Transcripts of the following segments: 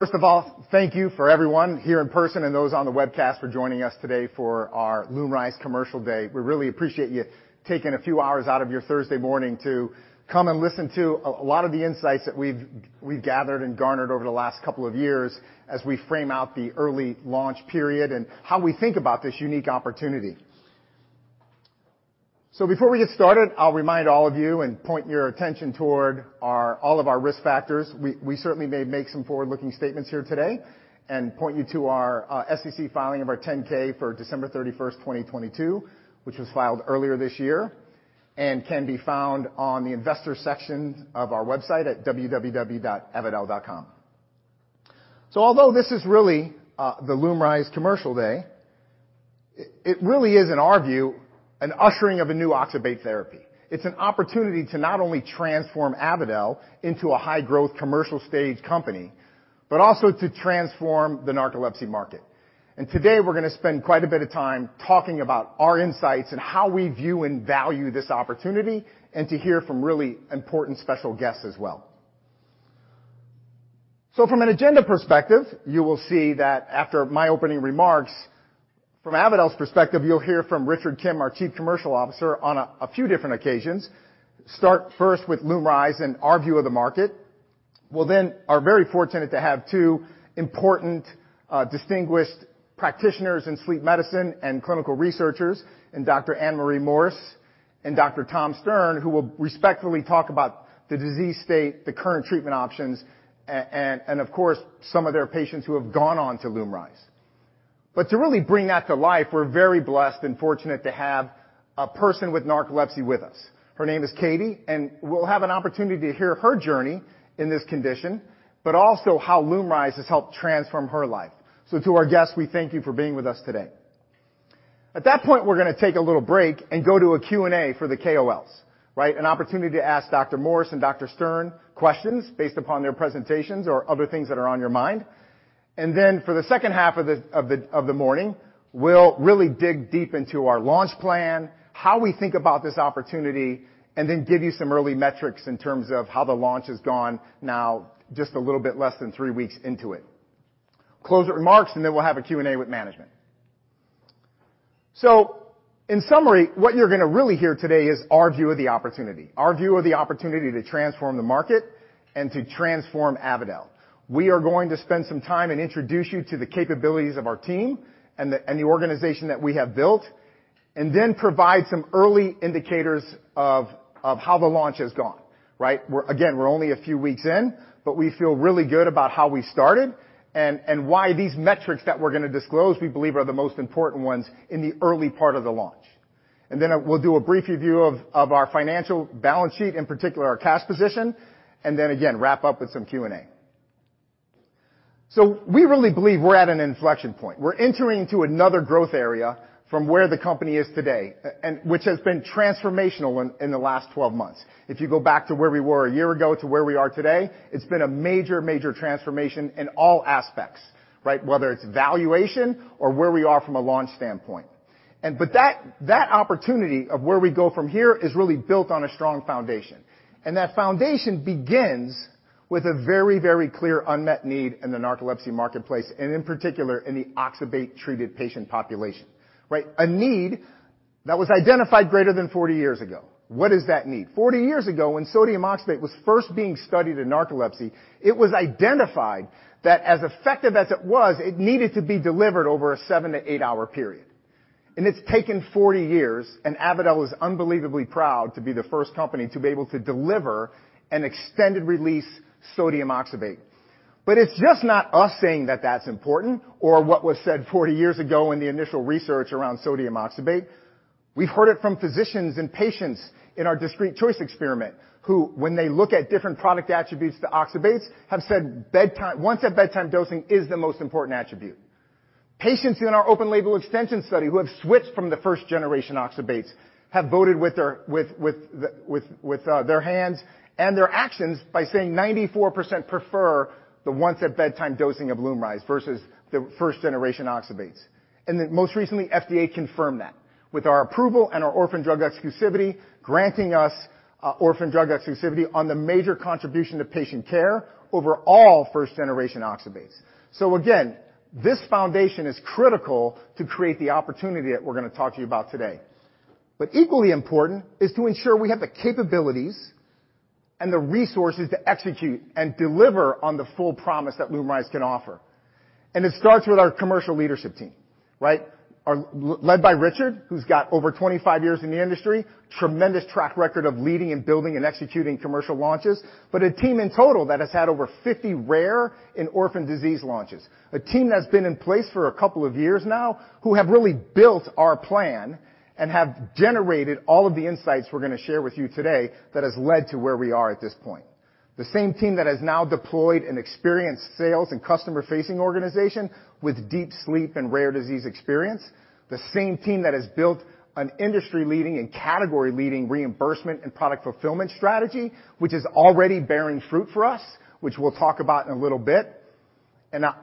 First of all, thank you for everyone here in person and those on the webcast for joining us today for our LUMRYZ Commercial Day. We really appreciate you taking a few hours out of your Thursday morning to come and listen to a lot of the insights that we've gathered and garnered over the last couple of years as we frame out the early launch period and how we think about this unique opportunity. Before we get started, I'll remind all of you and point your attention toward all of our risk factors. We certainly may make some forward-looking statements here today and point you to our SEC filing of our 10-K for December 31, 2022, which was filed earlier this year, and can be found on the investor section of our website at www.avadel.com. Although this is really the LUMRYZ Commercial Day, it really is, in our view, an ushering of a new oxybate therapy. It's an opportunity to not only transform Avadel into a high-growth commercial stage company, but also to transform the narcolepsy market. Today, we're going to spend quite a bit of time talking about our insights and how we view and value this opportunity, and to hear from really important special guests as well. From an agenda perspective, you will see that after my opening remarks, from Avadel's perspective, you'll hear from Richard Kim, our Chief Commercial Officer, on a few different occasions. Start first with LUMRYZ and our view of the market. We'll then are very fortunate to have two important distinguished practitioners in sleep medicine and clinical researchers, and Dr. Anne Marie Morse. Tom Stern, who will respectfully talk about the disease state, the current treatment options, and of course, some of their patients who have gone on to LUMRYZ. To really bring that to life, we're very blessed and fortunate to have a person with narcolepsy with us. Her name is Katie, and we'll have an opportunity to hear her journey in this condition, but also how LUMRYZ has helped transform her life. To our guests, we thank you for being with us today. At that point, we're going to take a little break and go to a Q&A for the KOLs, right? An opportunity to ask Dr. Morse and Dr. Stern questions based upon their presentations or other things that are on your mind. For the second half of the morning, we'll really dig deep into our launch plan, how we think about this opportunity, and then give you some early metrics in terms of how the launch has gone now, just a little bit less than three weeks into it. Closing remarks, and then we'll have a Q&A with management. In summary, what you're going to really hear today is our view of the opportunity. Our view of the opportunity to transform the market and to transform Avadel. We are going to spend some time and introduce you to the capabilities of our team and the organization that we have built, and then provide some early indicators of how the launch has gone, right? Again, we're only a few weeks in, but we feel really good about how we started and why these metrics that we're going to disclose, we believe, are the most important ones in the early part of the launch. Then we'll do a brief review of our financial balance sheet, in particular, our cash position, then again, wrap up with some Q&A. We really believe we're at an inflection point. We're entering into another growth area from where the company is today, and which has been transformational in the last 12 months. If you go back to where we were 1 year ago to where we are today, it's been a major transformation in all aspects, right. Whether it's valuation or where we are from a launch standpoint. That opportunity of where we go from here is really built on a strong foundation, and that foundation begins with a very, very clear unmet need in the narcolepsy marketplace, and in particular, in the oxybate-treated patient population, right? A need that was identified greater than 40 years ago. What is that need? 40 years ago, when sodium oxybate was first being studied in narcolepsy, it was identified that as effective as it was, it needed to be delivered over a 7-8 hour period. It's taken 40 years, and Avadel is unbelievably proud to be the first company to be able to deliver an extended-release sodium oxybate. It's just not us saying that that's important or what was said 40 years ago in the initial research around sodium oxybate. We've heard it from physicians and patients in our discrete choice experiment, who, when they look at different product attributes to oxybates, have said once-at-bedtime dosing is the most important attribute. Patients in our open-label extension study who have switched from the first-generation oxybates have voted with their hands and their actions by saying 94% prefer the once-at-bedtime dosing of LUMRYZ versus the first-generation oxybates. Most recently, FDA confirmed that with our approval and our orphan drug exclusivity, granting us orphan drug exclusivity on the major contribution to patient care over all first-generation oxybates. Again, this foundation is critical to create the opportunity that we're going to talk to you about today. Equally important is to ensure we have the capabilities and the resources to execute and deliver on the full promise that LUMRYZ can offer. It starts with our commercial leadership team, right? Led by Richard, who's got over 25 years in the industry, tremendous track record of leading and building and executing commercial launches, but a team in total that has had over 50 rare in orphan disease launches. A team that's been in place for a couple of years now, who have really built our plan and have generated all of the insights we're going to share with you today that has led to where we are at this point. The same team that has now deployed an experienced sales and customer-facing organization with deep sleep and rare disease experience. The same team that has built an industry-leading and category-leading reimbursement and product fulfillment strategy, which is already bearing fruit for us, which we'll talk about in a little bit.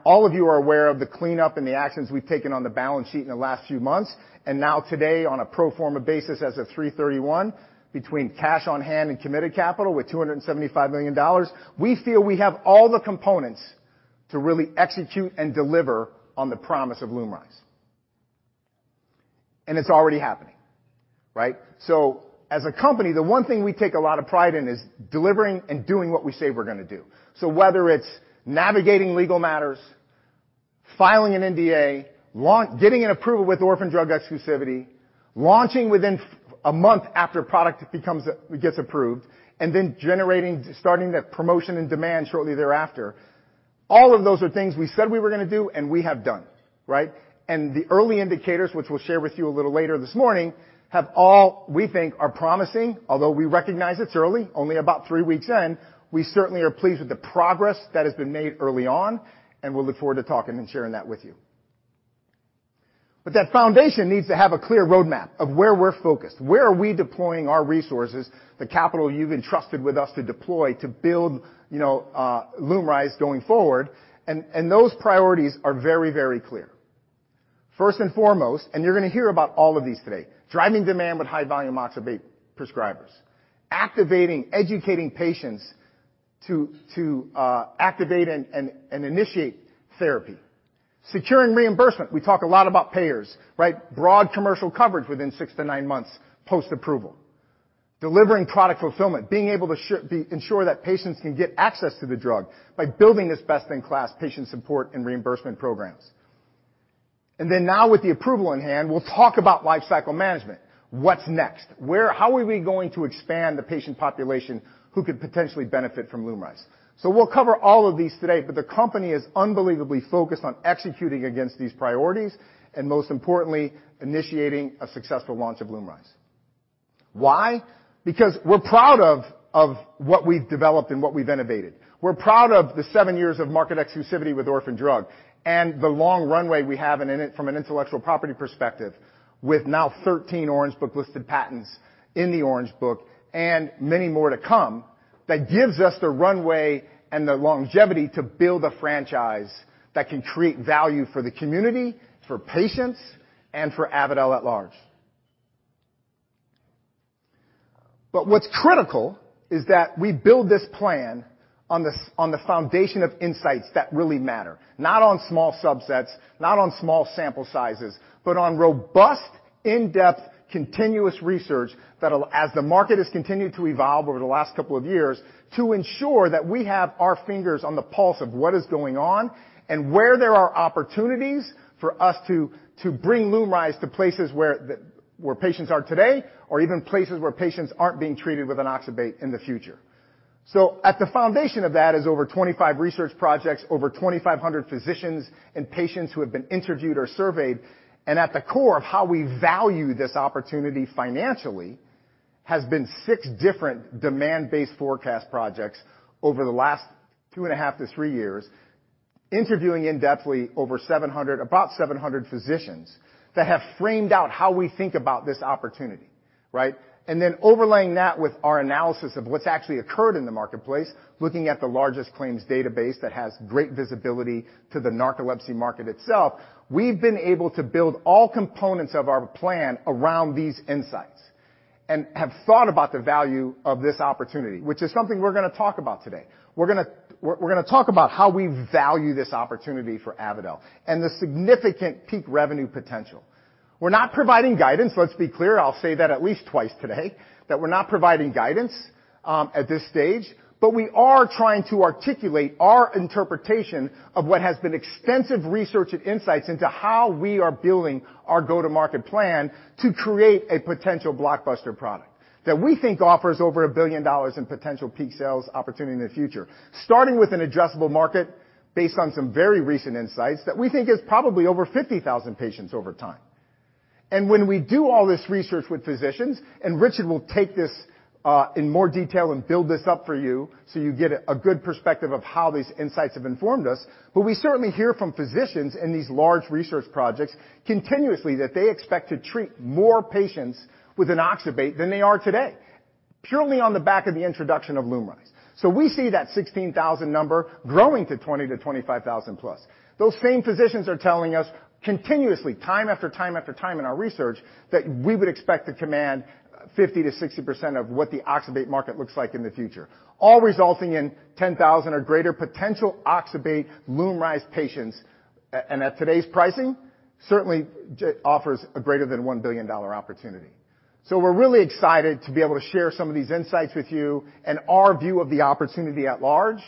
All of you are aware of the cleanup and the actions we've taken on the balance sheet in the last few months. Today, on a pro forma basis, as of three thirty-one, between cash on hand and committed capital with $275 million, we feel we have all the components to really execute and deliver on the promise of LUMRYZ. It's already happening, right? As a company, the one thing we take a lot of pride in is delivering and doing what we say we're gonna do. Whether it's navigating legal matters, filing an NDA, getting an approval with orphan drug exclusivity, launching within a month after a product becomes gets approved, and then generating, starting that promotion and demand shortly thereafter, all of those are things we said we were gonna do and we have done, right? The early indicators, which we'll share with you a little later this morning, have all, we think, are promising, although we recognize it's early, only about 3 weeks in. We certainly are pleased with the progress that has been made early on, and we'll look forward to talking and sharing that with you. That foundation needs to have a clear roadmap of where we're focused, where are we deploying our resources, the capital you've entrusted with us to deploy, to build, you know, LUMRYZ going forward, and those priorities are very, very clear. First and foremost, you're gonna hear about all of these today: driving demand with high-volume oxybate prescribers, activating, educating patients to activate and initiate therapy. Securing reimbursement. We talk a lot about payers, right? Broad commercial coverage within 6-9 months post-approval. Delivering product fulfillment, being able to ensure that patients can get access to the drug by building this best-in-class patient support and reimbursement programs. Now with the approval in hand, we'll talk about lifecycle management. What's next? How are we going to expand the patient population who could potentially benefit from LUMRYZ? We'll cover all of these today, the company is unbelievably focused on executing against these priorities and, most importantly, initiating a successful launch of LUMRYZ. Why? Because we're proud of what we've developed and what we've innovated. We're proud of the seven years of market exclusivity with orphan drug and the long runway we have from an intellectual property perspective, with now 13 Orange Book listed patents in the Orange Book and many more to come, that gives us the runway and the longevity to build a franchise that can create value for the community, for patients, and for Avadel at large. What's critical is that we build this plan on the foundation of insights that really matter. Not on small subsets, not on small sample sizes, but on robust, in-depth, continuous research that'll. As the market has continued to evolve over the last couple of years, to ensure that we have our fingers on the pulse of what is going on and where there are opportunities for us to bring LUMRYZ to places where patients are today, or even places where patients aren't being treated with an oxybate in the future. At the foundation of that is over 25 research projects, over 2,500 physicians and patients who have been interviewed or surveyed, and at the core of how we value this opportunity financially, has been six different demand-based forecast projects over the last two and a half to three years, interviewing in-depthly over 700, about 700 physicians, that have framed out how we think about this opportunity, right? Overlaying that with our analysis of what's actually occurred in the marketplace, looking at the largest claims database that has great visibility to the narcolepsy market itself, we've been able to build all components of our plan around these insights and have thought about the value of this opportunity, which is something we're gonna talk about today. We're gonna talk about how we value this opportunity for Avadel and the significant peak revenue potential. We're not providing guidance, let's be clear, I'll say that at least twice today, that we're not providing guidance at this stage, but we are trying to articulate our interpretation of what has been extensive research and insights into how we are building our go-to-market plan to create a potential blockbuster product that we think offers over $1 billion in potential peak sales opportunity in the future. Starting with an adjustable market based on some very recent insights that we think is probably over 50,000 patients over time. When we do all this research with physicians, and Richard Kim will take this in more detail and build this up for you, so you get a good perspective of how these insights have informed us, but we certainly hear from physicians in these large research projects continuously, that they expect to treat more patients with an oxybate than they are today, purely on the back of the introduction of LUMRYZ. We see that 16,000 number growing to 20,000-25,000 plus. Those same physicians are telling us continuously, time after time after time in our research, that we would expect to command 50%-60% of what the oxybate market looks like in the future, all resulting in 10,000 or greater potential oxybate LUMRYZ patients, and at today's pricing, certainly offers a greater than $1 billion opportunity. We're really excited to be able to share some of these insights with you and our view of the opportunity at large.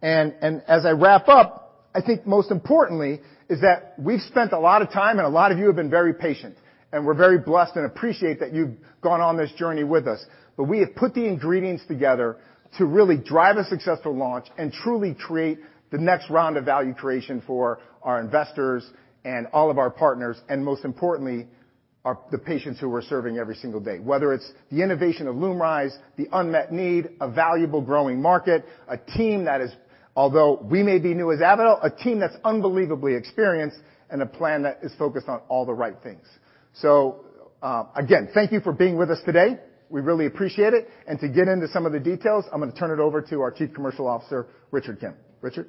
As I wrap up, I think most importantly is that we've spent a lot of time, and a lot of you have been very patient, and we're very blessed and appreciate that you've gone on this journey with us. We have put the ingredients together to really drive a successful launch and truly create the next round of value creation for our investors and all of our partners, and most importantly, our patients who we're serving every single day. Whether it's the innovation of LUMRYZ, the unmet need, a valuable growing market, a team that is, although we may be new as Avadel, a team that's unbelievably experienced and a plan that is focused on all the right things. Again, thank you for being with us today. We really appreciate it, and to get into some of the details, I'm gonna turn it over to our Chief Commercial Officer, Richard Kim. Richard?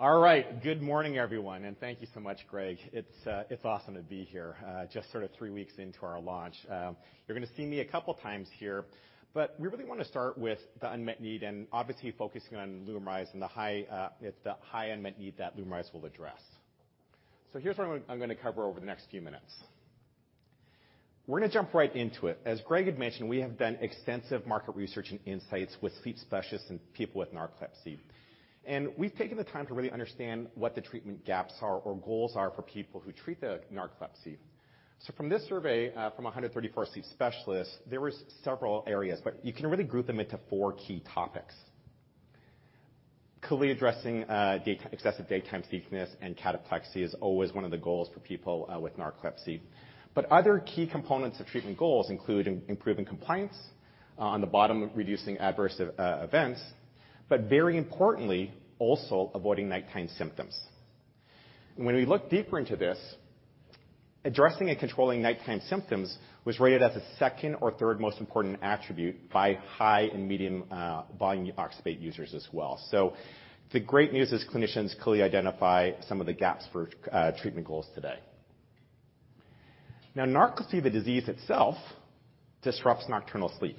Thanks, man. All right. Good morning, everyone, and thank you so much, Greg. It's awesome to be here, just sort of 3 weeks into our launch. You're gonna see me a couple times here. We really wanna start with the unmet need and obviously focusing on LUMRYZ and the high unmet need that LUMRYZ will address. Here's what I'm gonna cover over the next few minutes We're gonna jump right into it. As Greg had mentioned, we have done extensive market research and insights with sleep specialists and people with narcolepsy. We've taken the time to really understand what the treatment gaps are or goals are for people who treat the narcolepsy. From this survey, from 134 sleep specialists, there were several areas, but you can really group them into 4 key topics. Clearly, addressing excessive daytime sleepiness and cataplexy is always one of the goals for people with narcolepsy. Other key components of treatment goals include improving compliance, on the bottom, reducing adverse events, but very importantly, also avoiding nighttime symptoms. When we look deeper into this, addressing and controlling nighttime symptoms was rated as the second or third most important attribute by high and medium volume oxybate users as well. The great news is clinicians clearly identify some of the gaps for treatment goals today. Narcolepsy, the disease itself, disrupts nocturnal sleep.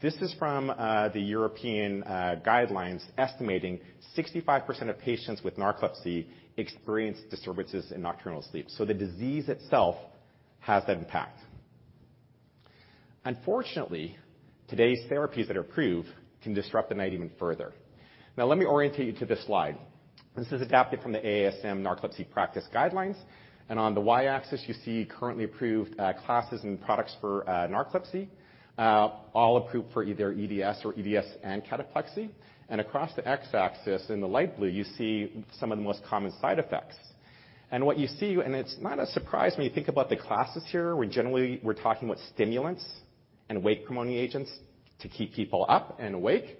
This is from the European guidelines, estimating 65% of patients with narcolepsy experience disturbances in nocturnal sleep. The disease itself has that impact. Unfortunately, today's therapies that are approved can disrupt the night even further. Let me orientate you to this slide. This is adapted from the AASM Narcolepsy Practice Guidelines. On the y-axis, you see currently approved classes and products for narcolepsy, all approved for either EDS or EDS and cataplexy. Across the x-axis, in the light blue, you see some of the most common side effects. What you see, and it's not a surprise when you think about the classes here, we're generally talking about stimulants and wake promoting agents to keep people up and awake.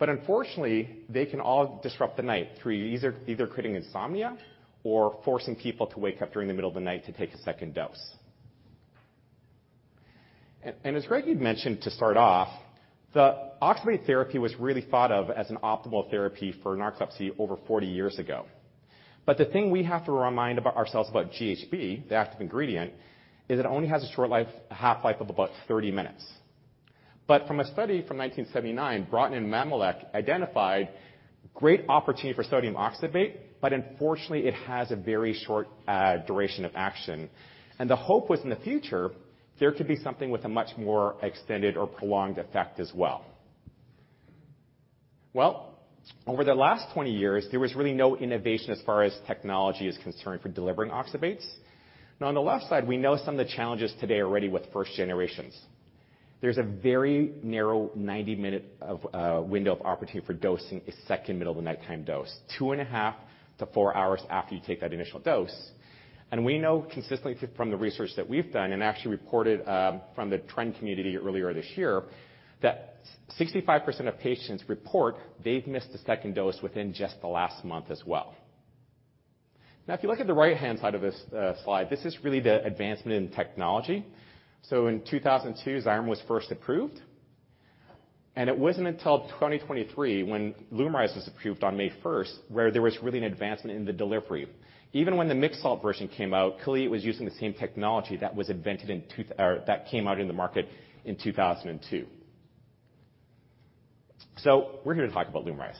Unfortunately, they can all disrupt the night through either creating insomnia or forcing people to wake up during the middle of the night to take a second dose. As Greg had mentioned, to start off, the oxybate therapy was really thought of as an optimal therapy for narcolepsy over 40 years ago. The thing we have to remind about ourselves about GHB, the active ingredient, is it only has a short life, half-life of about 30 minutes. From a study from 1979, Broughton and Mamelak identified great opportunity for sodium oxybate, but unfortunately, it has a very short duration of action. The hope was, in the future, there could be something with a much more extended or prolonged effect as well. Well, over the last 20 years, there was really no innovation as far as technology is concerned for delivering oxybates. On the left side, we know some of the challenges today already with first generations. There's a very narrow 90-minute window of opportunity for dosing a second middle of the nighttime dose, 2.5 to 4 hours after you take that initial dose. We know consistently from the research that we've done, and actually reported from the trend community earlier this year, that 65% of patients report they've missed a second dose within just the last month as well. If you look at the right-hand side of this slide, this is really the advancement in technology. In 2002, Xyrem was first approved, and it wasn't until 2023, when LUMRYZ was approved on May 1st, where there was really an advancement in the delivery. Even when the mixed salts version came out, clearly, it was using the same technology that came out in the market in 2002. We're here to talk about LUMRYZ.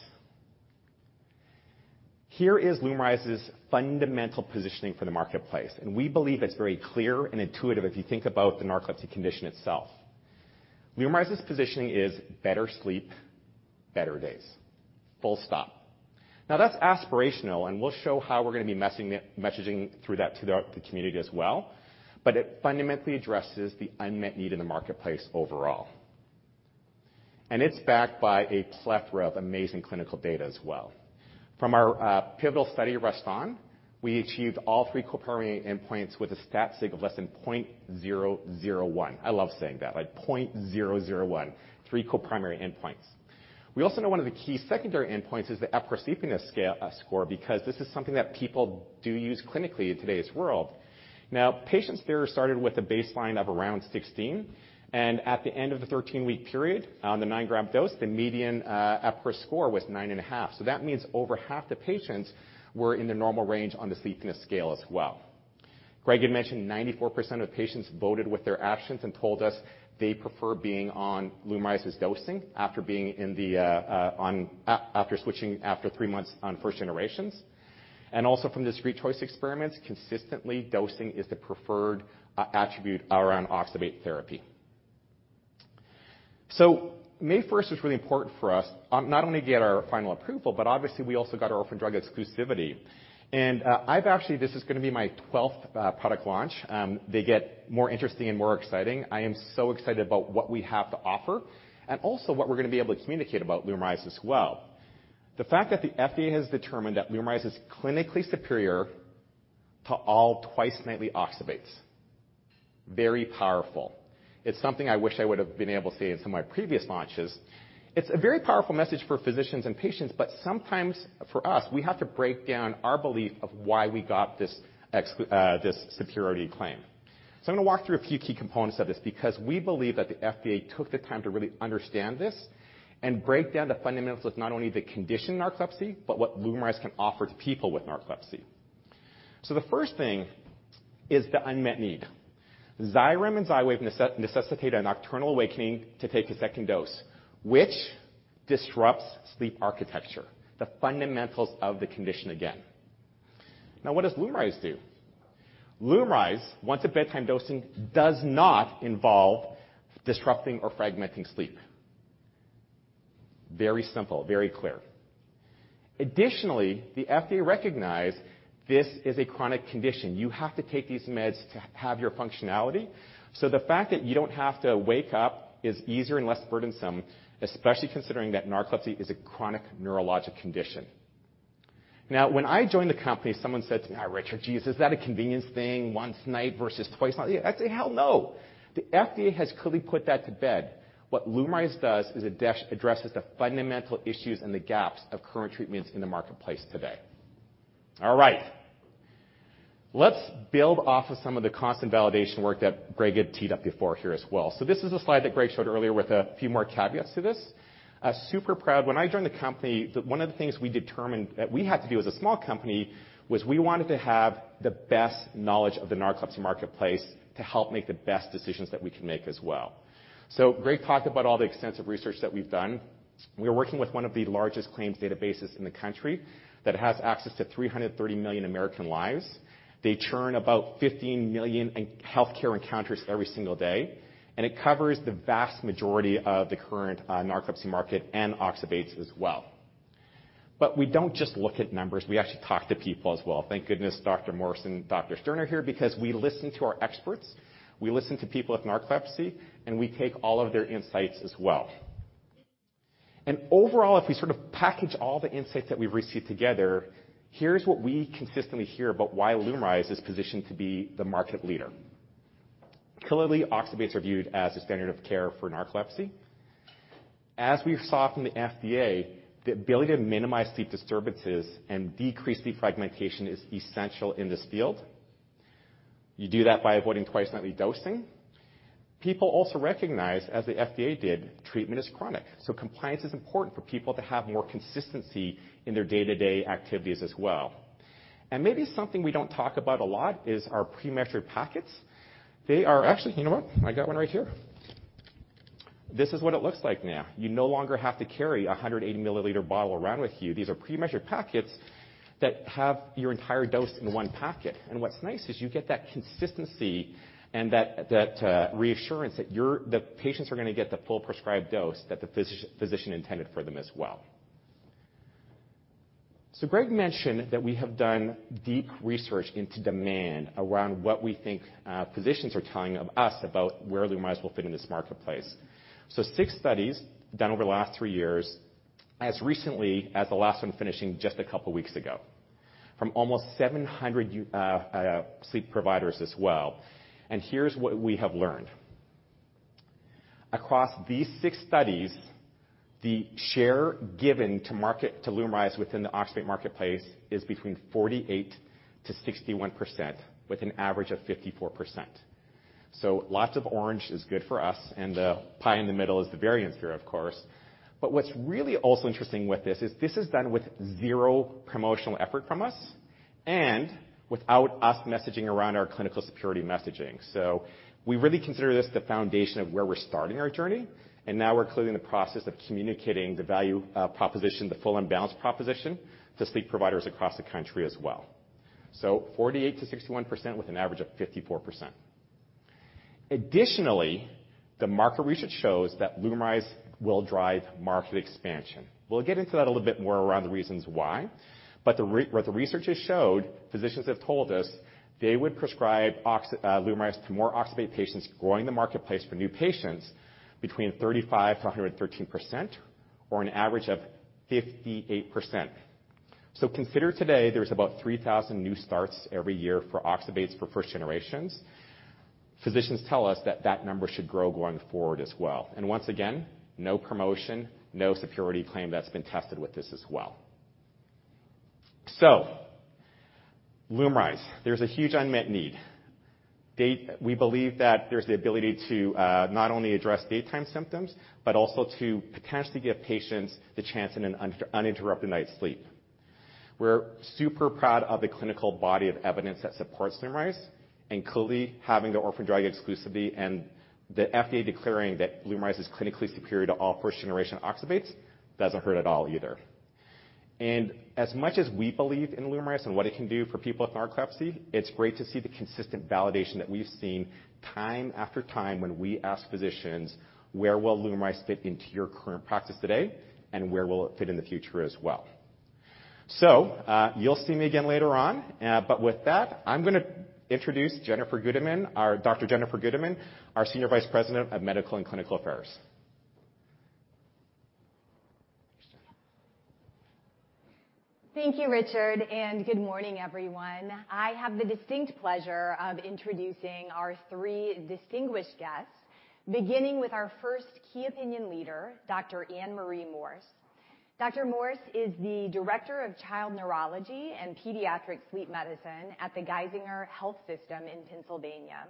Here is LUMRYZ' fundamental positioning for the marketplace, and we believe it's very clear and intuitive if you think about the narcolepsy condition itself. LUMRYZ' positioning is better sleep, better days. Full stop. That's aspirational, and we'll show how we're gonna be messaging through that to the community as well, but it fundamentally addresses the unmet need in the marketplace overall. It's backed by a plethora of amazing clinical data as well. From our pivotal study, REST-ON, we achieved all three co-primary endpoints with a stat sig of less than 0.001. I love saying that, like 0.001, three co-primary endpoints. We also know one of the key secondary endpoints is the Epworth Sleepiness Scale score, because this is something that people do use clinically in today's world. Patients there started with a baseline of around 16, and at the end of the 13-week period, on the 9-gram dose, the median Epworth score was 9.5. That means over half the patients were in the normal range on the sleepiness scale as well. Greg had mentioned 94% of patients voted with their actions and told us they prefer being on LUMRYZ dosing after switching, after three months on first generations. Also from the free choice experiments, consistently, dosing is the preferred attribute around oxybate therapy. May 1st was really important for us, not only to get our final approval, but obviously, we also got our orphan drug exclusivity. I've actually this is gonna be my 12th product launch. They get more interesting and more exciting. I am so excited about what we have to offer and also what we're gonna be able to communicate about LUMRYZ as well. The fact that the FDA has determined that LUMRYZ is clinically superior to all twice-nightly oxybates, very powerful. It's something I wish I would've been able to say in some of my previous launches. It's a very powerful message for physicians and patients, but sometimes, for us, we have to break down our belief of why we got this superiority claim. I'm gonna walk through a few key components of this because we believe that the FDA took the time to really understand this and break down the fundamentals of not only the condition, narcolepsy, but what LUMRYZ can offer to people with narcolepsy. The first thing is the unmet need. Xyrem and Xywav necessitate a nocturnal awakening to take a second dose, which disrupts sleep architecture, the fundamentals of the condition again. Now, what does LUMRYZ do? LUMRYZ, once a bedtime dosing, does not involve disrupting or fragmenting sleep. Very simple, very clear. Additionally, the FDA recognized this is a chronic condition. You have to take these meds to have your functionality. The fact that you don't have to wake up is easier and less burdensome, especially considering that narcolepsy is a chronic neurologic condition. Now, when I joined the company, someone said to me, "Richard, geez, is that a convenience thing, once a night versus twice?" I'd say, "Hell, no!" The FDA has clearly put that to bed. What LUMRYZ does is it addresses the fundamental issues and the gaps of current treatments in the marketplace today. All right. Let's build off of some of the constant validation work that Greg had teed up before here as well. This is a slide that Greg showed earlier with a few more caveats to this. Super proud. When I joined the company, one of the things we determined that we had to do as a small company, was we wanted to have the best knowledge of the narcolepsy marketplace to help make the best decisions that we can make as well. Greg talked about all the extensive research that we've done. We are working with one of the largest claims databases in the country that has access to 330 million American lives. They churn about 15 million in healthcare encounters every single day, and it covers the vast majority of the current narcolepsy market and oxybates as well. We don't just look at numbers, we actually talk to people as well. Thank goodness, Dr. Morse and Dr. Stern are here because we listen to our experts, we listen to people with narcolepsy, and we take all of their insights as well. Overall, if we sort of package all the insights that we've received together, here's what we consistently hear about why LUMRYZ is positioned to be the market leader. Clearly, oxybates are viewed as the standard of care for narcolepsy. As we saw from the FDA, the ability to minimize sleep disturbances and decrease sleep fragmentation is essential in this field. You do that by avoiding twice-nightly dosing. People also recognize, as the FDA did, treatment is chronic, so compliance is important for people to have more consistency in their day-to-day activities as well. Maybe something we don't talk about a lot is our pre-measured packets. Actually, you know what? I got one right here. This is what it looks like now. You no longer have to carry a 180 ml bottle around with you. These are pre-measured packets that have your entire dose in one packet. What's nice is you get that consistency and that reassurance that the patients are going to get the full prescribed dose that the physician intended for them as well. Greg mentioned that we have done deep research into demand around what we think physicians are telling of us about where LUMRYZ will fit in this marketplace. Six studies done over the last three years, as recently as the last one, finishing just a couple of weeks ago, from almost 700 sleep providers as well. Here's what we have learned. Across these six studies, the share given to market to LUMRYZ within the oxybate marketplace is between 48%-61%, with an average of 54%. Lots of orange is good for us, and the pie in the middle is the variance here, of course. What's really also interesting with this is, this is done with zero promotional effort from us and without us messaging around our clinical superiority messaging. We really consider this the foundation of where we're starting our journey, and now we're clearly in the process of communicating the value proposition, the full and balanced proposition to sleep providers across the country as well. 48%-61%, with an average of 54%. Additionally, the market research shows that LUMRYZ will drive market expansion. We'll get into that a little bit more around the reasons why, what the research has showed, physicians have told us they would prescribe LUMRYZ to more oxybate patients, growing the marketplace for new patients between 35%-113%, or an average of 58%. Consider today there's about 3,000 new starts every year for oxybates for first generations. Physicians tell us that that number should grow going forward as well. Once again, no promotion, no security claim that's been tested with this as well. LUMRYZ, there's a huge unmet need. We believe that there's the ability to not only address daytime symptoms, but also to potentially give patients the chance in an uninterrupted night's sleep. We're super proud of the clinical body of evidence that supports LUMRYZ and clearly, having the orphan drug exclusivity and the FDA declaring that LUMRYZ is clinically superior to all first-generation oxybates doesn't hurt at all either. As much as we believe in LUMRYZ and what it can do for people with narcolepsy, it's great to see the consistent validation that we've seen time after time when we ask physicians, "Where will LUMRYZ fit into your current practice today, and where will it fit in the future as well?" You'll see me again later on, but with that, I'm going to introduce Dr. Jennifer Gudeman, our Senior Vice President of Medical and Clinical Affairs. Thank you, Richard, and good morning, everyone. I have the distinct pleasure of introducing our three distinguished guests, beginning with our first key opinion leader, Dr. Anne Marie Morse. Dr. Morse is the Director of Child Neurology and Pediatric Sleep Medicine at the Geisinger Health System in Pennsylvania.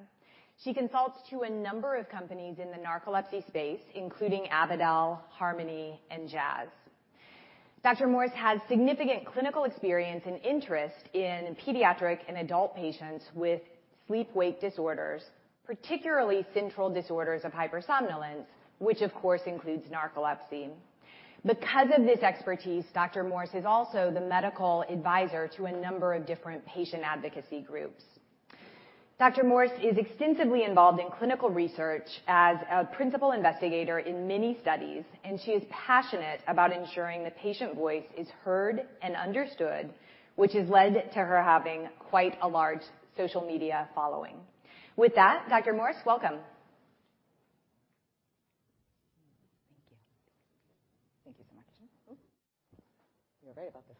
She consults to a number of companies in the narcolepsy space, including Avadel, Harmony, and Jazz. Dr. Morse has significant clinical experience and interest in pediatric and adult patients with sleep-wake disorders, particularly central disorders of hypersomnolence, which, of course, includes narcolepsy. Because of this expertise, Dr. Morse is also the medical advisor to a number of different patient advocacy groups. Dr. Morse is extensively involved in clinical research as a principal investigator in many studies, and she is passionate about ensuring the patient voice is heard and understood, which has led to her having quite a large social media following. With that, Dr. Morse, welcome. Thank you. Thank you so much. You're right about this.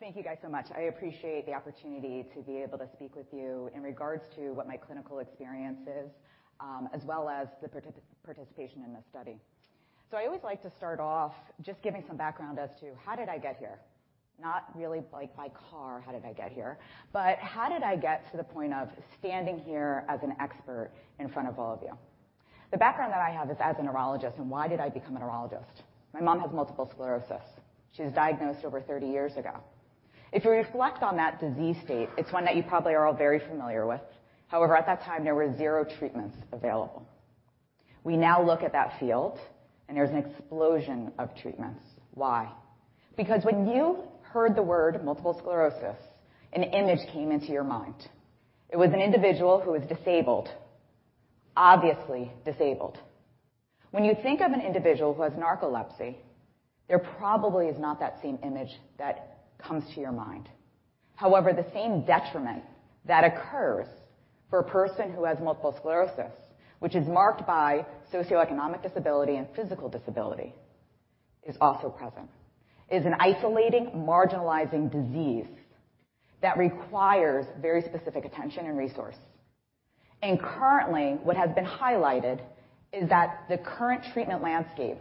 Thank you, guys, so much. I appreciate the opportunity to be able to speak with you in regards to what my clinical experience is, as well as the participation in this study. I always like to start off just giving some background as to how did I get here? Not really like by car, how did I get here, but how did I get to the point of standing here as an expert in front of all of you? The background that I have is as a neurologist. Why did I become a neurologist? My mom has multiple sclerosis. She was diagnosed over 30 years ago. If you reflect on that disease state, it's one that you probably are all very familiar with. However, at that time, there were 0 treatments available. We now look at that field, and there's an explosion of treatments. Why? Because when you heard the word multiple sclerosis, an image came into your mind. It was an individual who was disabled, obviously disabled. When you think of an individual who has narcolepsy, there probably is not that same image that comes to your mind. However, the same detriment that occurs for a person who has multiple sclerosis, which is marked by socioeconomic disability and physical disability, is also present. It's an isolating, marginalizing disease that requires very specific attention and resource. Currently, what has been highlighted is that the current treatment landscape,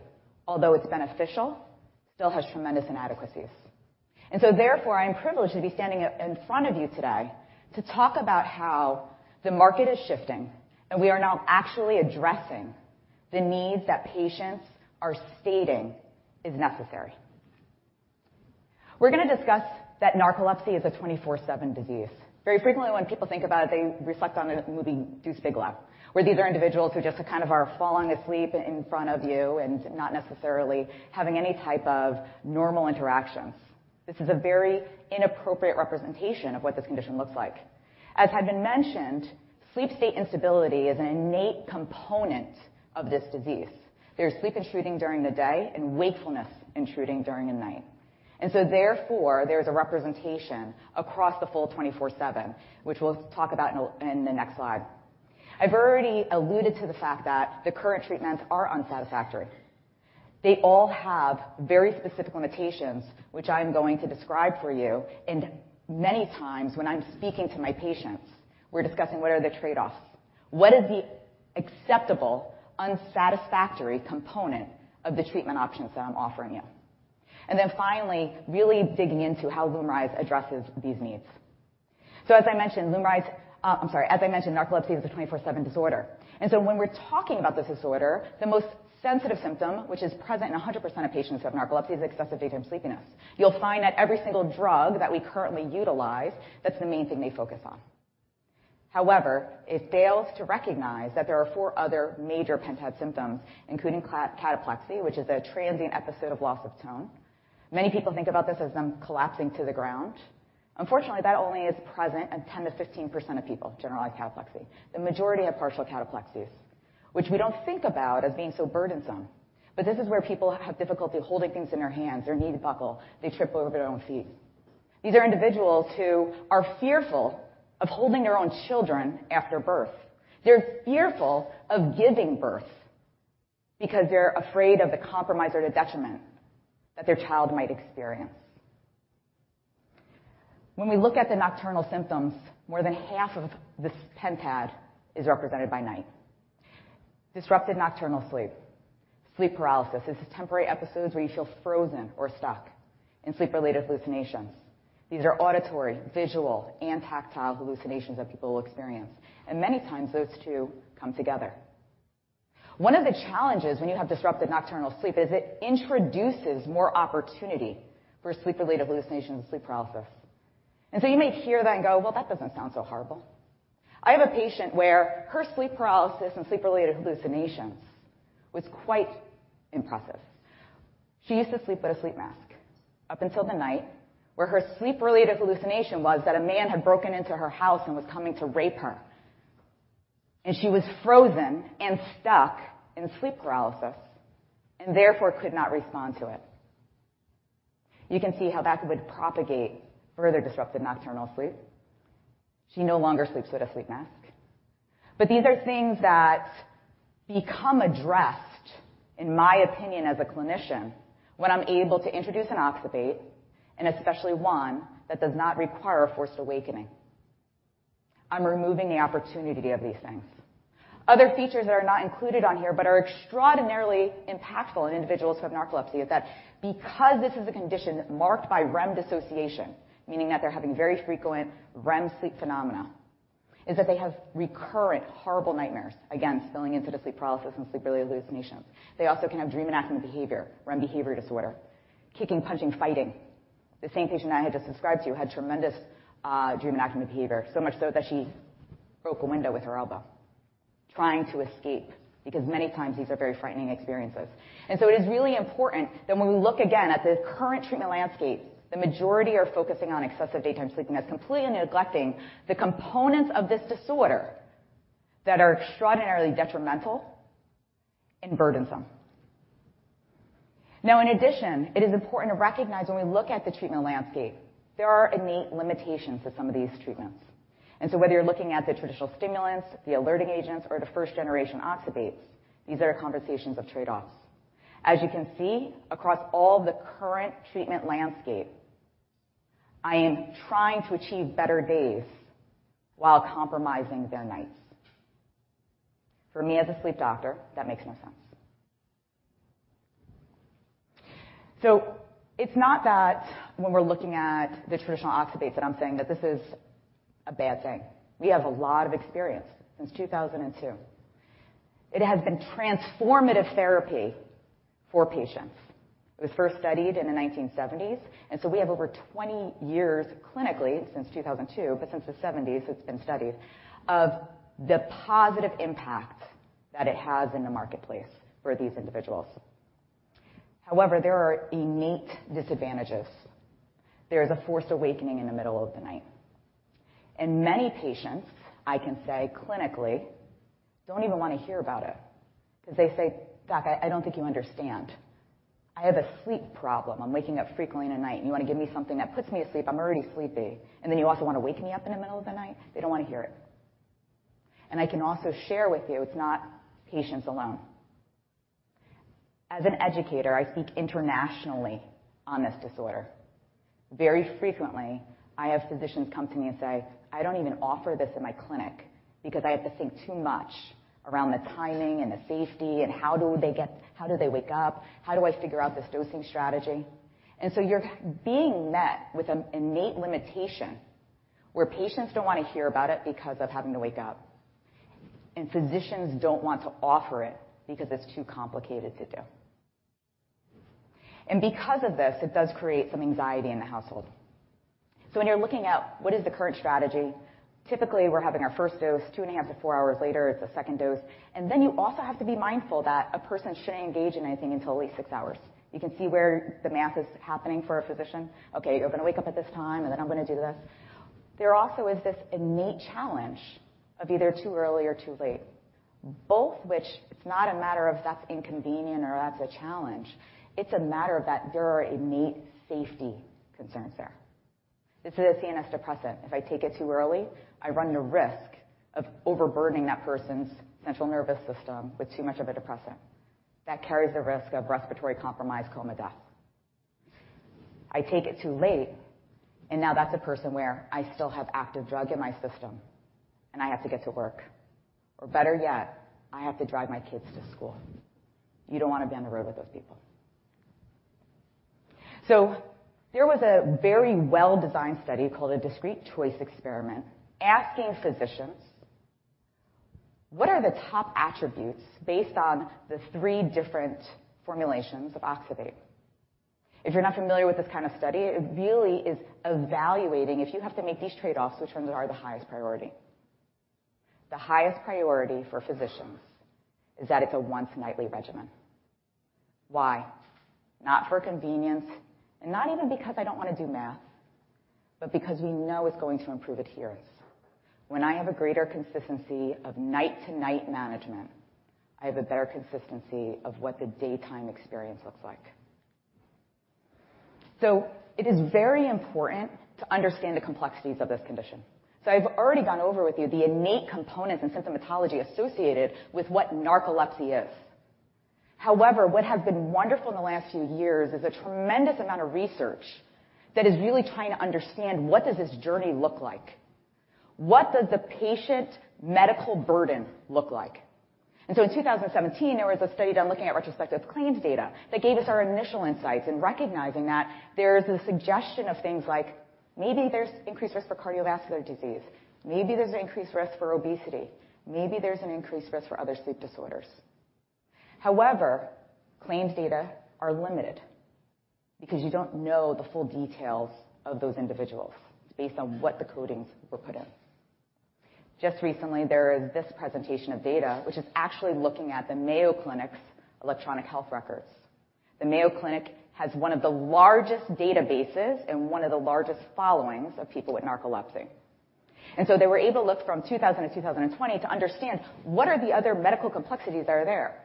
although it's beneficial, still has tremendous inadequacies. Therefore, I am privileged to be standing up in front of you today to talk about how the market is shifting, and we are now actually addressing the needs that patients are stating is necessary. We're going to discuss that narcolepsy is a 24/7 disease. Very frequently, when people think about it, they reflect on the movie Deuce Bigalow, where these are individuals who just kind of are falling asleep in front of you and not necessarily having any type of normal interactions. This is a very inappropriate representation of what this condition looks like. As had been mentioned, sleep state instability is an innate component of this disease. There's sleep intruding during the day and wakefulness intruding during the night, therefore, there's a representation across the full 24/7, which we'll talk about in the next slide. I've already alluded to the fact that the current treatments are unsatisfactory. They all have very specific limitations, which I'm going to describe for you, many times when I'm speaking to my patients, we're discussing what are the trade-offs? What is the acceptable unsatisfactory component of the treatment options that I'm offering you? Finally, really digging into how LUMRYZ addresses these needs. As I mentioned, narcolepsy is a 24/7 disorder, when we're talking about this disorder, the most sensitive symptom, which is present in 100% of patients who have narcolepsy, is excessive daytime sleepiness. You'll find that every single drug that we currently utilize, that's the main thing they focus on. However, it fails to recognize that there are four other major pentad symptoms, including cataplexy, which is a transient episode of loss of tone. Many people think about this as them collapsing to the ground. Unfortunately, that only is present in 10%-15% of people, generalized cataplexy. The majority have partial cataplexies, which we don't think about as being so burdensome, but this is where people have difficulty holding things in their hands, their knees buckle, they trip over their own feet. These are individuals who are fearful of holding their own children after birth. They're fearful of giving birth because they're afraid of the compromise or the detriment that their child might experience. When we look at the nocturnal symptoms, more than half of this pentad is represented by night. Disrupted nocturnal sleep paralysis, this is temporary episodes where you feel frozen or stuck, and sleep-related hallucinations. These are auditory, visual, and tactile hallucinations that people will experience, and many times, those two come together. One of the challenges when you have disrupted nocturnal sleep is it introduces more opportunity for sleep-related hallucinations and sleep paralysis. You may hear that and go, "Well, that doesn't sound so horrible." I have a patient where her sleep paralysis and sleep-related hallucinations was quite impressive. She used to sleep with a sleep mask up until the night where her sleep-related hallucination was that a man had broken into her house and was coming to rape her, and she was frozen and stuck in sleep paralysis and therefore could not respond to it. You can see how that would propagate further disrupted nocturnal sleep. She no longer sleeps with a sleep mask. These are things that become addressed, in my opinion as a clinician, when I'm able to introduce an oxybate, and especially one that does not require a forced awakening. I'm removing the opportunity of these things. Other features that are not included on here, but are extraordinarily impactful in individuals who have narcolepsy, is that because this is a condition marked by REM dissociation, meaning that they're having very frequent REM sleep phenomena, is that they have recurrent, horrible nightmares, again, spilling into the sleep paralysis and sleep-related hallucinations. They also can have dream enactment behavior, REM behavior disorder, kicking, punching, fighting. The same patient I had just described to you had tremendous dream enactment behavior. So much so that she broke a window with her elbow, trying to escape, because many times these are very frightening experiences. It is really important that when we look again at the current treatment landscape, the majority are focusing on excessive daytime sleeping. That's completely neglecting the components of this disorder that are extraordinarily detrimental and burdensome. In addition, it is important to recognize when we look at the treatment landscape, there are innate limitations to some of these treatments. Whether you're looking at the traditional stimulants, the alerting agents, or the first-generation oxybates, these are conversations of trade-offs. As you can see, across all the current treatment landscape, I am trying to achieve better days while compromising their nights. For me, as a sleep doctor, that makes no sense. It's not that when we're looking at the traditional oxybates, that I'm saying that this is a bad thing. We have a lot of experience since 2002. It has been transformative therapy for patients. It was first studied in the 1970s, and so we have over 20 years clinically since 2002, but since the 70s it's been studied, of the positive impact that it has in the marketplace for these individuals. However, there are innate disadvantages. There is a forced awakening in the middle of the night, and many patients, I can say clinically, don't even want to hear about it because they say, "Doc, I don't think you understand. I have a sleep problem. I'm waking up frequently at night, and you want to give me something that puts me asleep. I'm already sleepy, and then you also want to wake me up in the middle of the night?" They don't want to hear it. I can also share with you it's not patients alone. As an educator, I speak internationally on this disorder. Very frequently, I have physicians come to me and say, "I don't even offer this in my clinic because I have to think too much around the timing and the safety, and how do they wake up? How do I figure out this dosing strategy?" You're being met with an innate limitation, where patients don't want to hear about it because of having to wake up, and physicians don't want to offer it because it's too complicated to do. Because of this, it does create some anxiety in the household. When you're looking at what is the current strategy, typically we're having our first dose, 2.5-4 hours later, it's a second dose. Then you also have to be mindful that a person shouldn't engage in anything until at least 6 hours. You can see where the math is happening for a physician. "Okay, you're going to wake up at this time, and then I'm going to do this." There also is this innate challenge of either too early or too late, both which it's not a matter of that's inconvenient or that's a challenge. It's a matter that there are innate safety concerns there. This is a CNS depressant. If I take it too early, I run the risk of overburdening that person's central nervous system with too much of a depressant. That carries a risk of respiratory compromise, coma, death. Now that's a person where I still have active drug in my system, and I have to get to work. Better yet, I have to drive my kids to school. You don't want to be on the road with those people. There was a very well-designed study called a discrete choice experiment, asking physicians, "What are the top attributes based on the three different formulations of oxybate?" If you're not familiar with this kind of study, it really is evaluating if you have to make these trade-offs, which ones are the highest priority? The highest priority for physicians is that it's a once-nightly regimen. Why? Not for convenience, and not even because I don't want to do math, but because we know it's going to improve adherence. When I have a greater consistency of night-to-night management, I have a better consistency of what the daytime experience looks like. It is very important to understand the complexities of this condition. I've already gone over with you the innate components and symptomatology associated with what narcolepsy is. However, what has been wonderful in the last few years is a tremendous amount of research that is really trying to understand what does this journey look like? What does the patient medical burden look like? In 2017, there was a study done looking at retrospective claims data that gave us our initial insights in recognizing that there's a suggestion of things like maybe there's increased risk for cardiovascular disease, maybe there's an increased risk for obesity, maybe there's an increased risk for other sleep disorders. However, claims data are limited because you don't know the full details of those individuals. It's based on what the codings were put in. Just recently, there was this presentation of data, which is actually looking at the Mayo Clinic's electronic health records. The Mayo Clinic has one of the largest databases and one of the largest followings of people with narcolepsy. They were able to look from 2000 to 2020 to understand what are the other medical complexities that are there?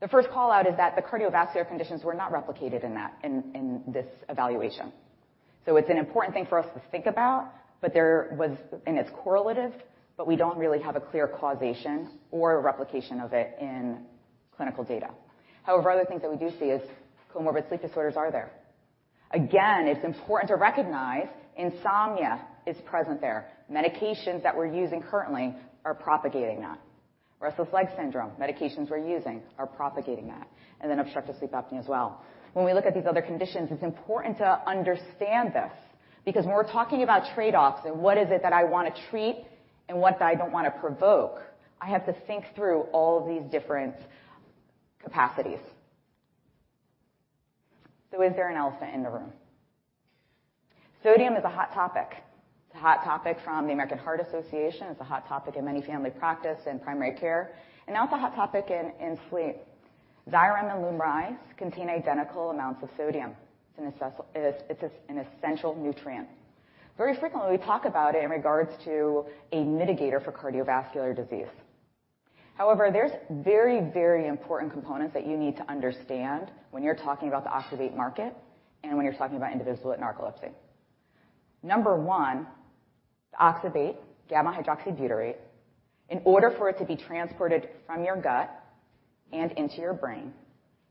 The first callout is that the cardiovascular conditions were not replicated in this evaluation. It's an important thing for us to think about, it's correlative, we don't really have a clear causation or replication of it in clinical data. Other things that we do see is comorbid sleep disorders are there. It's important to recognize insomnia is present there. Medications that we're using currently are propagating that. restless legs syndrome, medications we're using are propagating that, obstructive sleep apnea as well. When we look at these other conditions, it's important to understand this because when we're talking about trade-offs and what is it that I wanna treat and what I don't wanna provoke, I have to think through all of these different capacities. Is there an elephant in the room? Sodium is a hot topic. It's a hot topic from the American Heart Association. It's a hot topic in many family practice and primary care, and now it's a hot topic in sleep.contain identical amounts of sodium. It's an essential nutrient. Very frequently, we talk about it in regards to a mitigator for cardiovascular disease. There's very important components that you need to understand when you're talking about the oxybate market and when you're talking about individuals with narcolepsy. Number 1, oxybate, gamma-hydroxybutyrate, in order for it to be transported from your gut and into your brain,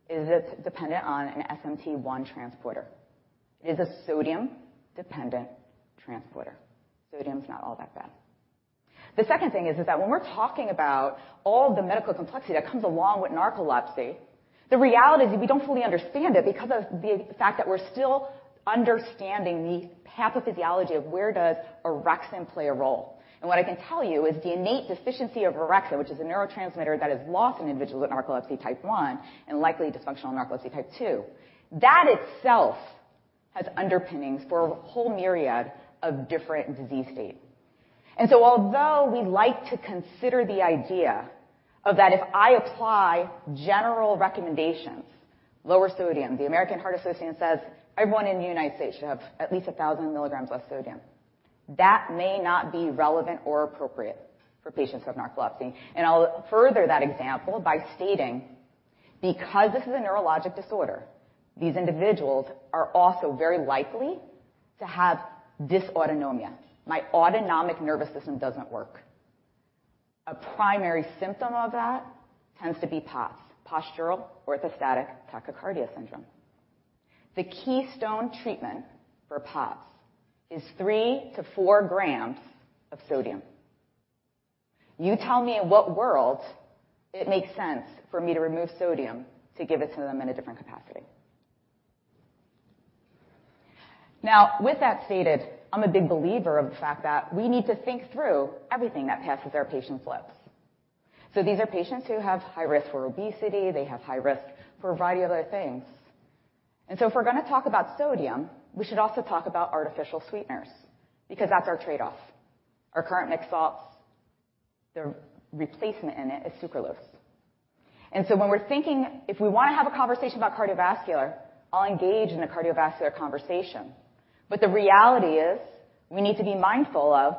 it is dependent on an SMCT1 transporter. It is a sodium-dependent transporter. Sodium is not all that bad. The second thing is that when we're talking about all the medical complexity that comes along with narcolepsy, the reality is we don't fully understand it because of the fact that we're still understanding the pathophysiology of where does orexin play a role. What I can tell you is the innate deficiency of orexin, which is a neurotransmitter that is lost in individuals with narcolepsy type 1 and likely dysfunctional narcolepsy type 2. That itself has underpinnings for a whole myriad of different disease states. Although we like to consider the idea of that, if I apply general recommendations, lower sodium, the American Heart Association says everyone in the United States should have at least 1,000 milligrams less sodium. That may not be relevant or appropriate for patients with narcolepsy. I'll further that example by stating, because this is a neurologic disorder, these individuals are also very likely to have dysautonomia. My autonomic nervous system doesn't work. A primary symptom of that tends to be POTS, postural orthostatic tachycardia syndrome. The keystone treatment for POTS is 3-4 grams of sodium. You tell me in what world it makes sense for me to remove sodium, to give it to them in a different capacity. Now, with that stated, I'm a big believer of the fact that we need to think through everything that passes our patients' lips. These are patients who have high risk for obesity. They have high risk for a variety of other things. If we're gonna talk about sodium, we should also talk about artificial sweeteners, because that's our trade-off. Our current mixed salts, the replacement in it is sucralose. When we're thinking, if we wanna have a conversation about cardiovascular, I'll engage in a cardiovascular conversation. The reality is, we need to be mindful of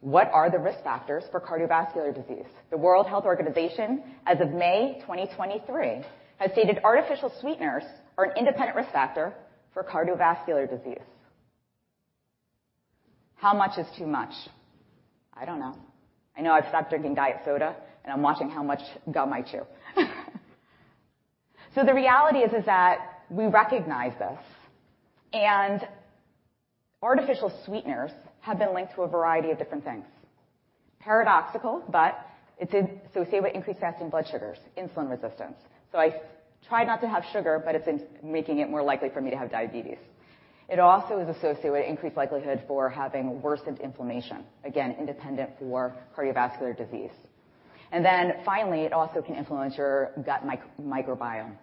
what are the risk factors for cardiovascular disease. The World Health Organization, as of May 2023, has stated artificial sweeteners are an independent risk factor for cardiovascular disease. How much is too much? I don't know. I know I've stopped drinking diet soda, and I'm watching how much gum I chew. The reality is that we recognize this, and artificial sweeteners have been linked to a variety of different things. Paradoxical, it's associated with increased fasting blood sugars, insulin resistance. I try not to have sugar, but it's making it more likely for me to have diabetes. It also is associated with increased likelihood for having worsened inflammation, again, independent for cardiovascular disease. Finally, it also can influence your gut microbiome.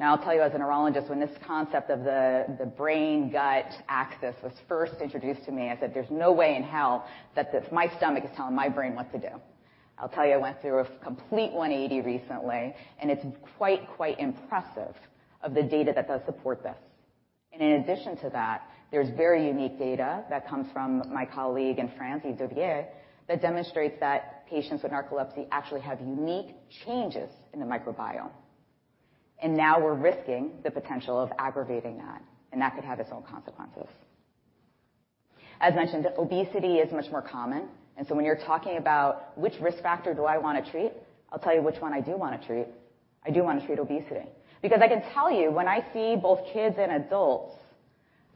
I'll tell you, as a neurologist, when this concept of the brain-gut axis was first introduced to me, I said, "There's no way in hell that my stomach is telling my brain what to do." I'll tell you, I went through a complete 180 recently, and it's quite impressive of the data that does support this. In addition to that, there's very unique data that comes from my colleague in France, Yves Dauvilliers, that demonstrates that patients with narcolepsy actually have unique changes in the microbiome. Now we're risking the potential of aggravating that, and that could have its own consequences. As mentioned, obesity is much more common. So when you're talking about which risk factor do I want to treat, I'll tell you which one I do want to treat. I do want to treat obesity. I can tell you when I see both kids and adults,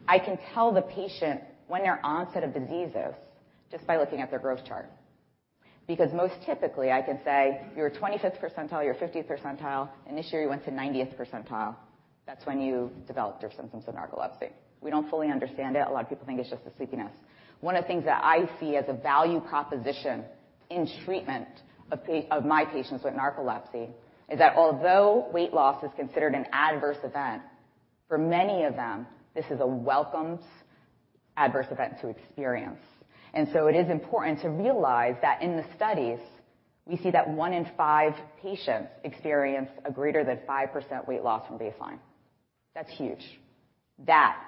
I can tell the patient when their onset of disease is just by looking at their growth chart. Most typically, I can say, "You're a 25th percentile, you're a 50th percentile, and this year you went to 90th percentile. That's when you developed your symptoms of narcolepsy." We don't fully understand it. A lot of people think it's just the sleepiness. One of the things that I see as a value proposition in treatment of my patients with narcolepsy is that although weight loss is considered an adverse event, for many of them, this is a welcomed adverse event to experience. It is important to realize that in the studies, we see that 1 in 5 patients experience a greater than 5% weight loss from baseline. That's huge. That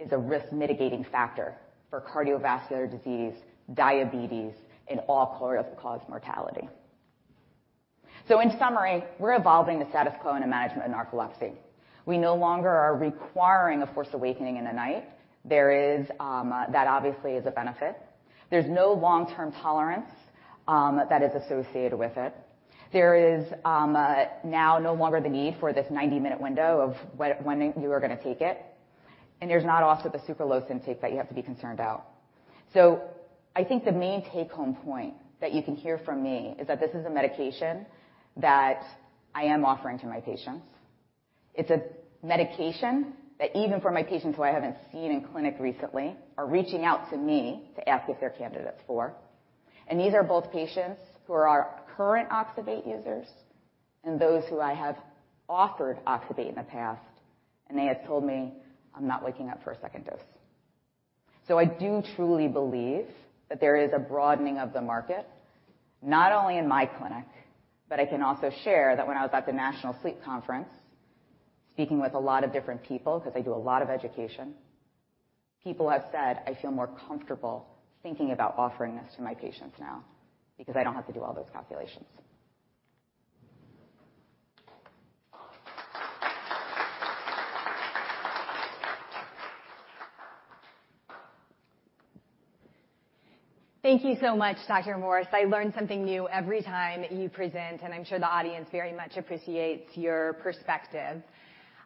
is a risk-mitigating factor for cardiovascular disease, diabetes, and all-cause mortality. In summary, we're evolving the status quo in the management of narcolepsy. We no longer are requiring a forced awakening in the night. There is that obviously is a benefit. There's no long-term tolerance that is associated with it. There is now no longer the need for this 90-minute window of when you are gonna take it. There's not also the super low intake that you have to be concerned about. I think the main take-home point that you can hear from me is that this is a medication that I am offering to my patients. It's a medication that even for my patients who I haven't seen in clinic recently, are reaching out to me to ask if they're candidates for. These are both patients who are our current oxybate users and those who I have offered oxybate in the past, and they have told me, "I'm not waking up for a second dose." I do truly believe that there is a broadening of the market, not only in my clinic, but I can also share that when I was at the National Sleep Conference, speaking with a lot of different people, 'cause I do a lot of education, people have said, "I feel more comfortable thinking about offering this to my patients now because I don't have to do all those calculations." Thank you so much, Dr. Morse. I learn something new every time you present, and I'm sure the audience very much appreciates your perspective.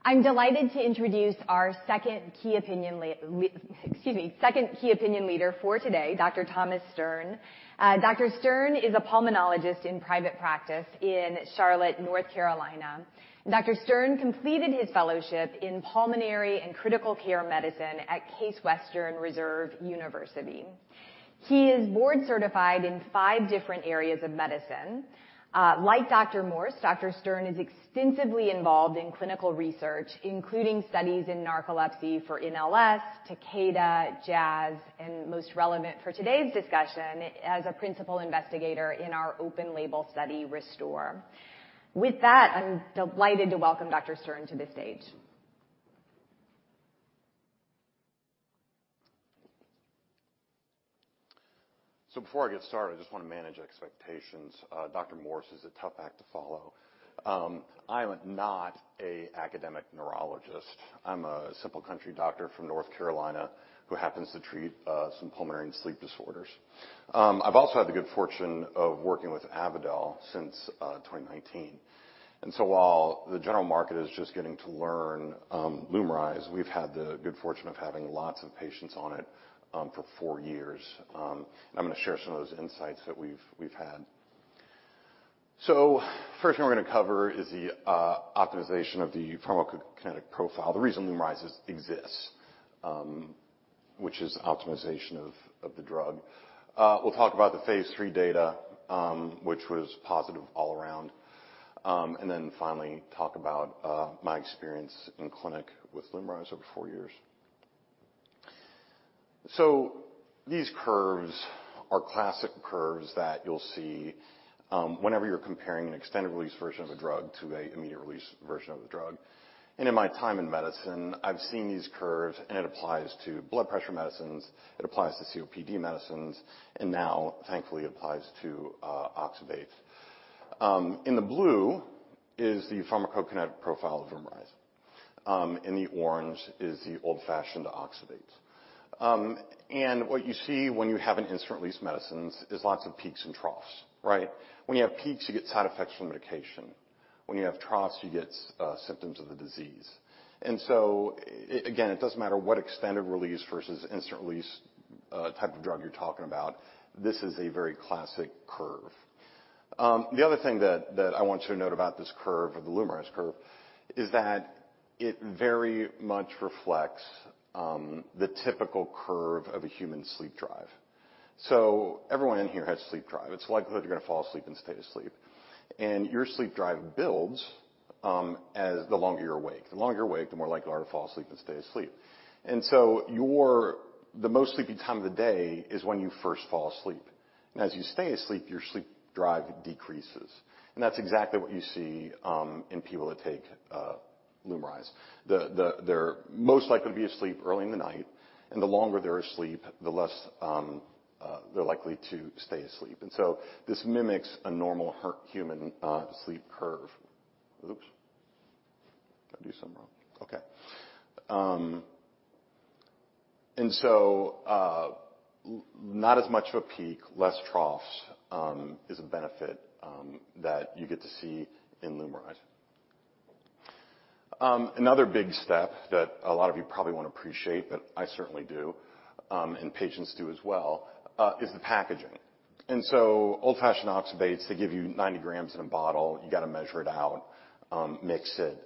I'm delighted to introduce our second key opinion, excuse me, second key opinion leader for today, Dr. Thomas Stern. Dr. Stern is a pulmonologist in private practice in Charlotte, North Carolina. Dr. Stern completed his fellowship in pulmonary and critical care medicine at Case Western Reserve University. He is board certified in five different areas of medicine. Like Dr. Morse, Dr. Stern is extensively involved in clinical research, including studies in narcolepsy for NLS, Takeda, Jazz, and most relevant for today's discussion, as a principal investigator in our open-label study, RESTORE. With that, I'm delighted to welcome Dr. Stern to the stage. Before I get started, I just want to manage expectations. Dr. Morse is a tough act to follow. I'm not a academic neurologist. I'm a simple country doctor from North Carolina who happens to treat some pulmonary and sleep disorders. I've also had the good fortune of working with Avadel since 2019. While the general market is just getting to learn LUMRYZ, we've had the good fortune of having lots of patients on it for 4 years. I'm going to share some of those insights that we've had. First thing we're going to cover is the optimization of the pharmacokinetic profile. The reason LUMRYZ exists, which is optimization of the drug. We'll talk about the phase 3 data, which was positive all around, then finally, talk about my experience in clinic with LUMRYZ over 4 years. These curves are classic curves that you'll see whenever you're comparing an extended-release version of a drug to an immediate release version of the drug. In my time in medicine, I've seen these curves, and it applies to blood pressure medicines, it applies to COPD medicines, and now, thankfully, applies to oxybates. In the blue is the pharmacokinetic profile of LUMRYZ. In the orange is the old-fashioned oxybates. What you see when you have an instant release medicines is lots of peaks and troughs, right? When you have peaks, you get side effects from the medication. When you have troughs, you get symptoms of the disease. Again, it doesn't matter what extended release versus instant release, type of drug you're talking about, this is a very classic curve. The other thing that I want you to note about this curve, or the LUMRYZ curve, is that it very much reflects the typical curve of a human sleep drive. Everyone in here has sleep drive. It's likely that you're going to fall asleep and stay asleep, and your sleep drive builds as the longer you're awake. The longer you're awake, the more likely you are to fall asleep and stay asleep. The most sleepy time of the day is when you first fall asleep, and as you stay asleep, your sleep drive decreases. That's exactly what you see in people that take LUMRYZ. They're most likely to be asleep early in the night, and the longer they're asleep, the less they're likely to stay asleep. This mimics a normal human sleep curve. Oops, did I do something wrong? Okay. Not as much of a peak, less troughs, is a benefit that you get to see in LUMRYZ. Another big step that a lot of you probably won't appreciate, but I certainly do, and patients do as well, is the packaging. Old-fashioned oxybates, they give you 90 grams in a bottle. You got to measure it out, mix it,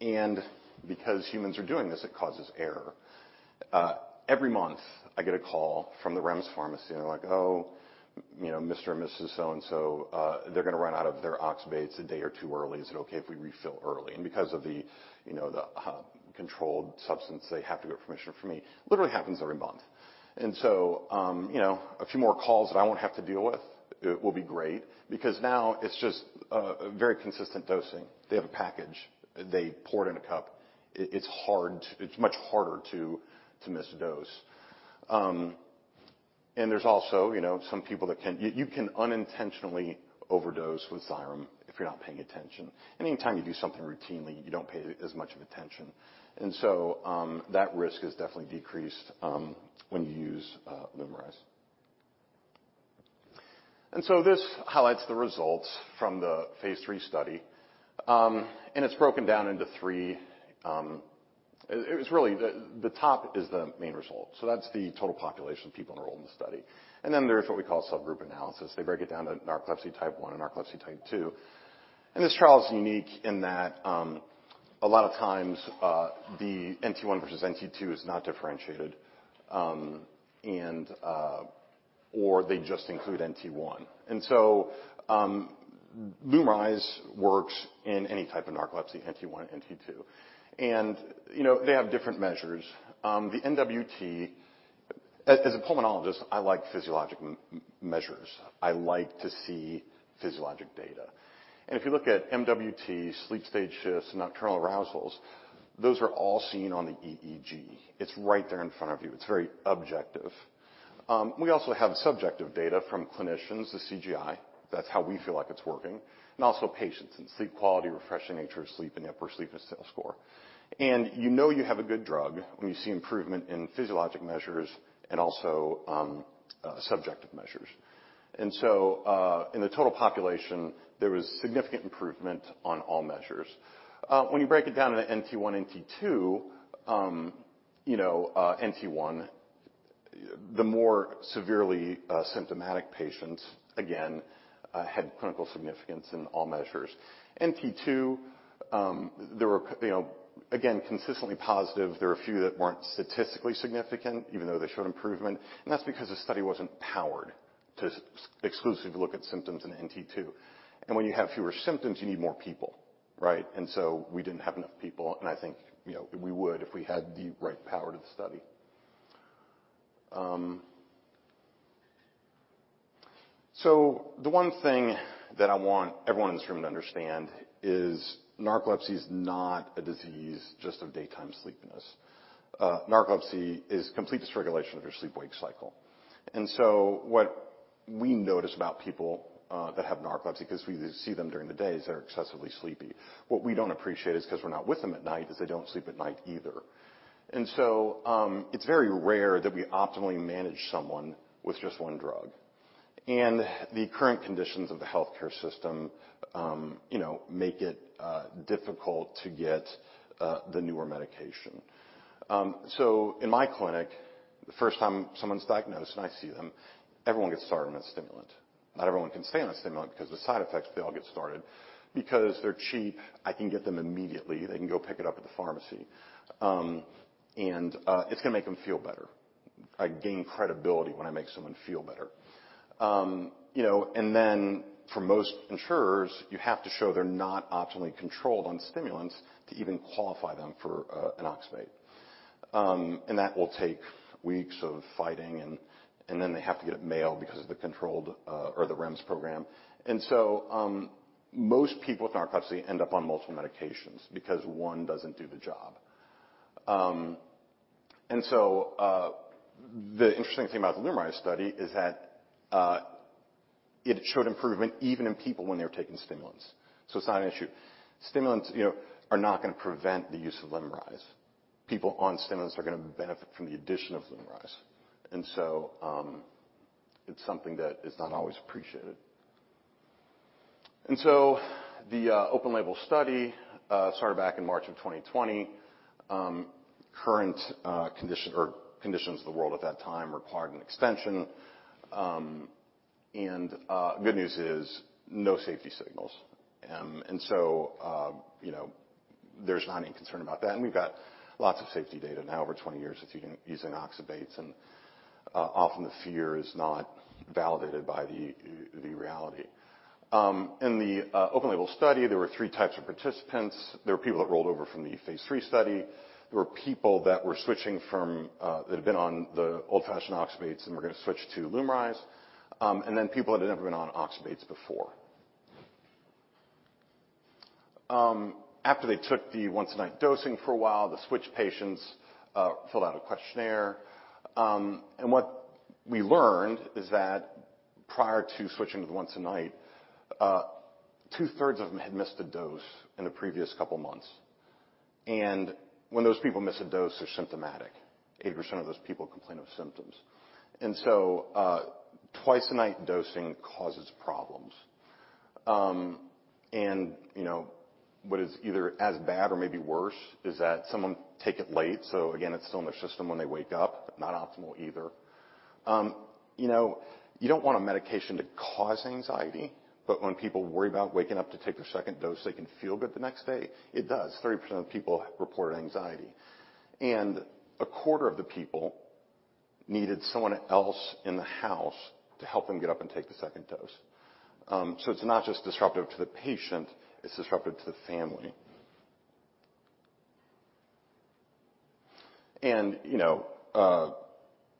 and because humans are doing this, it causes error. Every month, I get a call from the REMS pharmacy, and they're like, "Oh, you know, Mr. and Mrs. So-and-so, they're going to run out of their oxybates a day or 2 early. Is it okay if we refill early?" Because of the, you know, the controlled substance, they have to get permission from me. Literally happens every month. So, you know, a few more calls that I won't have to deal with it will be great because now it's just a very consistent dosing. They have a package, they pour it in a cup. It's much harder to miss a dose. There's also, you know, some people that you can unintentionally overdose with Xyrem if you're not paying attention. Anytime you do something routinely, you don't pay as much of attention. That risk is definitely decreased when you use LUMRYZ. This highlights the results from the phase 3 study, and it's broken down into 3, it's really the top is the main result. That's the total population of people enrolled in the study. There's what we call subgroup analysis. They break it down to narcolepsy type 1 and narcolepsy type 2. This trial is unique in that a lot of times the NT1 versus NT2 is not differentiated, or they just include NT1. LUMRYZ works in any type of narcolepsy, NT1, NT2, and, you know, they have different measures. The NWT as a pulmonologist, I like physiologic measures. I like to see physiologic data. If you look at MWT, sleep stage shifts, and nocturnal arousals, those are all seen on the EEG. It's right there in front of you. It's very objective. We also have subjective data from clinicians, the CGI, that's how we feel like it's working, and also patients in sleep quality, refreshing nature of sleep, and Epworth Sleepiness Score. You know you have a good drug when you see improvement in physiologic measures and also subjective measures. In the total population, there was significant improvement on all measures. When you break it down into NT1, NT2, you know, NT1, the more severely symptomatic patients, again, had clinical significance in all measures. NT2, there were, you know, again, consistently positive. There were a few that weren't statistically significant, even though they showed improvement. That's because the study wasn't powered to exclusively look at symptoms in NT2. When you have fewer symptoms, you need more people, right? We didn't have enough people, and I think, you know, we would if we had the right power to the study. The one thing that I want everyone in this room to understand is narcolepsy is not a disease just of daytime sleepiness. Narcolepsy is complete dysregulation of your sleep-wake cycle. What we notice about people that have narcolepsy, 'cause we see them during the day, is they're excessively sleepy. What we don't appreciate is because we're not with them at night, is they don't sleep at night either. It's very rare that we optimally manage someone with just one drug. The current conditions of the healthcare system, you know, make it difficult to get the newer medication. In my clinic, the first time someone's diagnosed, and I see them, everyone gets started on a stimulant. Not everyone can stay on a stimulant because the side effects, but they all get started. Because they're cheap, I can get them immediately, they can go pick it up at the pharmacy. It's going to make them feel better. I gain credibility when I make someone feel better. You know, then for most insurers, you have to show they're not optimally controlled on stimulants to even qualify them for an oxybate. That will take weeks of fighting and then they have to get it mailed because of the controlled or the REMS program. Most people with narcolepsy end up on multiple medications because one doesn't do the job. The interesting thing about the LUMRYZ study is that it showed improvement even in people when they were taking stimulants. It's not an issue. Stimulants, you know, are not going to prevent the use of LUMRYZ. People on stimulants are going to benefit from the addition of LUMRYZ. It's something that is not always appreciated. The open-label study started back in March of 2020. Current condition or conditions of the world at that time required an extension. Good news is no safety signals. you know, there's not any concern about that. We've got lots of safety data now over 20 years of using oxybates, and often the fear is not validated by the reality. In the open label study, there were three types of participants. There were people that rolled over from the phase 3 study. There were people that were switching from that had been on the old-fashioned oxybates and were going to switch to LUMRYZ, and then people that had never been on oxybates before. After they took the once a night dosing for a while, the switch patients filled out a questionnaire. What we learned is that prior to switching to the once a night, two-thirds of them had missed a dose in the previous couple of months. When those people miss a dose, they're symptomatic. 80% of those people complain of symptoms. Twice a night dosing causes problems. You know, what is either as bad or maybe worse is that some of them take it late, so again, it's still in their system when they wake up, not optimal either. You know, you don't want a medication to cause anxiety, but when people worry about waking up to take their second dose, they can feel good the next day. It does. 30% of people reported anxiety, and a quarter of the people needed someone else in the house to help them get up and take the second dose. It's not just disruptive to the patient, it's disruptive to the family. You know,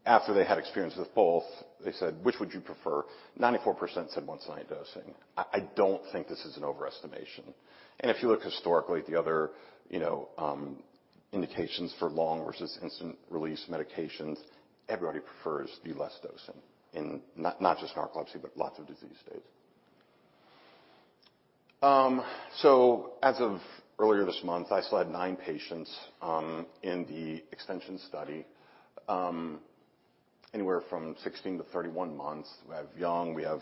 after they had experience with both, they said, "Which would you prefer?" 94% said once a night dosing. I don't think this is an overestimation, and if you look historically at the other, you know, indications for long versus instant release medications, everybody prefers the less dosing in not just narcolepsy, but lots of disease states. As of earlier this month, I still had 9 patients in the extension study. Anywhere from 16-31 months. We have young, we have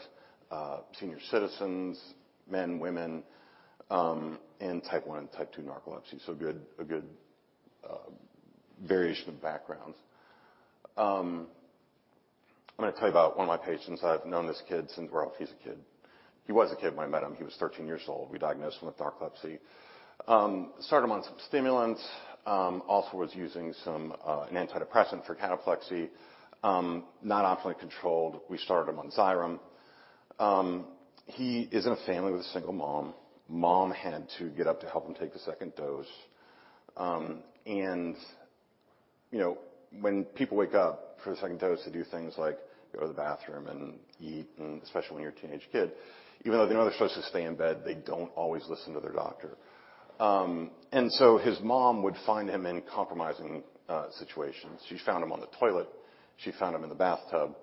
senior citizens, men, women, and Type 1 and Type 2 narcolepsy. A good variation of backgrounds. I'm gonna tell you about one of my patients. I've known this kid since, well, he's a kid. He was a kid when I met him. He was 13 years old. We diagnosed him with narcolepsy. Started him on some stimulants, also was using some an antidepressant for cataplexy. Not optimally controlled. We started him on Xyrem. He is in a family with a single mom. Mom had to get up to help him take the second dose. You know, when people wake up for the second dose, they do things like go to the bathroom and eat, and especially when you're a teenage kid, even though they know they're supposed to stay in bed, they don't always listen to their doctor. His mom would find him in compromising situations. She's found him on the toilet. She found him in the bathtub,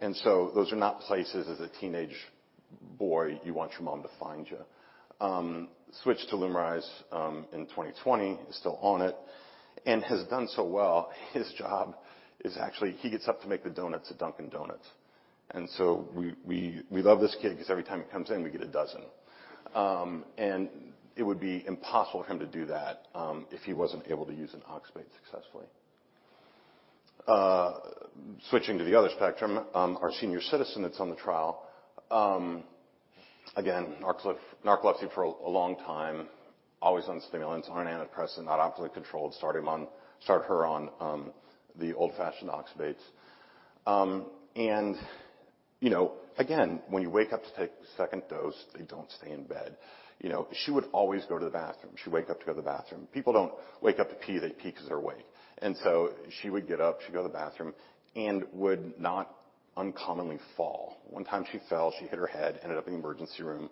those are not places, as a teenage boy, you want your mom to find you. Switched to LUMRYZ in 2020. He's still on it and has done so well. His job is actually he gets up to make the donuts at Dunkin' Donuts. We love this kid because every time he comes in, we get a dozen. It would be impossible for him to do that, if he wasn't able to use an oxybate successfully. Switching to the other spectrum, our senior citizen that's on the trial. Again, narcolepsy for a long time, always on stimulants, on antidepressant, not optimally controlled. Started her on, the old-fashioned oxybates. You know, again, when you wake up to take the second dose, you don't stay in bed. You know, she would always go to the bathroom. She'd wake up to go to the bathroom. People don't wake up to pee. They pee because they're awake. She would get up, she'd go to the bathroom and would not uncommonly fall. One time she fell, she hit her head, ended up in the emergency room.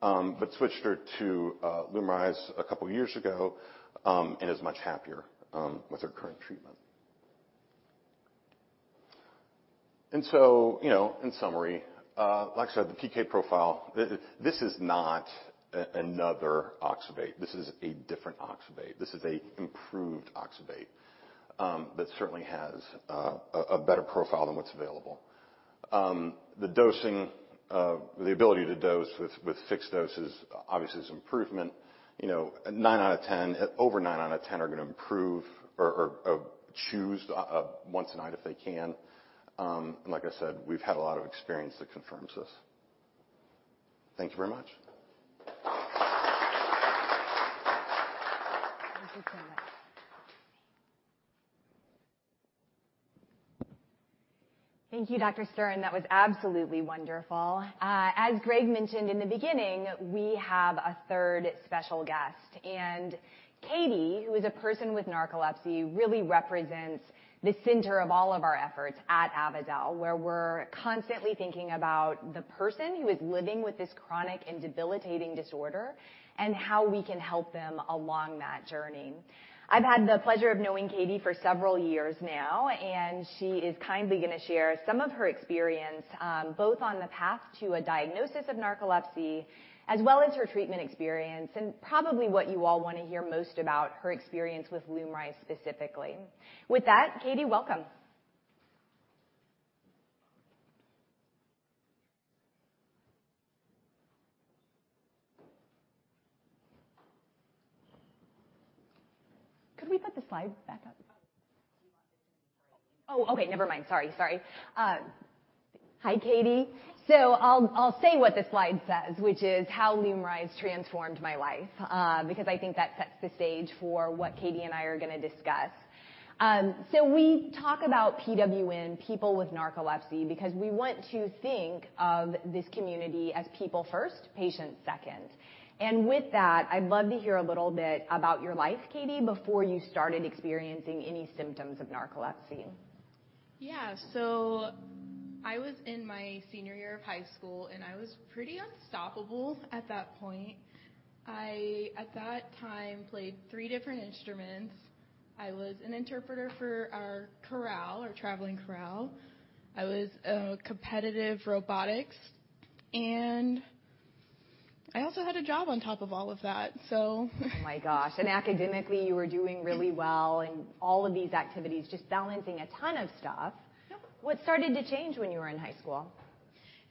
But switched her to LUMRYZ a couple of years ago, and is much happier with her current treatment. You know, in summary, like I said, the PK profile, this is not another oxybate. This is a different oxybate. This is a improved oxybate that certainly has a better profile than what's available. The dosing, the ability to dose with fixed doses obviously is improvement. You know, 9 out of 10 over 9 out of 10 are gonna improve or choose once a night if they can. Like I said, we've had a lot of experience that confirms this. Thank you very much. Thank you so much. Thank you, Dr. Stern. That was absolutely wonderful. As Greg mentioned in the beginning, we have a third special guest, and Katie, who is a person with narcolepsy, really represents the center of all of our efforts at Avadel, where we're constantly thinking about the person who is living with this chronic and debilitating disorder, and how we can help them along that journey. I've had the pleasure of knowing Katie for several years now, and she is kindly gonna share some of her experience, both on the path to a diagnosis of narcolepsy, as well as her treatment experience, and probably what you all want to hear most about, her experience with LUMRYZ specifically. With that, Katie, welcome. Could we put the slide back up? Oh, okay. Never mind. Sorry, sorry. Hi, Katie. I'll say what the slide says, which is, "How LUMRYZ transformed my life," because I think that sets the stage for what Katie and I are gonna discuss. We talk about PWN, people with narcolepsy, because we want to think of this community as people first, patients second. With that, I'd love to hear a little bit about your life, Katie, before you started experiencing any symptoms of narcolepsy. Yeah. I was in my senior year of high school, and I was pretty unstoppable at that point. I, at that time, played three different instruments. I was an interpreter for our chorale, our traveling chorale. I was competitive robotics, and I also had a job on top of all of that, so... Oh, my gosh. Academically, you were doing really well and all of these activities, just balancing a ton of stuff. Yep. What started to change when you were in high school?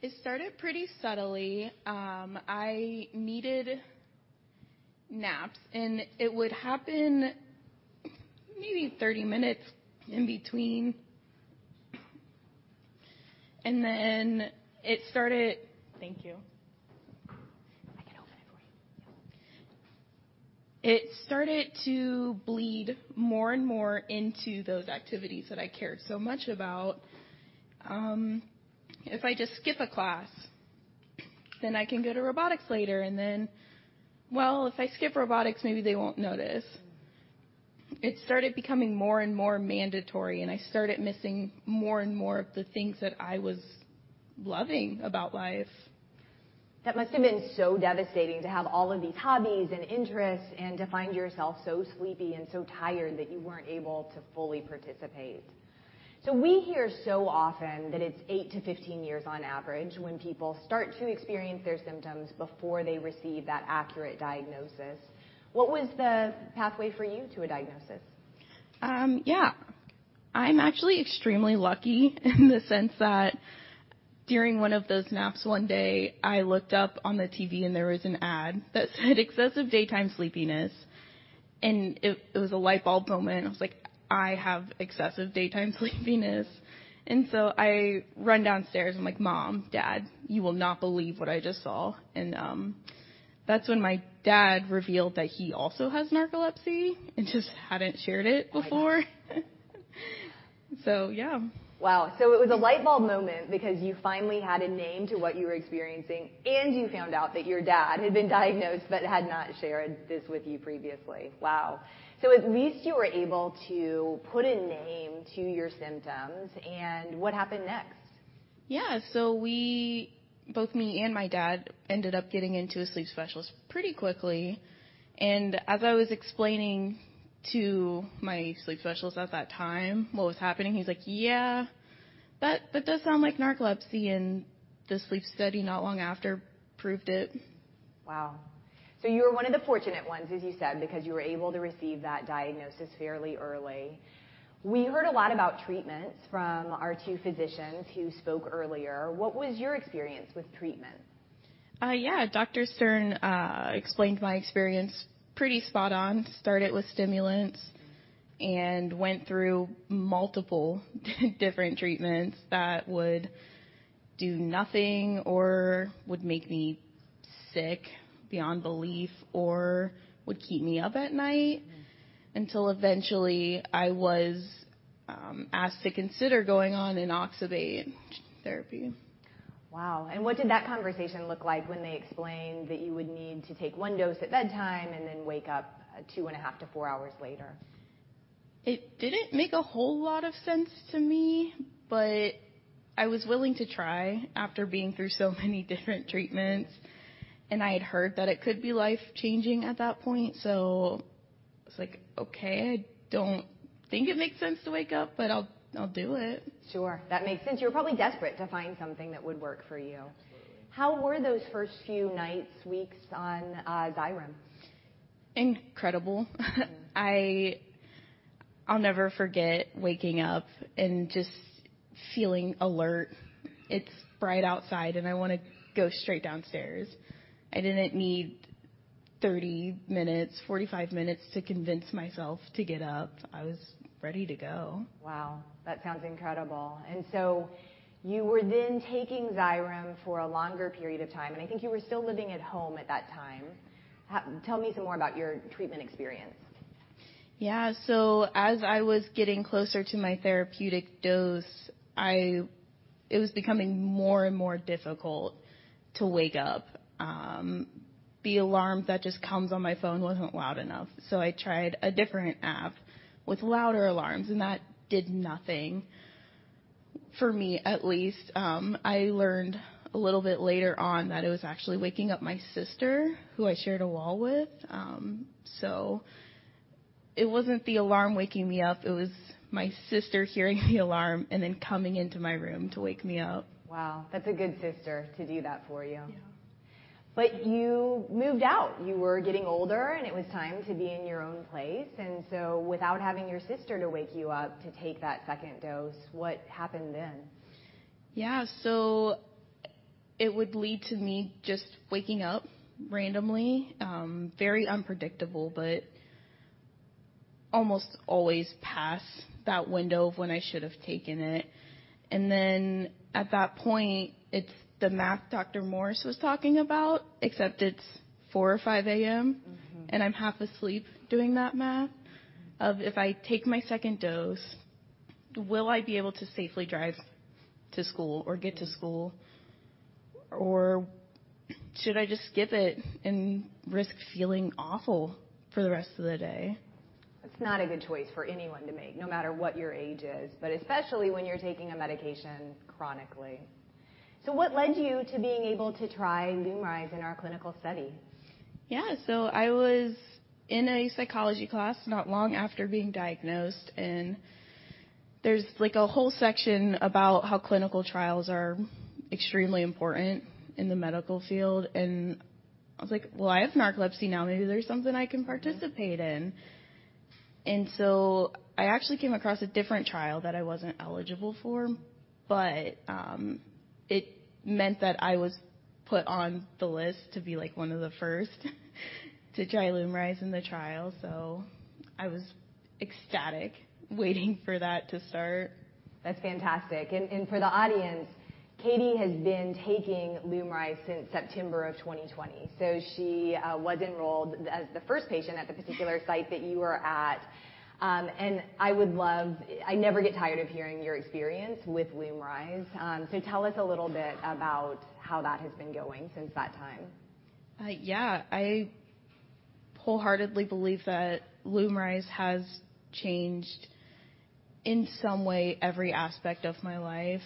It started pretty subtly. I needed naps, and it would happen maybe 30 minutes in between. It started... Thank you. I can open it for you. It started to bleed more and more into those activities that I cared so much about. If I just skip a class, then I can go to robotics later. Well, if I skip robotics, maybe they won't notice. It started becoming more and more mandatory. I started missing more and more of the things that I was loving about life. That must have been so devastating to have all of these hobbies and interests, and to find yourself so sleepy and so tired that you weren't able to fully participate.... We hear so often that it's 8 to 15 years on average when people start to experience their symptoms before they receive that accurate diagnosis. What was the pathway for you to a diagnosis? Yeah. I'm actually extremely lucky in the sense that during one of those naps one day, I looked up on the TV, and there was an ad that said, "Excessive daytime sleepiness." It was a light bulb moment, and I was like: "I have excessive daytime sleepiness." I run downstairs. I'm like, "Mom, Dad, you will not believe what I just saw." That's when my dad revealed that he also has narcolepsy and just hadn't shared it before. Oh, my gosh! yeah. Wow! It was a light bulb moment because you finally had a name to what you were experiencing, and you found out that your dad had been diagnosed but had not shared this with you previously. Wow. At least you were able to put a name to your symptoms. What happened next? Yeah. We, both me and my dad, ended up getting into a sleep specialist pretty quickly, and as I was explaining to my sleep specialist at that time what was happening, he's like: "Yeah, that does sound like narcolepsy, and the sleep study not long after proved it. Wow. You were one of the fortunate ones, as you said, because you were able to receive that diagnosis fairly early. We heard a lot about treatments from our two physicians who spoke earlier. What was your experience with treatment? Yeah, Dr. Stern explained my experience pretty spot on. Started with stimulants and went through multiple different treatments that would do nothing or would make me sick beyond belief or would keep me up at night, until eventually I was asked to consider going on oxybate therapy. Wow! What did that conversation look like when they explained that you would need to take 1 dose at bedtime and then wake up 2.5-4 hours later? It didn't make a whole lot of sense to me. I was willing to try after being through so many different treatments. I had heard that it could be life-changing at that point. I was like, "Okay, I don't think it makes sense to wake up, but I'll do it. Sure. That makes sense. You were probably desperate to find something that would work for you. Absolutely. How were those first few nights, weeks on, Xyrem? Incredible. I'll never forget waking up and just feeling alert. It's bright outside, and I wanna go straight downstairs. I didn't need 30 minutes, 45 minutes to convince myself to get up. I was ready to go. Wow, that sounds incredible. You were then taking Xyrem for a longer period of time, and I think you were still living at home at that time. Tell me some more about your treatment experience. Yeah. As I was getting closer to my therapeutic dose, it was becoming more and more difficult to wake up. The alarm that just comes on my phone wasn't loud enough, so I tried a different app with louder alarms, and that did nothing. For me, at least. I learned a little bit later on that it was actually waking up my sister, who I shared a wall with. It wasn't the alarm waking me up, it was my sister hearing the alarm and then coming into my room to wake me up. Wow, that's a good sister to do that for you. Yeah. You moved out. You were getting older, and it was time to be in your own place. Without having your sister to wake you up to take that second dose, what happened then? It would lead to me just waking up randomly, very unpredictable, but almost always past that window of when I should have taken it. At that point, it's the math Dr. Morse was talking about, except it's 4 or 5 A.M. Mm-hmm. I'm half asleep doing that math. Mm-hmm. -of if I take my second dose, will I be able to safely drive to school or get to school? Should I just skip it and risk feeling awful for the rest of the day? That's not a good choice for anyone to make, no matter what your age is, but especially when you're taking a medication chronically. What led you to being able to try LUMRYZ in our clinical study? Yeah. I was in a psychology class not long after being diagnosed, and there's, like, a whole section about how clinical trials are extremely important in the medical field, and I was like: "Well, I have narcolepsy now. Maybe there's something I can participate in. Yeah. I actually came across a different trial that I wasn't eligible for, but it meant that I was put on the list to be, like, 1 of the first to try LUMRYZ in the trial. I was ecstatic, waiting for that to start. That's fantastic. For the audience, Katie has been taking LUMRYZ since September of 2020. She was enrolled as the first patient at the particular site that you were at. I would love... I never get tired of hearing your experience with LUMRYZ. Tell us a little bit about how that has been going since that time. Yeah. I wholeheartedly believe that LUMRYZ has changed, in some way, every aspect of my life.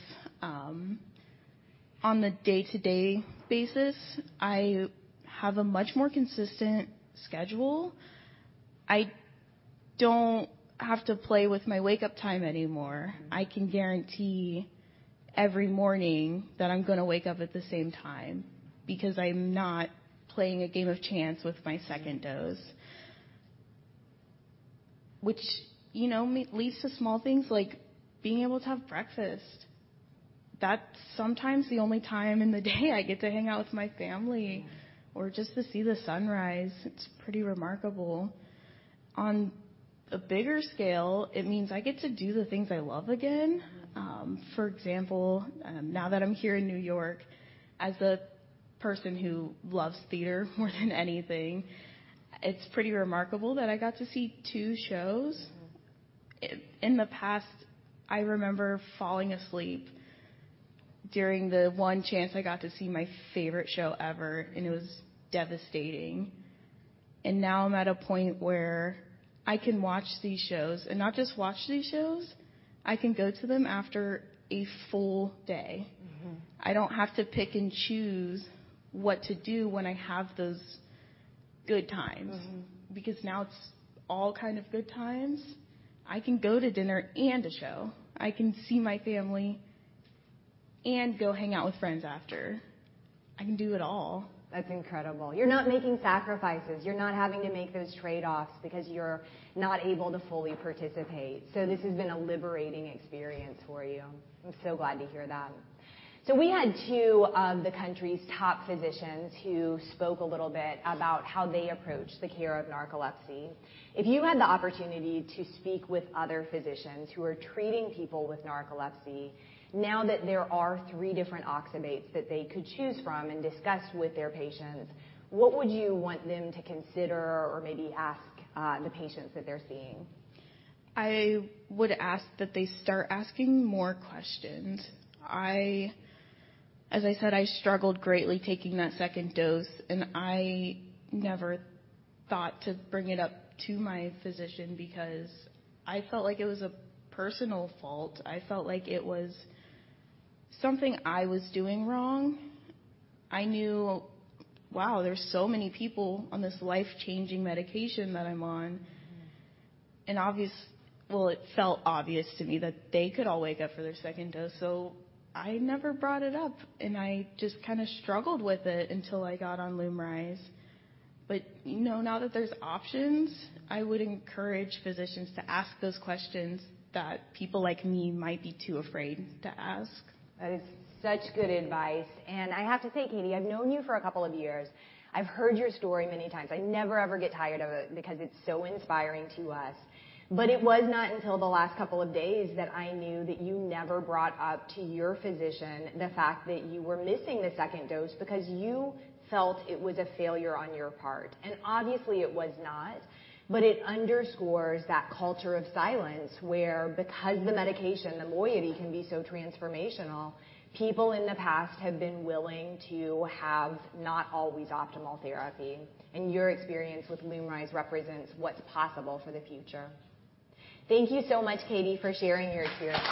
On the day-to-day basis, I have a much more consistent schedule. I don't have to play with my wake-up time anymore. I can guarantee every morning that I'm gonna wake up at the same time, because I'm not playing a game of chance with my second dose. Which, you know, leads to small things like being able to have breakfast. That's sometimes the only time in the day I get to hang out with my family, or just to see the sunrise. It's pretty remarkable. For example, now that I'm here in New York, as a person who loves theater more than anything, it's pretty remarkable that I got to see 2 shows. Mm-hmm. In the past, I remember falling asleep during the one chance I got to see my favorite show ever, and it was devastating. Now I'm at a point where I can watch these shows, and not just watch these shows, I can go to them after a full day. Mm-hmm. I don't have to pick and choose what to do when I have those good times. Mm-hmm. Now it's all kind of good times. I can go to dinner and a show. I can see my family and go hang out with friends after. I can do it all. That's incredible. You're not making sacrifices. You're not having to make those trade-offs because you're not able to fully participate. Mm-hmm. This has been a liberating experience for you. I'm so glad to hear that. We had two of the country's top physicians who spoke a little bit about how they approach the care of narcolepsy. If you had the opportunity to speak with other physicians who are treating people with narcolepsy, now that there are three different oxybates that they could choose from and discuss with their patients, what would you want them to consider or maybe ask the patients that they're seeing? I would ask that they start asking more questions. As I said, I struggled greatly taking that second dose. I never thought to bring it up to my physician because I felt like it was a personal fault. I felt like it was something I was doing wrong. I knew, wow, there's so many people on this life-changing medication that I'm on. Mm-hmm. Well, it felt obvious to me that they could all wake up for their second dose, so I never brought it up, and I just kinda struggled with it until I got on LUMRYZ. You know, now that there's options, I would encourage physicians to ask those questions that people like me might be too afraid to ask. That is such good advice. I have to say, Katie, I've known you for a couple of years. I've heard your story many times. I never, ever get tired of it because it's so inspiring to us. It was not until the last couple of days that I knew that you never brought up to your physician the fact that you were missing the second dose because you felt it was a failure on your part. Obviously, it was not, but it underscores that culture of silence, where because the medication, the moiety, can be so transformational, people in the past have been willing to have not always optimal therapy, and your experience with LUMRYZ represents what's possible for the future. Thank you so much, Katie, for sharing your experience.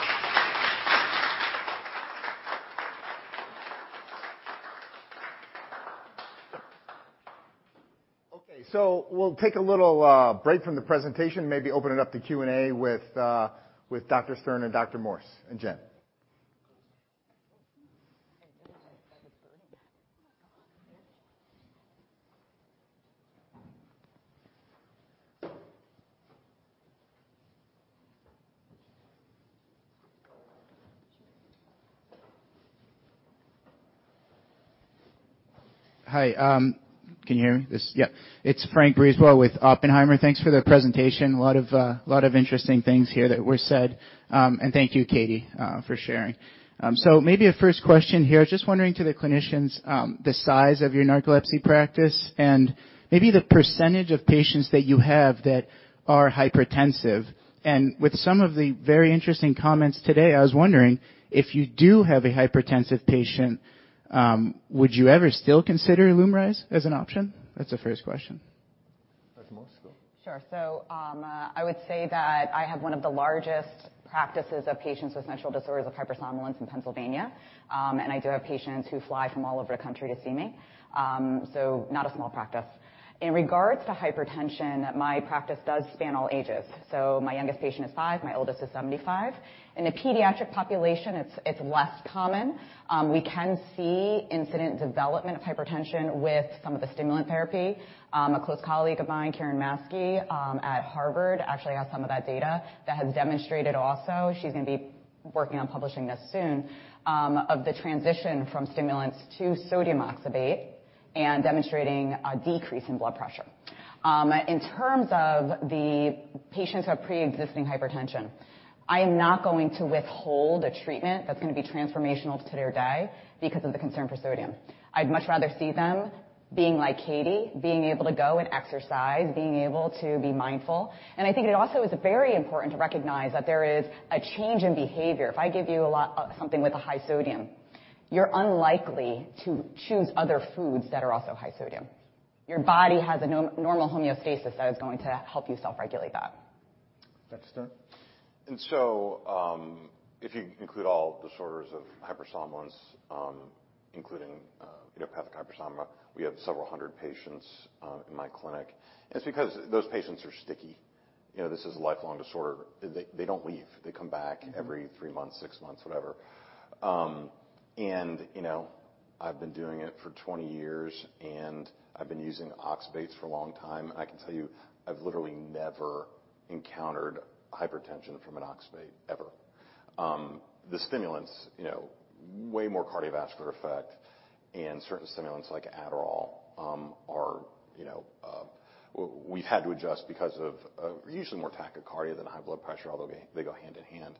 Okay, we'll take a little break from the presentation, maybe open it up to Q&A with Dr. Stern and Dr. Morse and Jen. Hi, can you hear me? It's Frank Brisebois with Oppenheimer. Thanks for the presentation. A lot of interesting things here that were said. Thank you, Katie, for sharing. Maybe a first question here. Just wondering to the clinicians, the size of your narcolepsy practice and maybe the % of patients that you have that are hypertensive. With some of the very interesting comments today, I was wondering, if you do have a hypertensive patient, would you ever still consider LUMRYZ as an option? That's the first question. Dr. Morse, go. Sure. I would say that I have one of the largest practices of patients with central disorders of hypersomnolence in Pennsylvania. I do have patients who fly from all over the country to see me. Not a small practice. In regards to hypertension, my practice does span all ages, so my youngest patient is 5, my oldest is 75. In a pediatric population, it's less common. We can see incident development of hypertension with some of the stimulant therapy. A close colleague of mine, Kiran Maski, at Harvard, actually has some of that data that has demonstrated also, she's gonna be working on publishing this soon, of the transition from stimulants to sodium oxybate and demonstrating a decrease in blood pressure. In terms of the patients who have preexisting hypertension, I am not going to withhold a treatment that's gonna be transformational to their day because of the concern for sodium. I'd much rather see them being like Katie, being able to go and exercise, being able to be mindful. I think it also is very important to recognize that there is a change in behavior. If I give you something with a high sodium, you're unlikely to choose other foods that are also high sodium. Your body has a normal homeostasis that is going to help you self-regulate that. Dr. Stern? If you include all disorders of hypersomnolence, including, you know, idiopathic hypersomnia, we have several hundred patients in my clinic. It's because those patients are sticky. You know, this is a lifelong disorder. They don't leave. They come back every three months, six months, whatever. You know, I've been doing it for 20 years, and I've been using oxybates for a long time, and I can tell you, I've literally never encountered hypertension from an oxybate, ever. The stimulants, you know, way more cardiovascular effect and certain stimulants like Adderall, are, you know, we've had to adjust because of usually more tachycardia than high blood pressure, although they go hand in hand.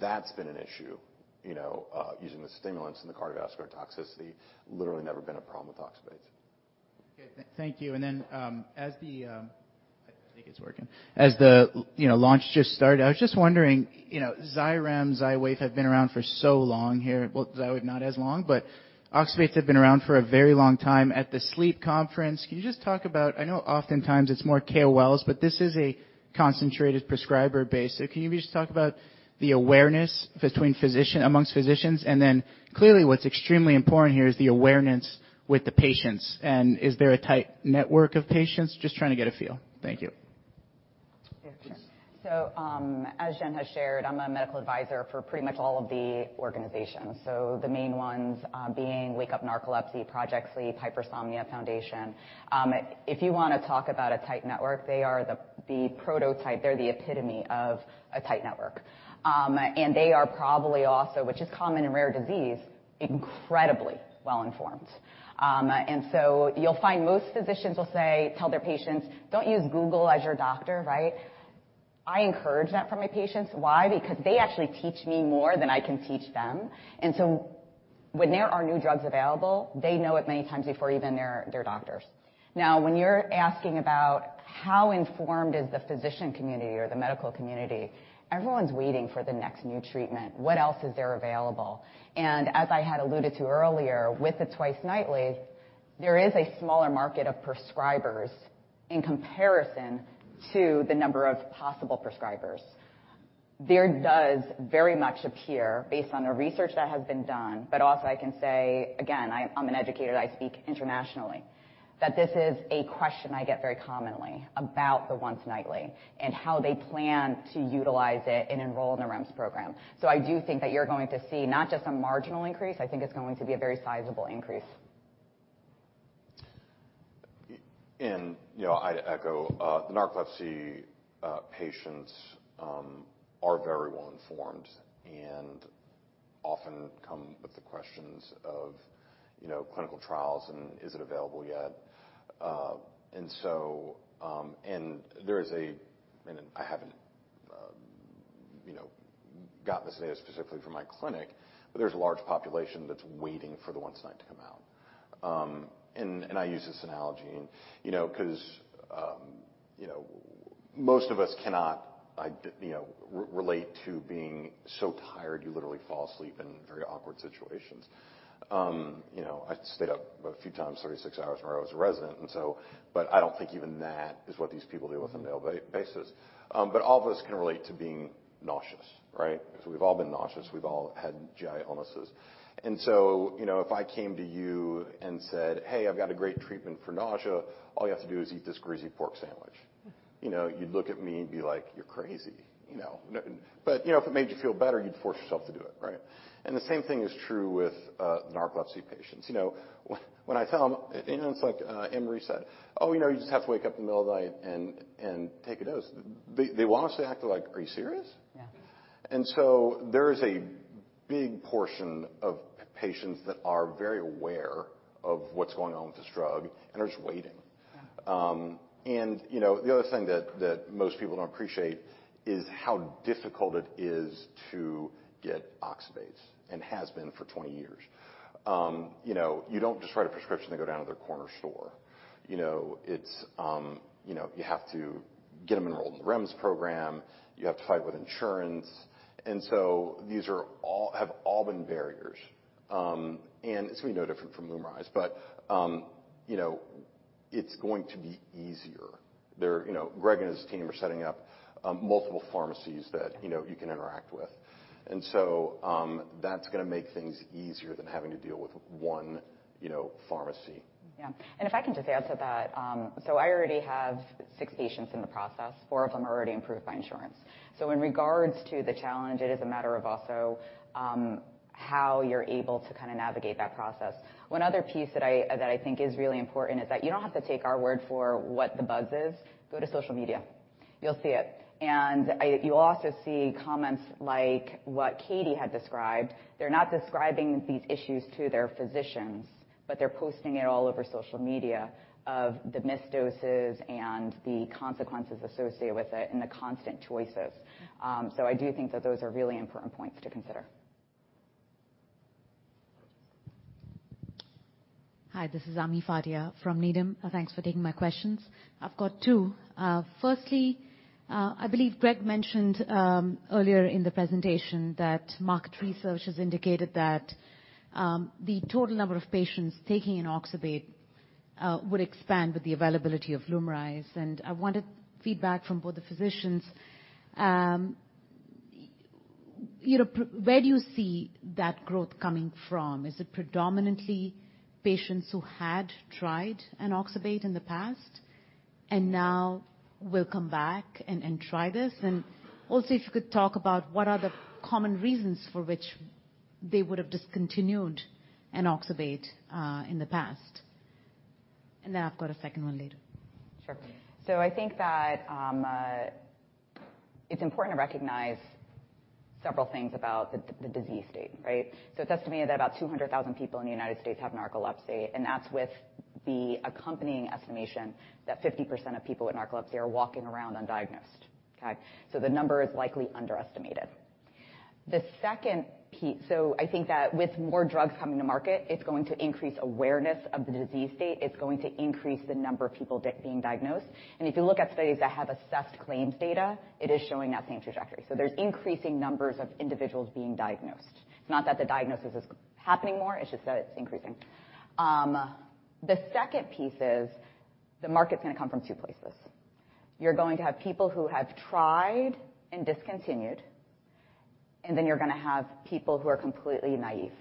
That's been an issue, you know, using the stimulants and the cardiovascular toxicity literally never been a problem with oxybates. Okay. Thank you. I think it's working. As the, you know, launch just started, I was just wondering, you know, Xyrem, Xywav have been around for so long here. Well, Xywav, not as long, but oxybates have been around for a very long time at the SLEEP Annual Meeting. Can you just talk about, I know oftentimes it's more KOLs, but this is a concentrated prescriber base, so can you just talk about the awareness amongst physicians? Clearly, what's extremely important here is the awareness with the patients, and is there a tight network of patients? Just trying to get a feel. Thank you. Yeah. Sure. As Jen has shared, I'm a medical advisor for pretty much all of the organizations. The main ones being Wake Up Narcolepsy, Project Sleep, Hypersomnia Foundation. If you wanna talk about a tight network, they are the prototype, they're the epitome of a tight network. They are probably also, which is common in rare disease, incredibly well informed. You'll find most physicians will say, tell their patients, "Don't use Google as your doctor," right? I encourage that from my patients. Why? Because they actually teach me more than I can teach them, when there are new drugs available, they know it many times before even their doctors. Now, when you're asking about how informed is the physician community or the medical community, everyone's waiting for the next new treatment. What else is there available? As I had alluded to earlier, with the twice-nightly, there is a smaller market of prescribers in comparison to the number of possible prescribers. There does very much appear, based on the research that has been done, but also I can say again, I'm an educator, I speak internationally, that this is a question I get very commonly about the once nightly and how they plan to utilize it and enroll in the REMS program. I do think that you're going to see not just a marginal increase, I think it's going to be a very sizable increase. You know, I'd echo, the narcolepsy patients are very well informed and often come with the questions of, you know, clinical trials, and is it available yet? I haven't, you know, got this data specifically from my clinic, but there's a large population that's waiting for the once night to come out. I use this analogy and, you know, 'cause, you know, most of us cannot relate to being so tired, you literally fall asleep in very awkward situations. You know, I've stayed up a few times, 36 hours when I was a resident. I don't think even that is what these people deal with on a daily basis. All of us can relate to being nauseous, right? We've all been nauseous, we've all had GI illnesses. You know, if I came to you and said, "Hey, I've got a great treatment for nausea. All you have to do is eat this greasy pork sandwich." You know, you'd look at me and be like: You're crazy, you know? You know, if it made you feel better, you'd force yourself to do it, right? The same thing is true with narcolepsy patients. You know, when I tell them, you know, it's like Emery said, "Oh, you know, you just have to wake up in the middle of the night and take a dose." They will honestly act like, "Are you serious? Yeah. There is a big portion of patients that are very aware of what's going on with this drug and are just waiting. Yeah. You know, the other thing that most people don't appreciate is how difficult it is to get oxybates and has been for 20 years. You know, you don't just write a prescription, they go down to their corner store. You know, it's, you know, you have to get them enrolled in the REMS program. You have to fight with insurance, and so these have all been barriers. And it's gonna be no different from LUMRYZ, but, you know, it's going to be easier. You know, Greg and his team are setting up multiple pharmacies that, you know, you can interact with. So, that's gonna make things easier than having to deal with one, you know, pharmacy. Yeah. If I can just add to that, I already have six patients in the process. Four of them are already approved by insurance. In regards to the challenge, it is a matter of also, how you're able to kind of navigate that process. One other piece that I, that I think is really important, is that you don't have to take our word for what the buzz is. Go to social media, you'll see it. You'll also see comments like what Katie had described. They're not describing these issues to their physicians, but they're posting it all over social media, of the missed doses and the consequences associated with it and the constant choices. I do think that those are really important points to consider. Hi, this is Ami Fadia from Needham. Thanks for taking my questions. I've got two. Firstly. I believe Greg mentioned earlier in the presentation that market research has indicated that the total number of patients taking an oxybate would expand with the availability of LUMRYZ. I wanted feedback from both the physicians. You know, where do you see that growth coming from? Is it predominantly patients who had tried an oxybate in the past, and now will come back and try this? Also, if you could talk about what are the common reasons for which they would have discontinued an oxybate in the past. I've got a second one later. Sure. I think that it's important to recognize several things about the disease state, right? It's estimated that about 200,000 people in the United States have narcolepsy, and that's with the accompanying estimation that 50% of people with narcolepsy are walking around undiagnosed. Okay? The number is likely underestimated. I think that with more drugs coming to market, it's going to increase awareness of the disease state. It's going to increase the number of people being diagnosed, and if you look at studies that have assessed claims data, it is showing that same trajectory. There's increasing numbers of individuals being diagnosed. It's not that the diagnosis is happening more. It's just that it's increasing. The second piece is the market's going to come from two places. You're going to have people who have tried and discontinued, and then you're going to have people who are completely naive.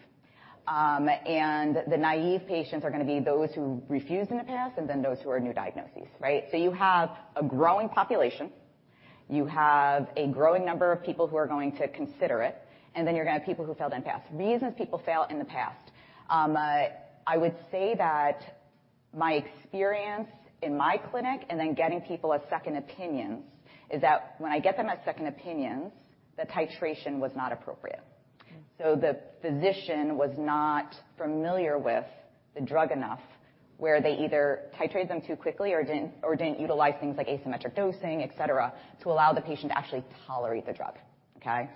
The naive patients are going to be those who refused in the past and then those who are new diagnoses, right? You have a growing population, you have a growing number of people who are going to consider it, and then you're going to have people who failed in the past. Reasons people failed in the past, I would say that my experience in my clinic, and then getting people as second opinions, is that when I get them as second opinions, the titration was not appropriate. The physician was not familiar with the drug enough, where they either titrated them too quickly or didn't, or didn't utilize things like asymmetric dosing, et cetera, to allow the patient to actually tolerate the drug. Okay?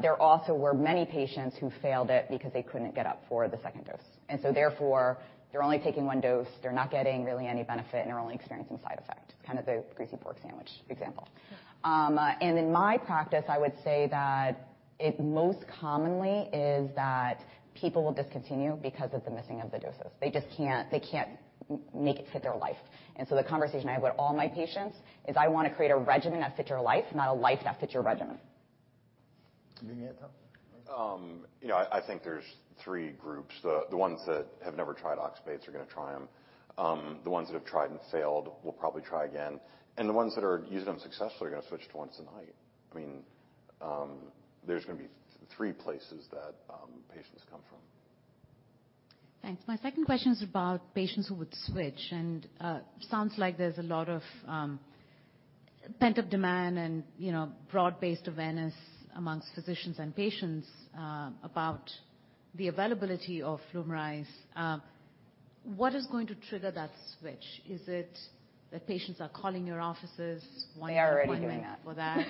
There also were many patients who failed it because they couldn't get up for the second dose, therefore, they're only taking one dose. They're not getting really any benefit, and they're only experiencing side effects, kind of the greasy pork sandwich example. In my practice, I would say that it most commonly is that people will discontinue because of the missing of the doses. They just can't, they can't make it fit their life. The conversation I have with all my patients is I want to create a regimen that fits your life, not a life that fits your regimen. You need me up top? You know, I think there's three groups. The ones that have never tried oxybates are going to try them. The ones that have tried and failed will probably try again, the ones that are using them successfully are going to switch to once a night. I mean, there's going to be three places that patients come from. Thanks. My second question is about patients who would switch, and sounds like there's a lot of pent-up demand and, you know, broad-based awareness amongst physicians and patients about the availability of LUMRYZ. What is going to trigger that switch? Is it that patients are calling your offices? They are already doing that. for that?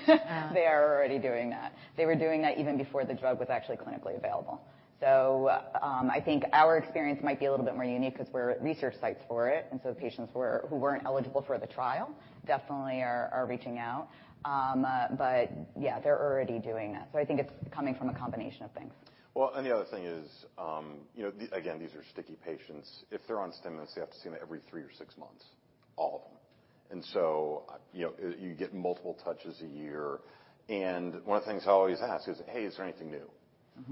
They are already doing that. They were doing that even before the drug was actually clinically available. I think our experience might be a little bit more unique because we're research sites for it, and so patients who weren't eligible for the trial definitely are reaching out. Yeah, they're already doing that. I think it's coming from a combination of things. The other thing is, you know, the, again, these are sticky patients. If they're on stimulants, they have to see them every 3 or 6 months, all of them. You know, you get multiple touches a year, and one of the things I always ask is, "Hey, is there anything new?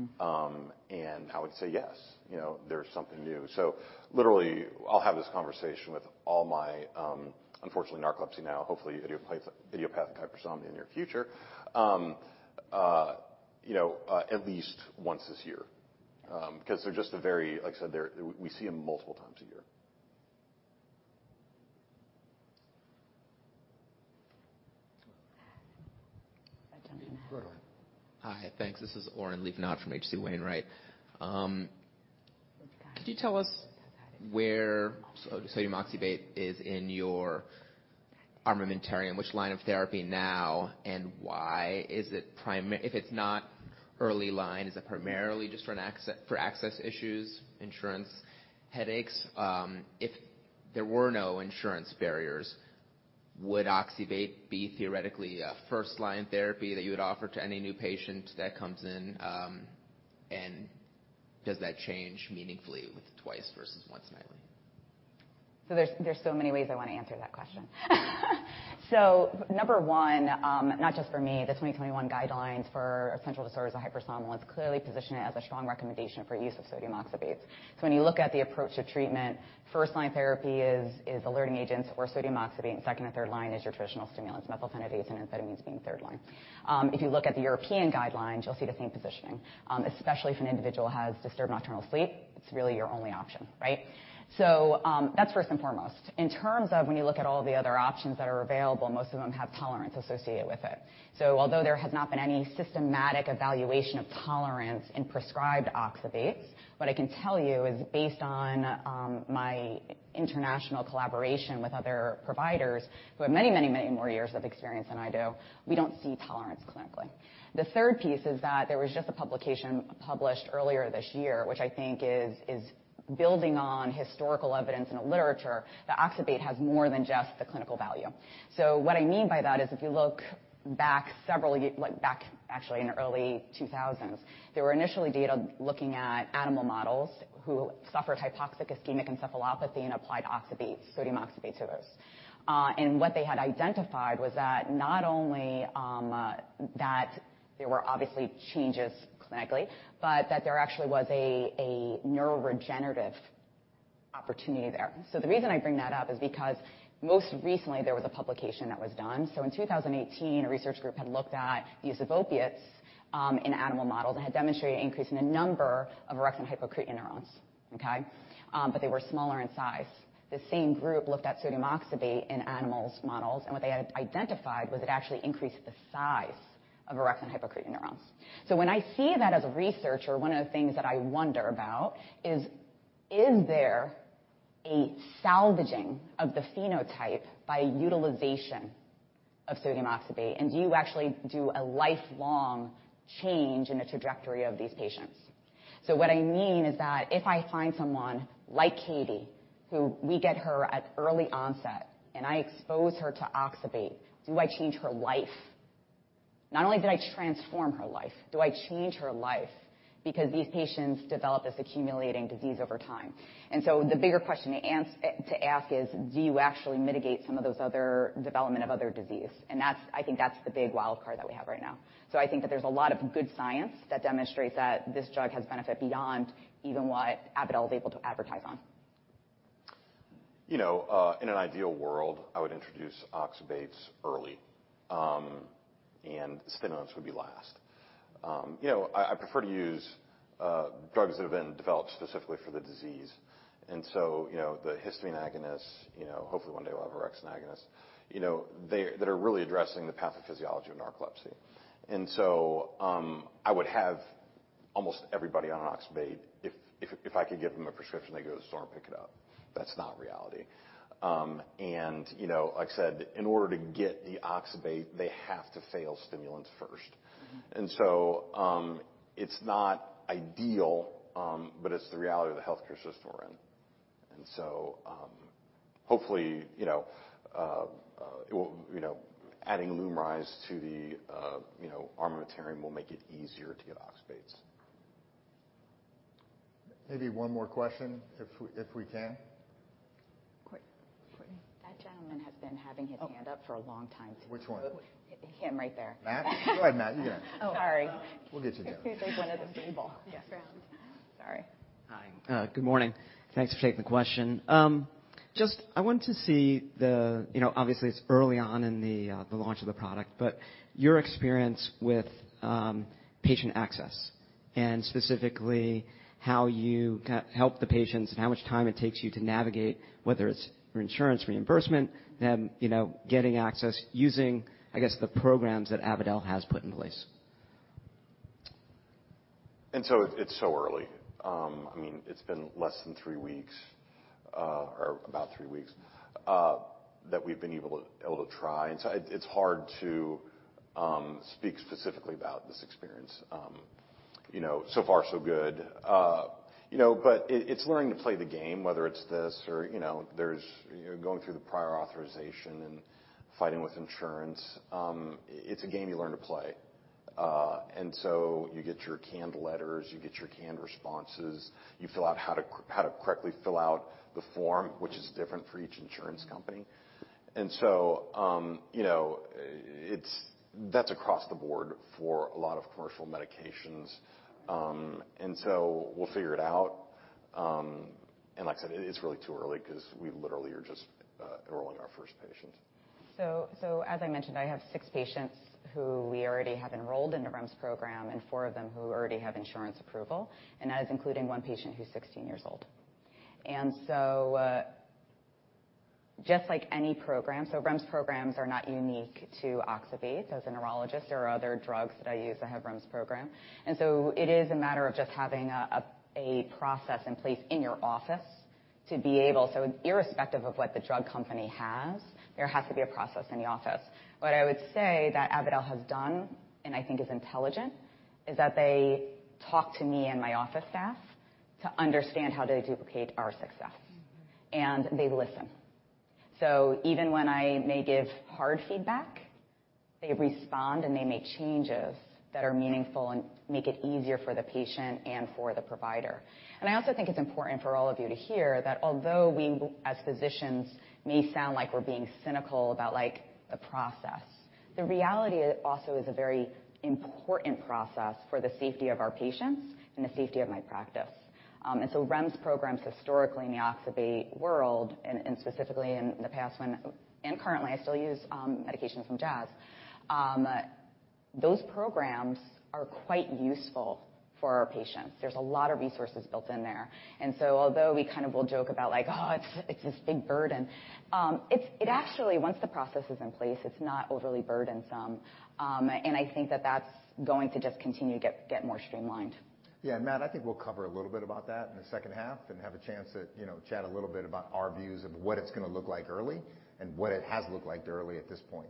Mm-hmm. I would say, "Yes, you know, there's something new." Literally, I'll have this conversation with all my, unfortunately, narcolepsy now, hopefully, idiopathic hypersomnia in the near future, you know, at least once this year. They're just a very... Like I said, we see them multiple times a year. Go ahead. Hi, thanks. This is Oren Livnat from H.C. Wainwright. Could you tell us where sodium oxybate is in your armamentarium, which line of therapy now, and why? Is it, if it's not early line, is it primarily just for access issues, insurance headaches? If there were no insurance barriers, would oxybate be theoretically a first-line therapy that you would offer to any new patient that comes in, and does that change meaningfully with twice versus once nightly? There's so many ways I want to answer that question. Number one, not just for me, the 2021 guidelines for central disorders of hypersomnia was clearly positioned as a strong recommendation for use of sodium oxybates. When you look at the approach to treatment, first-line therapy is alerting agents or sodium oxybate, and second or third line is your traditional stimulants, methylphenidate and amphetamines being third line. If you look at the European guidelines, you'll see the same positioning. Especially if an individual has disturbed nocturnal sleep, it's really your only option, right? That's first and foremost. In terms of when you look at all the other options that are available, most of them have tolerance associated with it. Although there has not been any systematic evaluation of tolerance in prescribed oxybates, what I can tell you is based on my international collaboration with other providers who have many, many, many more years of experience than I do, we don't see tolerance clinically. The third piece is that there was just a publication published earlier this year, which I think is building on historical evidence in the literature that oxybate has more than just the clinical value. What I mean by that is, if you look back several years, like back actually in the early 2000s, there were initially data looking at animal models who suffered hypoxic ischemic encephalopathy and applied oxybate, sodium oxybate to those. And what they had identified was that not only that there were obviously changes clinically, but that there actually was a neuroregenerative opportunity there. The reason I bring that up is because most recently, there was a publication that was done. In 2018, a research group had looked at the use of opiates in animals models, and had demonstrated an increase in the number of orexin hypocretin neurons, okay? They were smaller in size. The same group looked at sodium oxybate in animals models, and what they had identified was it actually increased the size of orexin hypocretin neurons. When I see that as a researcher, one of the things that I wonder about is: Is there a salvaging of the phenotype by utilization of sodium oxybate, and do you actually do a lifelong change in the trajectory of these patients? What I mean is that if I find someone like Katie, who we get her at early onset, and I expose her to oxybate, do I change her life? Not only did I transform her life, do I change her life? Because these patients develop this accumulating disease over time. The bigger question to ask is, do you actually mitigate some of those other development of other disease? That's I think that's the big wild card that we have right now. I think that there's a lot of good science that demonstrates that this drug has benefit beyond even what Avadel is able to advertise on. You know, in an ideal world, I would introduce oxybates early, and stimulants would be last. You know, I prefer to use drugs that have been developed specifically for the disease, and so, you know, the histamine antagonist, you know, hopefully one day we'll have orexin agonist. You know, that are really addressing the pathophysiology of narcolepsy. I would have almost everybody on oxybate if, if I could give them a prescription, they go to the store and pick it up. That's not reality. You know, like I said, in order to get the oxybate, they have to fail stimulants first. Mm-hmm. It's not ideal, but it's the reality of the healthcare system we're in. Hopefully, you know, adding LUMRYZ to the armamentarium will make it easier to get oxybates. Maybe one more question, if we can. Quick. Courtney. That gentleman has been having his hand up for a long time. Which one? Him right there. Matt? Go ahead, Matt. Yeah. Oh, sorry. We'll get to you. There's one at the table. Yes. Sorry. Hi, good morning. Thanks for taking the question. Just I want to see the... You know, obviously, it's early on in the launch of the product, but your experience with, patient access, and specifically, how you help the patients, and how much time it takes you to navigate, whether it's insurance reimbursement, them, you know, getting access, using, I guess, the programs that Avadel has put in place? It's so early. I mean, it's been less than 3 weeks or about 3 weeks that we've been able to try. It's hard to speak specifically about this experience. You know, so far so good. You know, but it's learning to play the game, whether it's this or, you know, there's, you're going through the prior authorization and fighting with insurance. It's a game you learn to play. You get your canned letters, you get your canned responses, you fill out how to correctly fill out the form, which is different for each insurance company. You know, that's across the board for a lot of commercial medications. We'll figure it out. Like I said, it's really too early 'cause we literally are just enrolling our first patients. As I mentioned, I have 6 patients who we already have enrolled in the REMS program, and 4 of them who already have insurance approval, and that is including one patient who's 16 years old. Just like any program, REMS programs are not unique to oxybate as a neurologist. There are other drugs that I use that have REMS program. It is a matter of just having a process in place in your office to be able. Irrespective of what the drug company has, there has to be a process in the office. What I would say that Avadel has done, and I think is intelligent, is that they talk to me and my office staff to understand how to duplicate our success, and they listen. Even when I may give hard feedback, they respond, and they make changes that are meaningful and make it easier for the patient and for the provider. I also think it's important for all of you to hear that although we, as physicians, may sound like we're being cynical about, like, the process, the reality also is a very important process for the safety of our patients and the safety of my practice. REMS programs, historically, in the oxybate world and specifically in the past when... and currently, I still use medications from Jazz. Those programs are quite useful for our patients. There's a lot of resources built in there. Although we kind of will joke about, like, oh, it's this big burden, it actually, once the process is in place, it's not overly burdensome. I think that that's going to just continue to get more streamlined. Yeah, Matt, I think we'll cover a little bit about that in the second half and have a chance to, you know, chat a little bit about our views of what it's gonna look like early and what it has looked like early at this point.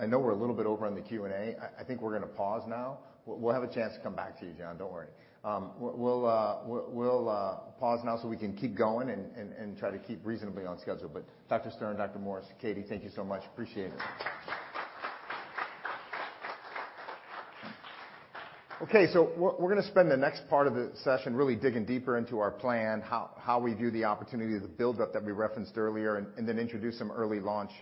I know we're a little bit over on the Q&A. I think we're gonna pause now. We'll have a chance to come back to you, John, don't worry. We'll pause now so we can keep going and try to keep reasonably on schedule. Dr. Stern, Dr. Morse, Katie, thank you so much. Appreciate it. Okay, we're gonna spend the next part of the session really digging deeper into our plan, how we view the opportunity, the buildup that we referenced earlier, and then introduce some early launch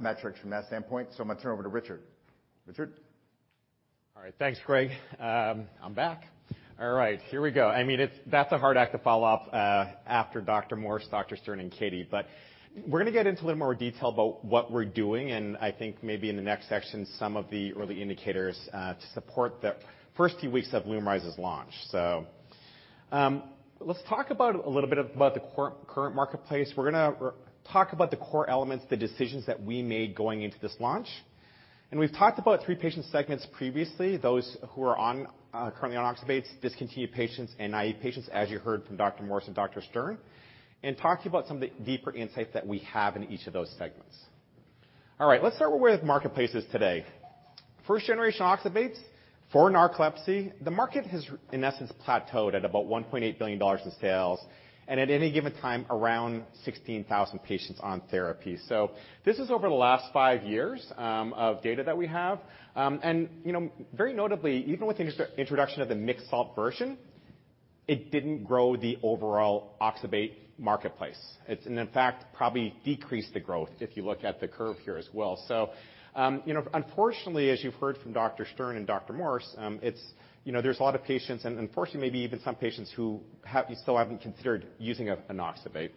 metrics from that standpoint. I'm gonna turn it over to Richard. Richard? All right. Thanks, Greg. I'm back. All right, here we go. I mean, that's a hard act to follow up after Dr. Morse, Dr. Stern, and Katie, but we're gonna get into a little more detail about what we're doing, and I think maybe in the next section, some of the early indicators to support the first few weeks of LUMRYZ's launch. Let's talk about a little bit about the current marketplace. We're gonna talk about the core elements, the decisions that we made going into this launch. We've talked about three patient segments previously, those who are on currently on oxybates, discontinued patients, and naive patients, as you heard from Dr. Morse and Dr. Stern, and talk to you about some of the deeper insights that we have in each of those segments. All right, let's start with where the marketplace is today. first-generation oxybates for narcolepsy, the market has, in essence, plateaued at about $1.8 billion in sales, and at any given time, around 16,000 patients on therapy. This is over the last five years of data that we have. You know, very notably, even with the introduction of the mixed salt version, it didn't grow the overall oxybate marketplace. In fact, probably decreased the growth if you look at the curve here as well. You know, unfortunately, as you've heard from Dr. Stern and Dr. Morse, it's, you know, there's a lot of patients, and unfortunately, maybe even some patients who have still haven't considered using an oxybate.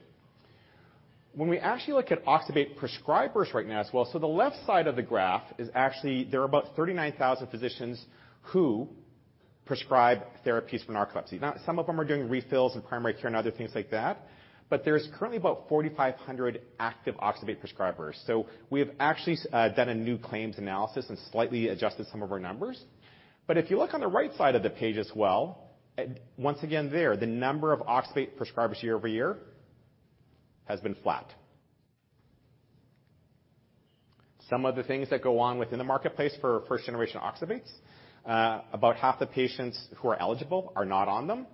When we actually look at oxybate prescribers right now as well, the left side of the graph is actually there are about 39,000 physicians who prescribe therapies for narcolepsy. Now, some of them are doing refills and primary care and other things like that, but there's currently about 4,500 active oxybate prescribers. We have actually done a new claims analysis and slightly adjusted some of our numbers. If you look on the right side of the page as well, once again there, the number of oxybate prescribers year-over-year has been flat. Some of the things that go on within the marketplace for first-generation oxybates, about half the patients who are eligible are not on them.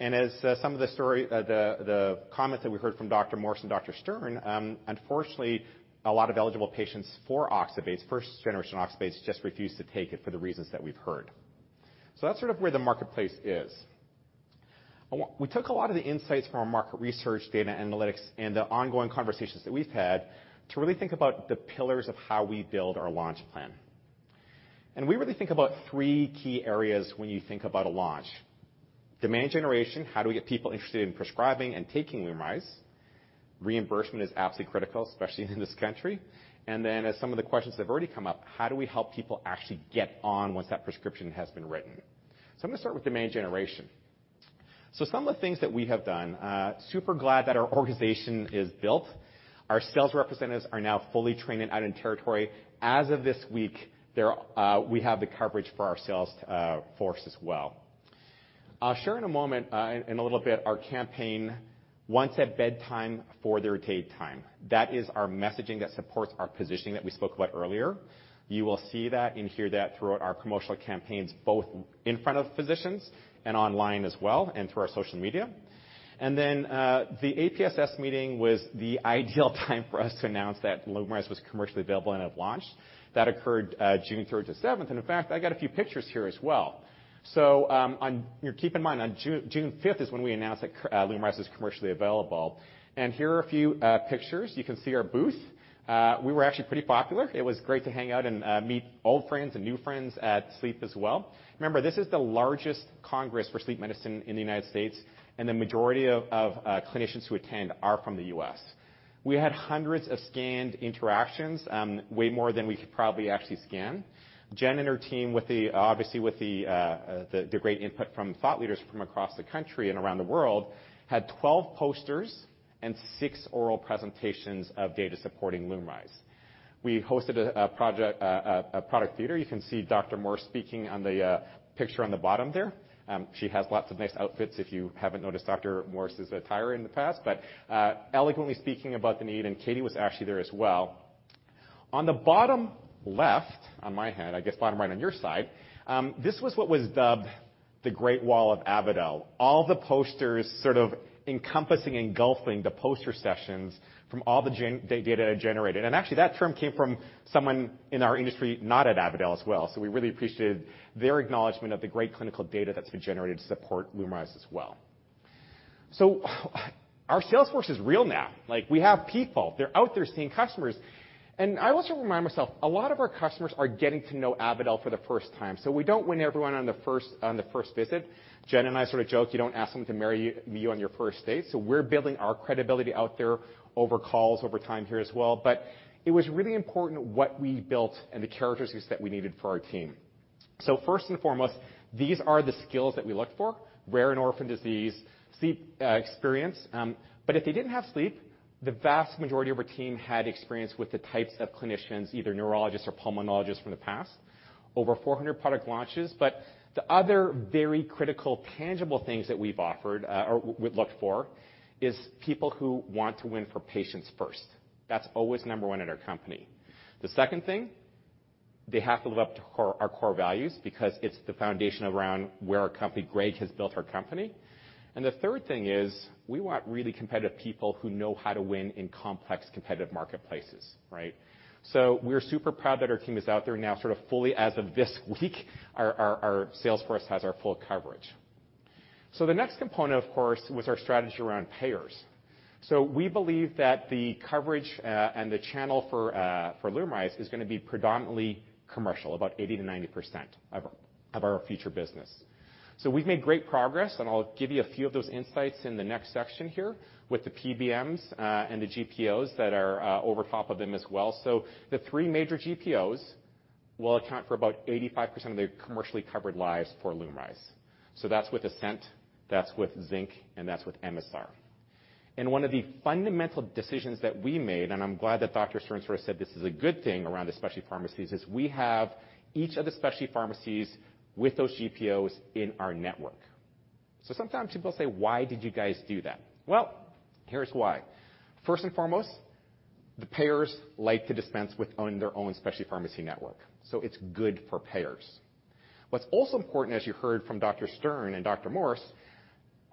As some of the story, the comments that we heard from Dr. Morse and Dr. Stern, unfortunately, a lot of eligible patients for oxybates, first-generation oxybates, just refuse to take it for the reasons that we've heard. That's sort of where the marketplace is. We took a lot of the insights from our market research, data analytics, and the ongoing conversations that we've had to really think about the pillars of how we build our launch plan. We really think about three key areas when you think about a launch. Demand generation, how do we get people interested in prescribing and taking LUMRYZ? Reimbursement is absolutely critical, especially in this country. Then, as some of the questions that have already come up, how do we help people actually get on once that prescription has been written? I'm going to start with demand generation. Some of the things that we have done, super glad that our organization is built. Our sales representatives are now fully trained and out in territory. As of this week, they're, we have the coverage for our sales force as well. I'll share in a moment, in a little bit, our campaign, Once at Bedtime, For the Daytime. That is our messaging that supports our positioning that we spoke about earlier. You will see that and hear that throughout our promotional campaigns, both in front of physicians and online as well, and through our social media. Then, the APSS meeting was the ideal time for us to announce that LUMRYZ was commercially available and have launched. That occurred, June 3rd to 7th, and in fact, I got a few pictures here as well. On... Keep in mind, on June 5th is when we announced that LUMRYZ is commercially available. Here are a few pictures. You can see our booth. We were actually pretty popular. It was great to hang out and meet old friends and new friends at Sleep as well. Remember, this is the largest congress for sleep medicine in the United States, and the majority of clinicians who attend are from the U.S. We had hundreds of scanned interactions, way more than we could probably actually scan. Jen and her team, with the, obviously with the great input from thought leaders from across the country and around the world, had 12 posters and six oral presentations of data supporting LUMRYZ. We hosted a project, a product theater. You can see Dr. Morse speaking on the picture on the bottom there. She has lots of nice outfits if you haven't noticed Dr. Morse's attire in the past, but eloquently speaking about the need, and Katie was actually there as well. On the bottom left, on my head, I guess bottom right on your side, this was what was dubbed the Great Wall of Avadel. All the posters sort of encompassing, engulfing the poster sessions from all the data generated. Actually, that term came from someone in our industry, not at Avadel as well. We really appreciated their acknowledgment of the great clinical data that's been generated to support LUMRYZ as well. Our sales force is real now. Like, we have people, they're out there seeing customers. I also remind myself, a lot of our customers are getting to know Avadel for the first time, so we don't win everyone on the first visit. Jen and I sort of joke, you don't ask someone to marry you on your first date. We're building our credibility out there over calls, over time here as well. It was really important what we built and the characteristics that we needed for our team. First and foremost, these are the skills that we looked for, rare and orphan disease, sleep experience. If they didn't have sleep, the vast majority of our team had experience with the types of clinicians, either neurologists or pulmonologists from the past, over 400 product launches. The other very critical, tangible things that we've offered, or we look for, is people who want to win for patients first. That's always number one at our company. The second thing, they have to live up to our core values because it's the foundation around where our company, Greg, has built our company. The third thing is, we want really competitive people who know how to win in complex, competitive marketplaces, right? We're super proud that our team is out there now, sort of fully as of this week, our sales force has our full coverage. The next component, of course, was our strategy around payers. We believe that the coverage, and the channel for LUMRYZ is going to be predominantly commercial, about 80%-90% of our future business. We've made great progress, and I'll give you a few of those insights in the next section here with the PBMs and the GPOs that are over top of them as well. The three major GPOs will account for about 85% of the commercially covered lives for LUMRYZ. That's with Ascent, that's with Zinc, and that's with Emisar. One of the fundamental decisions that we made, and I'm glad that Dr. Stern sort of said this is a good thing around the specialty pharmacies, is we have each of the specialty pharmacies with those GPOs in our network. Sometimes people say, "Why did you guys do that?" Well, here's why. First and foremost, the payers like to dispense within their own specialty pharmacy network, so it's good for payers. What's also important, as you heard from Dr. Stern and Dr. Morse,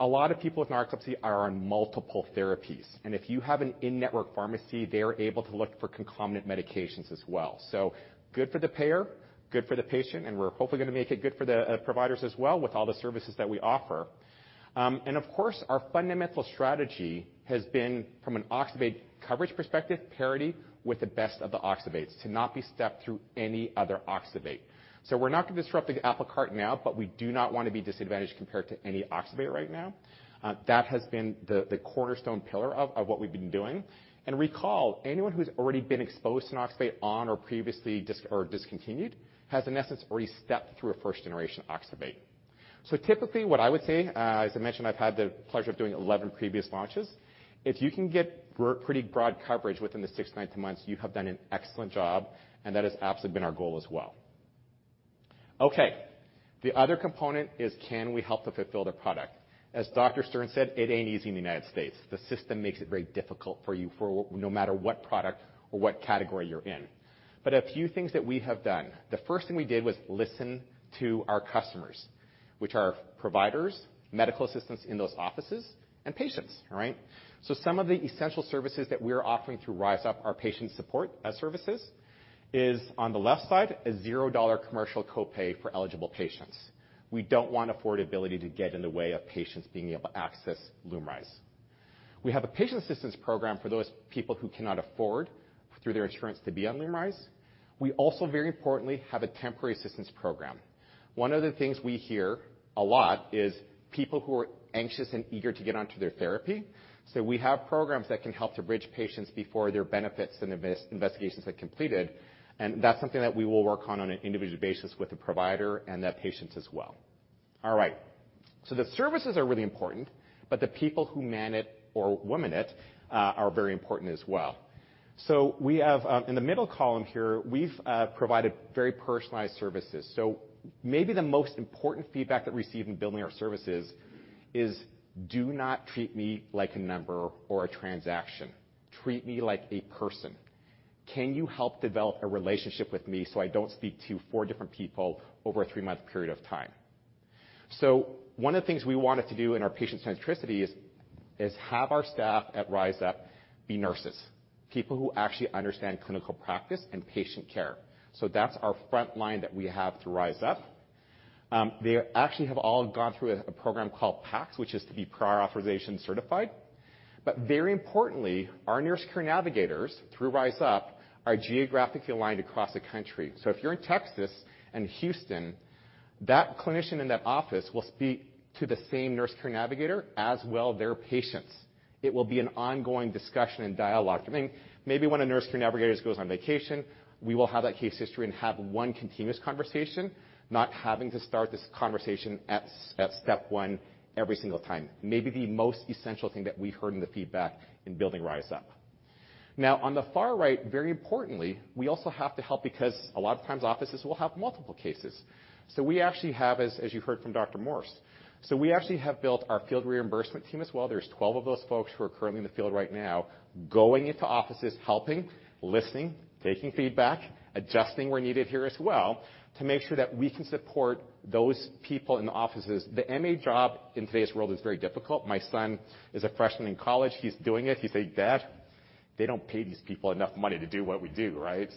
a lot of people with narcolepsy are on multiple therapies. If you have an in-network pharmacy, they are able to look for concomitant medications as well. Good for the payer, good for the patient. We're hopefully going to make it good for the providers as well with all the services that we offer. Of course, our fundamental strategy has been, from an oxybate coverage perspective, parity with the best of the oxybates, to not be stepped through any other oxybate. We're not going to disrupt the apple cart now, but we do not want to be disadvantaged compared to any oxybate right now. That has been the cornerstone pillar of what we've been doing. Recall, anyone who's already been exposed to an oxybate on or previously discontinued, has, in essence, already stepped through a first-generation oxybate. Typically, what I would say, as I mentioned, I've had the pleasure of doing 11 previous launches. If you can get pretty broad coverage within the 6-9 months, you have done an excellent job, and that has absolutely been our goal as well. The other component is, can we help to fulfill the product? As Dr. Stern said, it ain't easy in the United States. The system makes it very difficult for you for no matter what product or what category you're in. A few things that we have done. The first thing we did was listen to our customers, which are providers, medical assistants in those offices and patients, all right? Some of the essential services that we're offering through RYZUP, our patient support services, is on the left side, a $0 commercial copay for eligible patients. We don't want affordability to get in the way of patients being able to access LUMRYZ. We have a patient assistance program for those people who cannot afford, through their insurance, to be on LUMRYZ. We also, very importantly, have a temporary assistance program. One of the things we hear a lot is people who are anxious and eager to get onto their therapy. We have programs that can help to bridge patients before their benefits investigation are completed, and that's something that we will work on an individual basis with the provider and their patients as well. All right. The services are really important, but the people who man it or woman it are very important as well. We have, in the middle column here, we've provided very personalized services. Maybe the most important feedback that we received in building our services is: do not treat me like a number or a transaction. Treat me like a person. Can you help develop a relationship with me, so I don't speak to four different people over a three-month period of time? One of the things we wanted to do in our patient centricity is have our staff at RYZUP be nurses, people who actually understand clinical practice and patient care. That's our front line that we have through RYZUP. They actually have all gone through a program called PACS, which is to be Prior Authorization Certified. Very importantly, our nurse care navigators, through RYZUP, are geographically aligned across the country. If you're in Texas and Houston, that clinician in that office will speak to the same nurse care navigator as well, their patients. It will be an ongoing discussion and dialogue. Maybe when a nurse care navigators goes on vacation, we will have that case history and have one continuous conversation, not having to start this conversation at step 1 every single time. Maybe the most essential thing that we heard in the feedback in building RYZUP. On the far right, very importantly, we also have to help because a lot of times offices will have multiple cases. We actually have, as you heard from Dr. Morse... We actually have built our field reimbursement team as well. There's 12 of those folks who are currently in the field right now, going into offices, helping, listening, taking feedback, adjusting where needed here as well, to make sure that we can support those people in the offices. The MA job in today's world is very difficult. My son is a freshman in college. He's doing it. He's like, "Dad, they don't pay these people enough money to do what we do," right?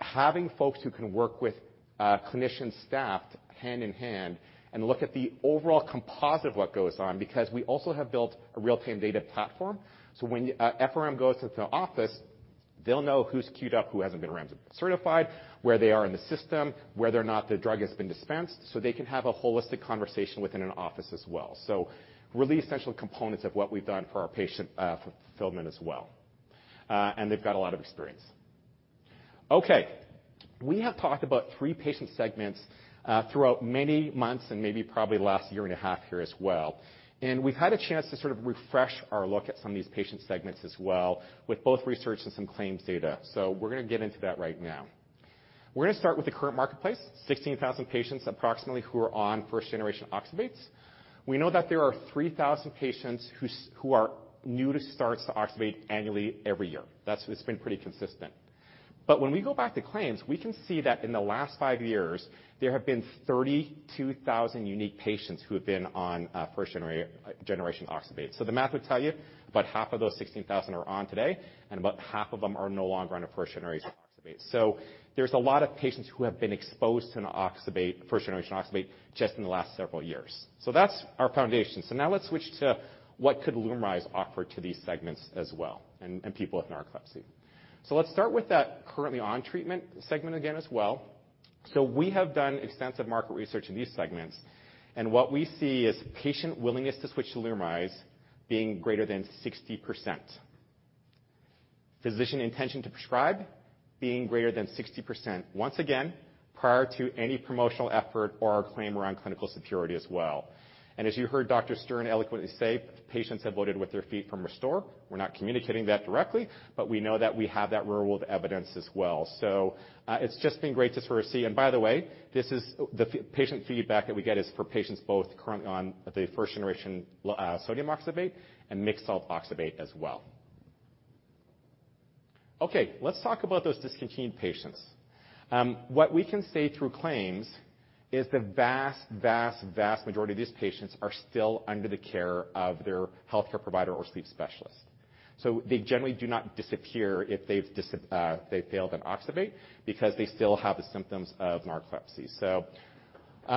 Having folks who can work with clinician staff hand in hand and look at the overall composite of what goes on, because we also have built a real-time data platform. When FRM goes into the office, they'll know who's queued up, who hasn't been certified, where they are in the system, whether or not the drug has been dispensed, so they can have a holistic conversation within an office as well. Really essential components of what we've done for our patient fulfillment as well. They've got a lot of experience. We have talked about three patient segments throughout many months and maybe probably the last year and a half here as well. We've had a chance to sort of refresh our look at some of these patient segments as well, with both research and some claims data. We're going to get into that right now. We're going to start with the current marketplace, 16,000 patients, approximately, who are on first-generation oxybates. We know that there are 3,000 patients who are new to starts to oxybate annually every year. It's been pretty consistent. When we go back to claims, we can see that in the last 5 years, there have been 32,000 unique patients who have been on first-generation oxybate. The math would tell you about half of those 16,000 are on today, and about half of them are no longer on a first-generation oxybate. There's a lot of patients who have been exposed to an oxybate, first-generation oxybate, just in the last several years. That's our foundation. Now let's switch to what could LUMRYZ offer to these segments as well and people with narcolepsy. Let's start with that currently on treatment segment again as well. We have done extensive market research in these segments, and what we see is patient willingness to switch to LUMRYZ being greater than 60%. Physician intention to prescribe being greater than 60%, once again, prior to any promotional effort or our claim around clinical superiority as well. As you heard Dr. Stern eloquently say, patients have voted with their feet from RESTORE. We're not communicating that directly, but we know that we have that real-world evidence as well. It's just been great to sort of see. By the way, this is the patient feedback that we get is for patients both currently on the first-generation sodium oxybate and mixed salt oxybate as well. Let's talk about those discontinued patients. What we can say through claims is the vast, vast majority of these patients are still under the care of their healthcare provider or sleep specialist. they generally do not disappear if they've failed on oxybate because they still have the symptoms of narcolepsy.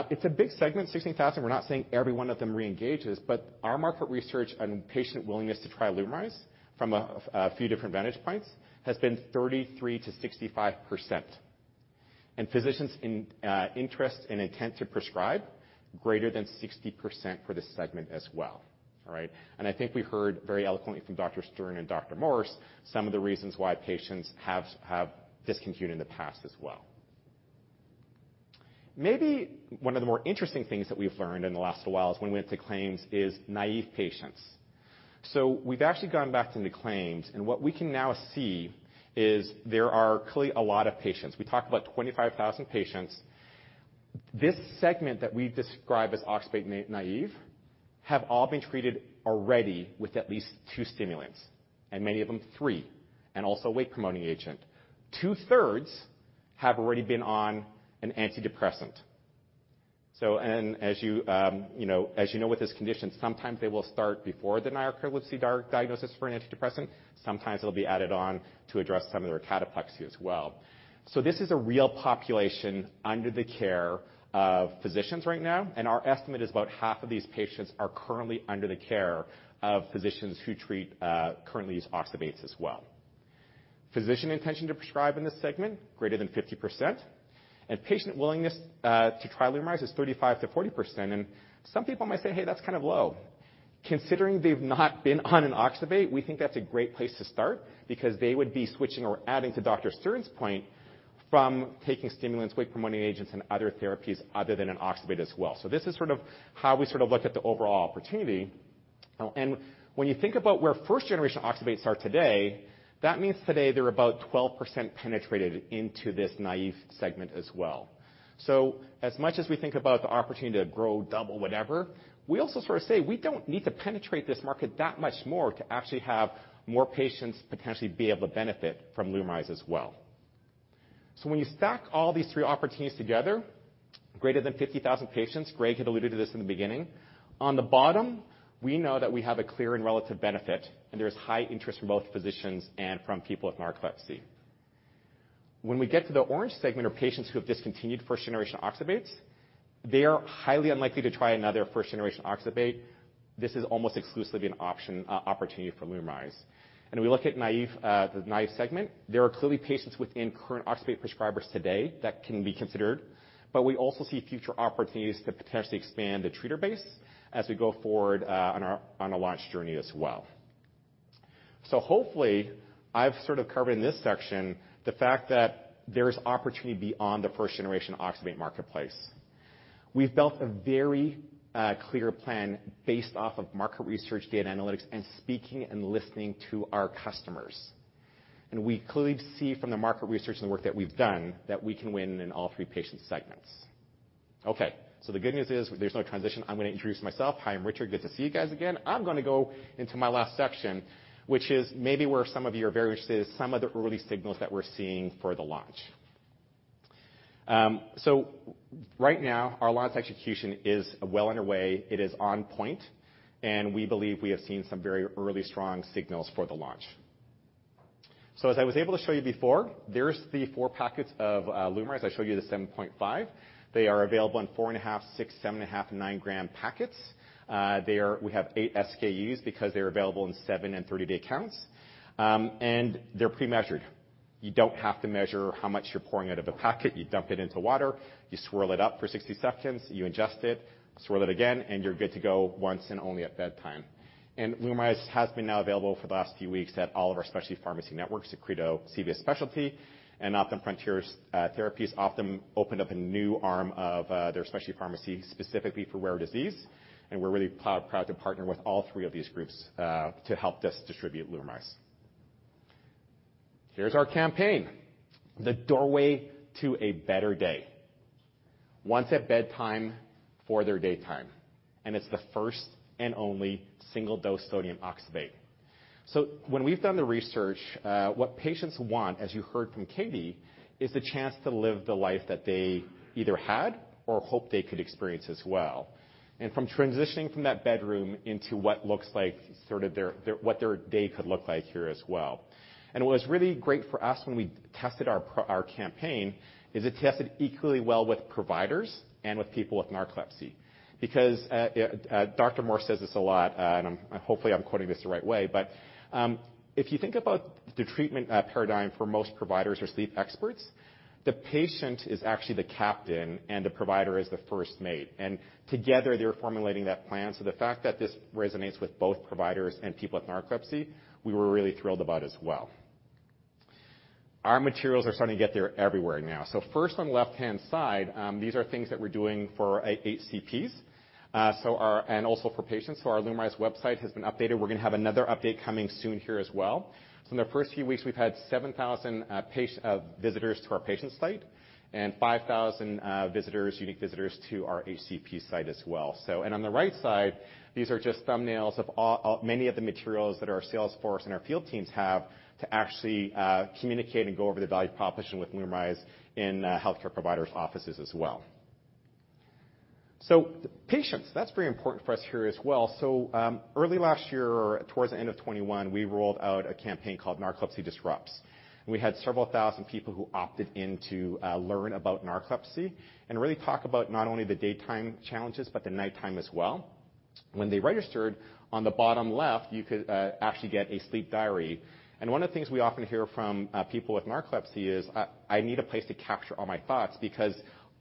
it's a big segment, 16,000. We're not saying every one of them reengages, but our market research and patient willingness to try LUMRYZ from a few different vantage points has been 33%-65%. physicians in interest and intent to prescribe greater than 60% for this segment as well. All right? I think we heard very eloquently from Dr. Stern and Dr. Morse some of the reasons why patients have discontinued in the past as well. Maybe one of the more interesting things that we've learned in the last little while is when we went to claims is naive patients. We've actually gone back into claims, and what we can now see is there are clearly a lot of patients. We talked about 25,000 patients. This segment that we describe as oxybate naive, have all been treated already with at least two stimulants, and many of them, three, and also a wake-promoting agent. Two-thirds have already been on an antidepressant. As you know, as you know, with this condition, sometimes they will start before the narcolepsy diagnosis for an antidepressant. Sometimes it'll be added on to address some of their cataplexy as well. This is a real population under the care of physicians right now, and our estimate is about half of these patients are currently under the care of physicians who treat, currently use oxybates as well. Physician intention to prescribe in this segment, greater than 50%, and patient willingness to try LUMRYZ is 35%-40%. Some people might say, "Hey, that's kind of low." Considering they've not been on an oxybate, we think that's a great place to start because they would be switching or adding, to Dr. Stern's point, from taking stimulants, wake-promoting agents, and other therapies other than an oxybate as well. This is sort of how we look at the overall opportunity. When you think about where first-generation oxybates are today, that means today they're about 12% penetrated into this naive segment as well. As much as we think about the opportunity to grow double, whatever, we also sort of say we don't need to penetrate this market that much more to actually have more patients potentially be able to benefit from LUMRYZ as well. When you stack all these three opportunities together, greater than 50,000 patients, Greg had alluded to this in the beginning. On the bottom, we know that we have a clear and relative benefit, and there is high interest from both physicians and from people with narcolepsy. When we get to the orange segment of patients who have discontinued first-generation oxybates, they are highly unlikely to try another first-generation oxybate. This is almost exclusively an option, opportunity for LUMRYZ. We look at naive, the naive segment. There are clearly patients within current oxybate prescribers today that can be considered, but we also see future opportunities to potentially expand the treater base as we go forward on our launch journey as well. Hopefully, I've sort of covered in this section the fact that there is opportunity beyond the first-generation oxybate marketplace. We've built a very clear plan based off of market research, data analytics, and speaking and listening to our customers. We clearly see from the market research and the work that we've done, that we can win in all three patient segments. The good news is there's no transition. I'm going to introduce myself. Hi, I'm Richard. Good to see you guys again. I'm going to go into my last section, which is maybe where some of you are very interested, is some of the early signals that we're seeing for the launch. Right now, our launch execution is well underway. It is on point, and we believe we have seen some very early strong signals for the launch. As I was able to show you before, there's the 4 packets of LUMRYZ. I showed you the 7.5. They are available in 4.5, 6, 7.5, 9 gram packets. We have 8 SKUs because they're available in 7 and 30-day counts. And they're pre-measured. You don't have to measure how much you're pouring out of the packet. You dump it into water, you swirl it up for 60 seconds, you ingest it, swirl it again, and you're good to go once and only at bedtime. LUMRYZ has been now available for the last few weeks at all of our specialty pharmacy networks, Accredo, CVS Specialty, and Optum Frontier Therapies. Optum opened up a new arm of their specialty pharmacy, specifically for rare disease, we're really proud to partner with all three of these groups to help us distribute LUMRYZ. Here's our campaign, The Doorway to a Better Day. Once at Bedtime, For the Daytime. It's the first and only single-dose sodium oxybate. When we've done the research, what patients want, as you heard from Katie, is the chance to live the life that they either had or hope they could experience as well. From transitioning from that bedroom into what looks like sort of their what their day could look like here as well. What was really great for us when we tested our campaign, is it tested equally well with providers and with people with narcolepsy. Dr. Morse says this a lot, hopefully, I'm quoting this the right way. If you think about the treatment paradigm for most providers or sleep experts, the patient is actually the captain, and the provider is the first mate, and together, they're formulating that plan. The fact that this resonates with both providers and people with narcolepsy, we were really thrilled about as well. Our materials are starting to get there everywhere now. First on the left-hand side, these are things that we're doing for our HCPs. And also for patients. Our LUMRYZ website has been updated. We're gonna have another update coming soon here as well. In the first few weeks, we've had 7,000 visitors to our patient site and 5,000 unique visitors to our HCP site as well. On the right side, these are just thumbnails of all many of the materials that our sales force and our field teams have to actually communicate and go over the value proposition with LUMRYZ in healthcare providers' offices as well. Patients, that's very important for us here as well. Early last year, towards the end of 2021, we rolled out a campaign called Narcolepsy Disrupts. We had several thousand people who opted in to learn about narcolepsy and really talk about not only the daytime challenges, but the nighttime as well. When they registered, on the bottom left, you could actually get a sleep diary. One of the things we often hear from people with narcolepsy is, "I need a place to capture all my thoughts," because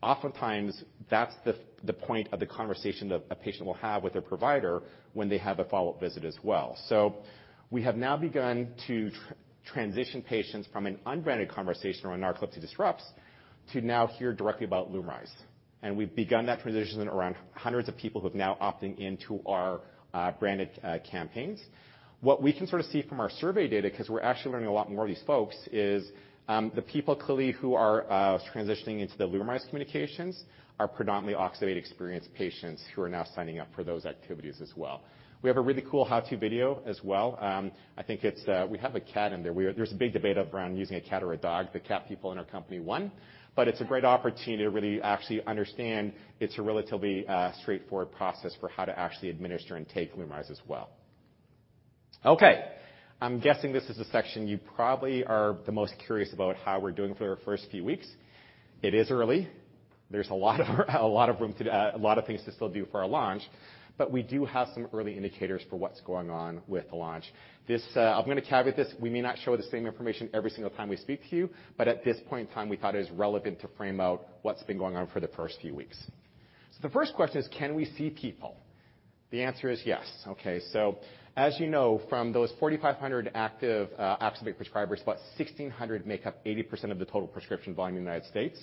oftentimes that's the point of the conversation that a patient will have with their provider when they have a follow-up visit as well. We have now begun to transition patients from an unbranded conversation around Narcolepsy Disrupts to now hear directly about LUMRYZ. We've begun that transition around hundreds of people who are now opting into our branded campaigns. What we can sort of see from our survey data, 'cause we're actually learning a lot more of these folks, is, the people clearly who are transitioning into the LUMRYZ communications are predominantly oxybate experienced patients who are now signing up for those activities as well. We have a really cool how-to video as well. I think it's, we have a cat in there. There's a big debate around using a cat or a dog. The cat people in our company won, it's a great opportunity to really actually understand it's a relatively straightforward process for how to actually administer and take LUMRYZ as well. I'm guessing this is the section you probably are the most curious about, how we're doing for the first few weeks. It is early. There's a lot of room, a lot of room to, a lot of things to still do for our launch, but we do have some early indicators for what's going on with the launch. I'm gonna caveat this: we may not show the same information every single time we speak to you, but at this point in time, we thought it was relevant to frame out what's been going on for the first few weeks. The first question is, can we see people? The answer is yes. As you know, from those 4,500 active oxybate prescribers, about 1,600 make up 80% of the total prescription volume in the United States.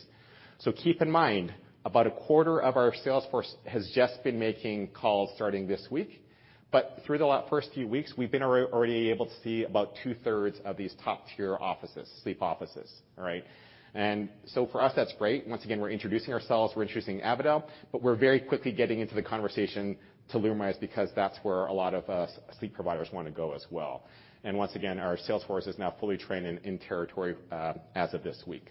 Keep in mind, about a quarter of our sales force has just been making calls starting this week, but through the first few weeks, we've already been able to see about two-thirds of these top-tier offices, sleep offices. All right? For us, that's great. Once again, we're introducing ourselves, we're introducing Avadel, but we're very quickly getting into the conversation to LUMRYZ because that's where a lot of sleep providers want to go as well. Once again, our sales force is now fully trained and in territory as of this week.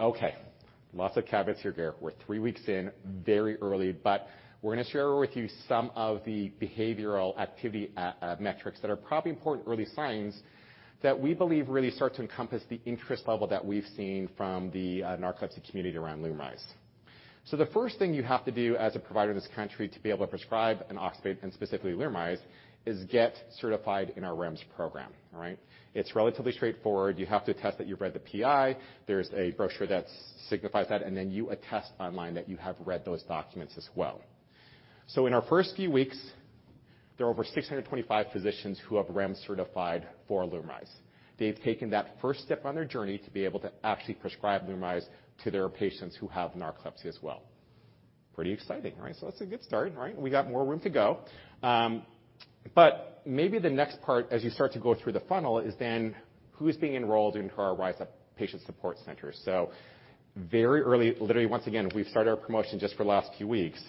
Okay, lots of caveats here. We're 3 weeks in, very early, but we're gonna share with you some of the behavioral activity metrics that are probably important early signs that we believe really start to encompass the interest level that we've seen from the narcolepsy community around LUMRYZ. The first thing you have to do as a provider in this country to be able to prescribe an oxybate, and specifically LUMRYZ, is get certified in our REMS program. All right? It's relatively straightforward. You have to attest that you've read the PI. There's a brochure that signifies that, and then you attest online that you have read those documents as well. In our first few weeks, there are over 625 physicians who have REMS certified for LUMRYZ. They've taken that first step on their journey to be able to actually prescribe LUMRYZ to their patients who have narcolepsy as well. Pretty exciting, right? That's a good start, right? We got more room to go. Maybe the next part, as you start to go through the funnel, is then who's being enrolled into our RYZUP Patient Support Center? Very early, literally, once again, we've started our promotion just for the last few weeks,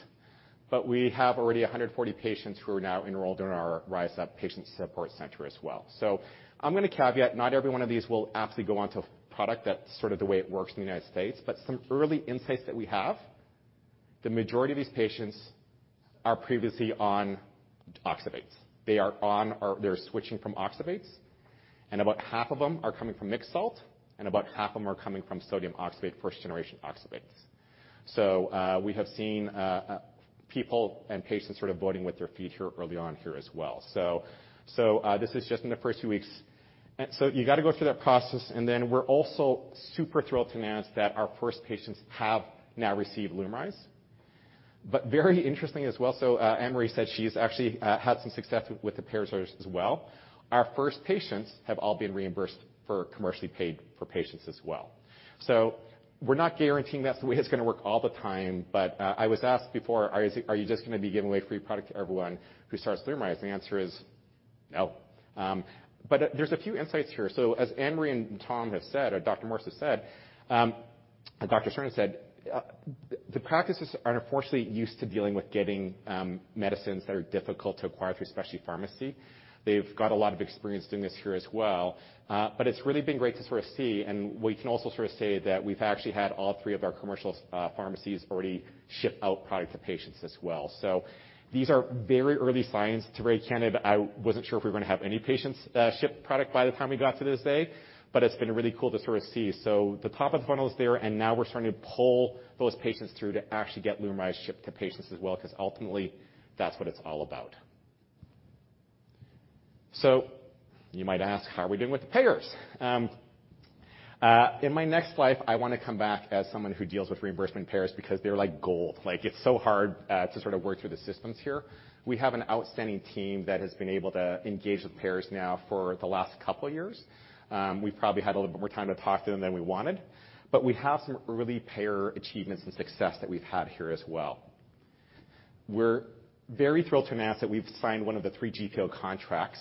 but we have already 140 patients who are now enrolled in our RYZUP Patient Support Center as well. I'm gonna caveat, not every one of these will absolutely go on to product. That's sort of the way it works in the United States, but some early insights that we have, the majority of these patients are previously on oxybates. They are on, or they're switching from oxybates, and about half of them are coming from mixed salts, and about half of them are coming from sodium oxybate, first-generation oxybates. We have seen people and patients sort of voting with their feet here early on here as well. This is just in the first few weeks. You got to go through that process, and then we're also super thrilled to announce that our first patients have now received LUMRYZ. Very interesting as well, Anne Marie said she's actually had some success with the payers as well. Our first patients have all been reimbursed for commercially paid for patients as well. We're not guaranteeing that's the way it's gonna work all the time, but I was asked before, "Are you just gonna be giving away free product to everyone who starts LUMRYZ?" The answer is No. There's a few insights here. As Anne Marie and Tom have said, or Dr. Morse has said, and Dr. Stern has said, the practices are unfortunately used to dealing with getting medicines that are difficult to acquire through specialty pharmacy. They've got a lot of experience doing this here as well. It's really been great to sort of see, and we can also sort of say that we've actually had all 3 of our commercial pharmacies already ship out product to patients as well. These are very early signs. To be very candid, I wasn't sure if we were gonna have any patients ship product by the time we got to this day, but it's been really cool to sort of see. The top of the funnel is there, and now we're starting to pull those patients through to actually get LUMRYZ shipped to patients as well, 'cause ultimately, that's what it's all about. You might ask, how are we doing with the payers? In my next life, I wanna come back as someone who deals with reimbursement payers because they're like gold. Like, it's so hard to sort of work through the systems here. We have an outstanding team that has been able to engage with payers now for the last couple years. We've probably had a little bit more time to talk to them than we wanted, but we have some early payer achievements and success that we've had here as well. We're very thrilled to announce that we've signed 1 of the 3 GPO contracts.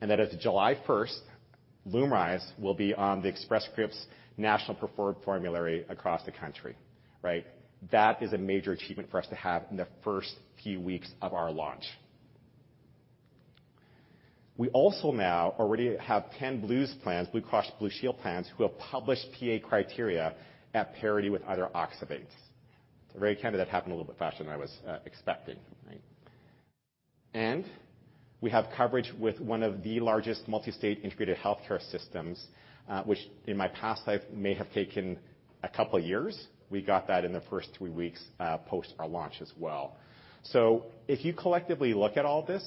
That as of July 1st, LUMRYZ will be on the Express Scripts National Preferred Formulary across the country, right? That is a major achievement for us to have in the first few weeks of our launch. We also now already have 10 Blues plans, Blue Cross Blue Shield plans, who have published PA criteria at parity with other oxybates. To very candid, that happened a little bit faster than I was expecting, right? We have coverage with one of the largest multi-state integrated healthcare systems, which in my past life may have taken a couple of years. We got that in the first 3 weeks post our launch as well. If you collectively look at all this,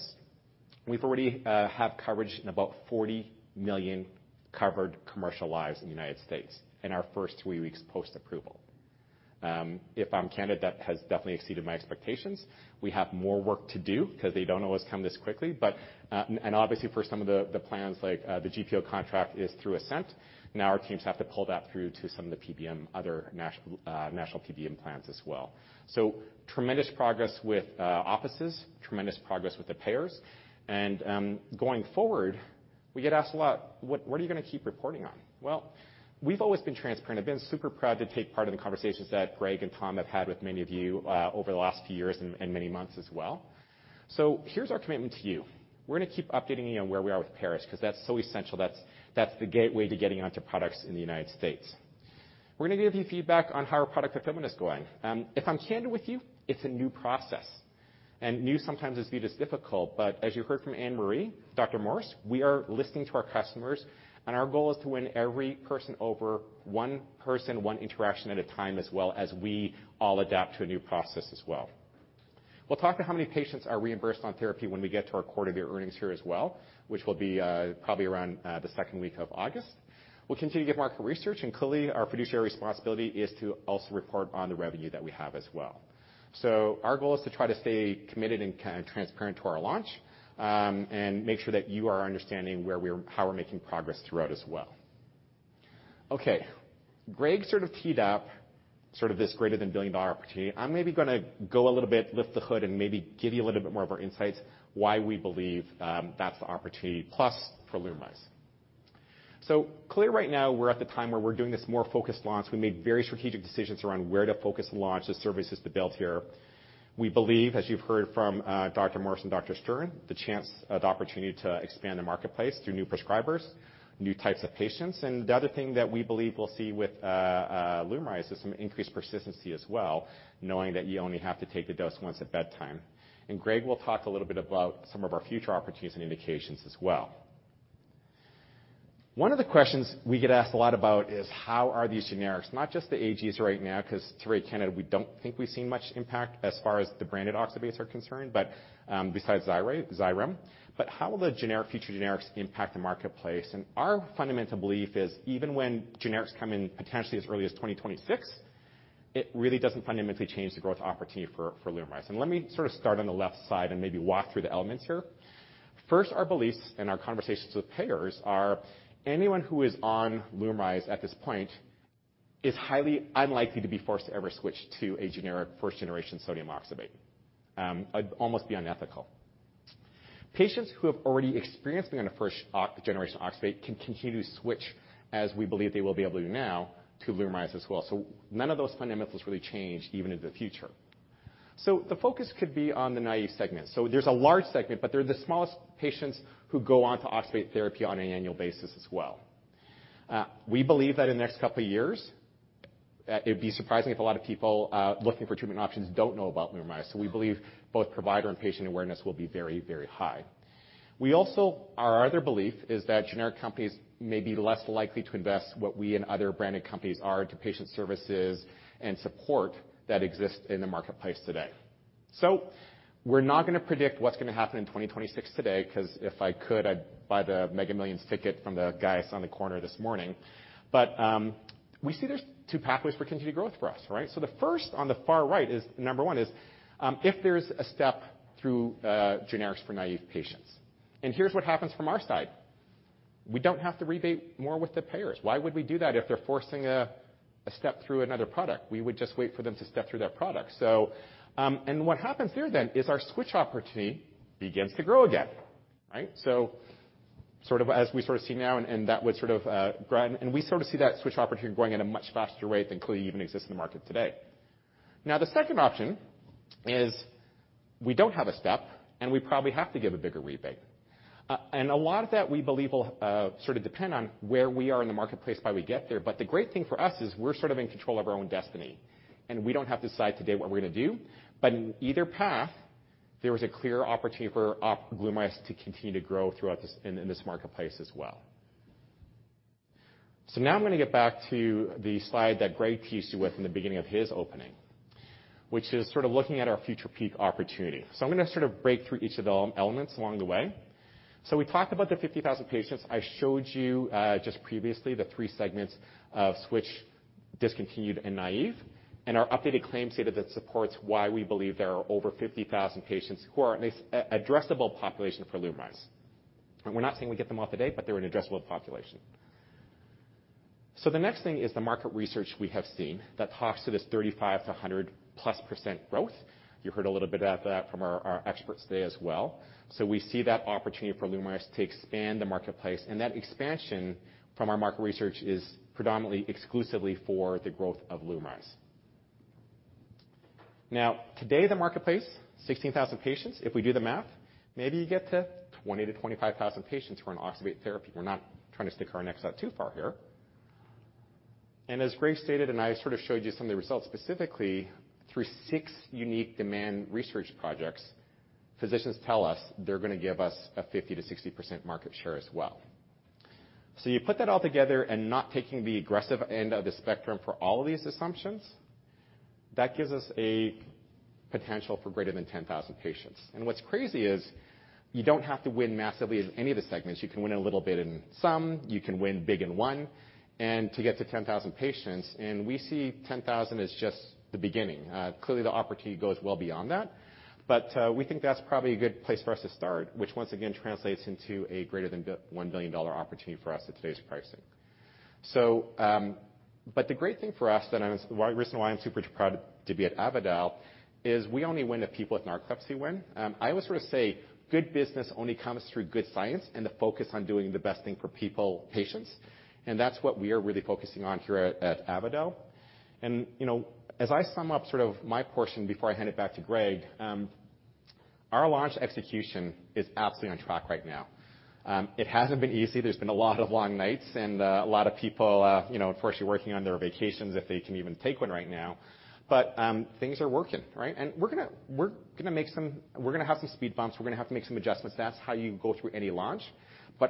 we've already have coverage in about 40 million covered commercial lives in the United States in our first 3 weeks post-approval. If I'm candid, that has definitely exceeded my expectations. We have more work to do because they don't always come this quickly. And obviously, for some of the plans, like, the GPO contract is through Ascent, now our teams have to pull that through to some of the PBM, other national PBM plans as well. Tremendous progress with offices, tremendous progress with the payers, and going forward, we get asked a lot, "What are you gonna keep reporting on?" Well, we've always been transparent. I've been super proud to take part in the conversations that Greg and Tom have had with many of you over the last few years and many months as well. Here's our commitment to you: We're gonna keep updating you on where we are with the payers, 'cause that's so essential, that's the gateway to getting onto products in the United States. We're gonna give you feedback on how our product fulfillment is going. If I'm candid with you, it's a new process, and new sometimes is viewed as difficult. As you heard from Anne Marie, Dr. Morse, we are listening to our customers, and our goal is to win every person over, one person, one interaction at a time, as well as we all adapt to a new process as well. We'll talk to how many patients are reimbursed on therapy when we get to our quarterly earnings here as well, which will be probably around the second week of August. We'll continue to give market research, and clearly, our fiduciary responsibility is to also report on the revenue that we have as well. Our goal is to try to stay committed and transparent to our launch, and make sure that you are understanding how we're making progress throughout as well. Okay. Greg sort of teed up this greater than $1 billion opportunity. I'm maybe gonna go a little bit, lift the hood, and maybe give you a little bit more of our insights, why we believe that's the opportunity, plus for LUMRYZ. Clearly, right now, we're at the time where we're doing this more focused launch. We made very strategic decisions around where to focus and launch the services to build here. We believe, as you've heard from Dr. Morse and Dr. Stern, the chance, the opportunity to expand the marketplace through new prescribers, new types of patients, and the other thing that we believe we'll see with LUMRYZ is some increased persistency as well, knowing that you only have to take the dose once at bedtime. Greg will talk a little bit about some of our future opportunities and indications as well. One of the questions we get asked a lot about is, how are these generics? Not just the AGs right now, because to be quite candid, we don't think we've seen much impact as far as the branded oxybates are concerned, but besides Xyrem, but how will the future generics impact the marketplace? Our fundamental belief is, even when generics come in, potentially as early as 2026, it really doesn't fundamentally change the growth opportunity for LUMRYZ. Let me sort of start on the left side and maybe walk through the elements here. First, our beliefs and our conversations with payers are anyone who is on LUMRYZ at this point is highly unlikely to be forced to ever switch to a generic first-generation sodium oxybate. It'd almost be unethical. Patients who have already experienced being on a first-generation oxybate can continue to switch, as we believe they will be able to do now, to LUMRYZ as well. None of those fundamentals really change even in the future. The focus could be on the naive segment. There's a large segment, but they're the smallest patients who go on to oxybate therapy on an annual basis as well. We believe that in the next 2 years, it'd be surprising if a lot of people looking for treatment options don't know about LUMRYZ. We believe both provider and patient awareness will be very, very high. Our other belief is that generic companies may be less likely to invest what we and other branded companies are into patient services and support that exist in the marketplace today. We're not gonna predict what's gonna happen in 2026 today, 'cause if I could, I'd buy the Mega Millions ticket from the guys on the corner this morning. We see there's two pathways for continued growth for us, right? The first, on the far right, is number 1, if there's a step through generics for naive patients. Here's what happens from our side. We don't have to rebate more with the payers. Why would we do that if they're forcing a step through another product? We would just wait for them to step through that product. What happens there then is our switch opportunity begins to grow again, right? Sort of, as we sort of see now, and that would sort of, grind, and we sort of see that switch opportunity growing at a much faster rate than clearly even exists in the market today. The second option is we don't have a step, and we probably have to give a bigger rebate. A lot of that we believe will, sort of depend on where we are in the marketplace by we get there. The great thing for us is we're sort of in control of our own destiny, and we don't have to decide today what we're gonna do. In either path, there is a clear opportunity for, LUMRYZ to continue to grow throughout this, in this marketplace as well. Now I'm gonna get back to the slide that Greg teased you with in the beginning of his opening, which is sort of looking at our future peak opportunity. I'm gonna sort of break through each of the elements along the way. We talked about the 50,000 patients. I showed you just previously the 3 segments of switch, discontinued, and naive, and our updated claims data that supports why we believe there are over 50,000 patients who are at least an addressable population for LUMRYZ. We're not saying we get them all today, but they're an addressable population. The next thing is the market research we have seen that talks to this 35% to 100%+ growth. You heard a little bit about that from our experts today as well. We see that opportunity for LUMRYZ to expand the marketplace, and that expansion from our market research is predominantly exclusively for the growth of LUMRYZ. Today, the marketplace, 16,000 patients. If we do the math, maybe you get to 20,000-25,000 patients who are on oxybate therapy. We're not trying to stick our necks out too far here. As Greg stated, and I sort of showed you some of the results, specifically through 6 unique demand research projects, physicians tell us they're gonna give us a 50%-60% market share as well. You put that all together and not taking the aggressive end of the spectrum for all of these assumptions, that gives us a potential for greater than 10,000 patients. What's crazy is you don't have to win massively in any of the segments. You can win a little bit in some, you can win big in one. To get to 10,000 patients, we see 10,000 as just the beginning. Clearly, the opportunity goes well beyond that. We think that's probably a good place for us to start, which once again translates into a greater than $1 billion opportunity for us at today's pricing. The great thing for us, and the reason why I'm super proud to be at Avadel, is we only win if people with narcolepsy win. I always sort of say, "Good business only comes through good science and the focus on doing the best thing for people, patients." That's what we are really focusing on here at Avadel. You know, as I sum up sort of my portion before I hand it back to Greg, our launch execution is absolutely on track right now. It hasn't been easy. There's been a lot of long nights and a lot of people, you know, unfortunately working on their vacations, if they can even take one right now. Things are working, right? We're gonna have some speed bumps. We're gonna have to make some adjustments. That's how you go through any launch.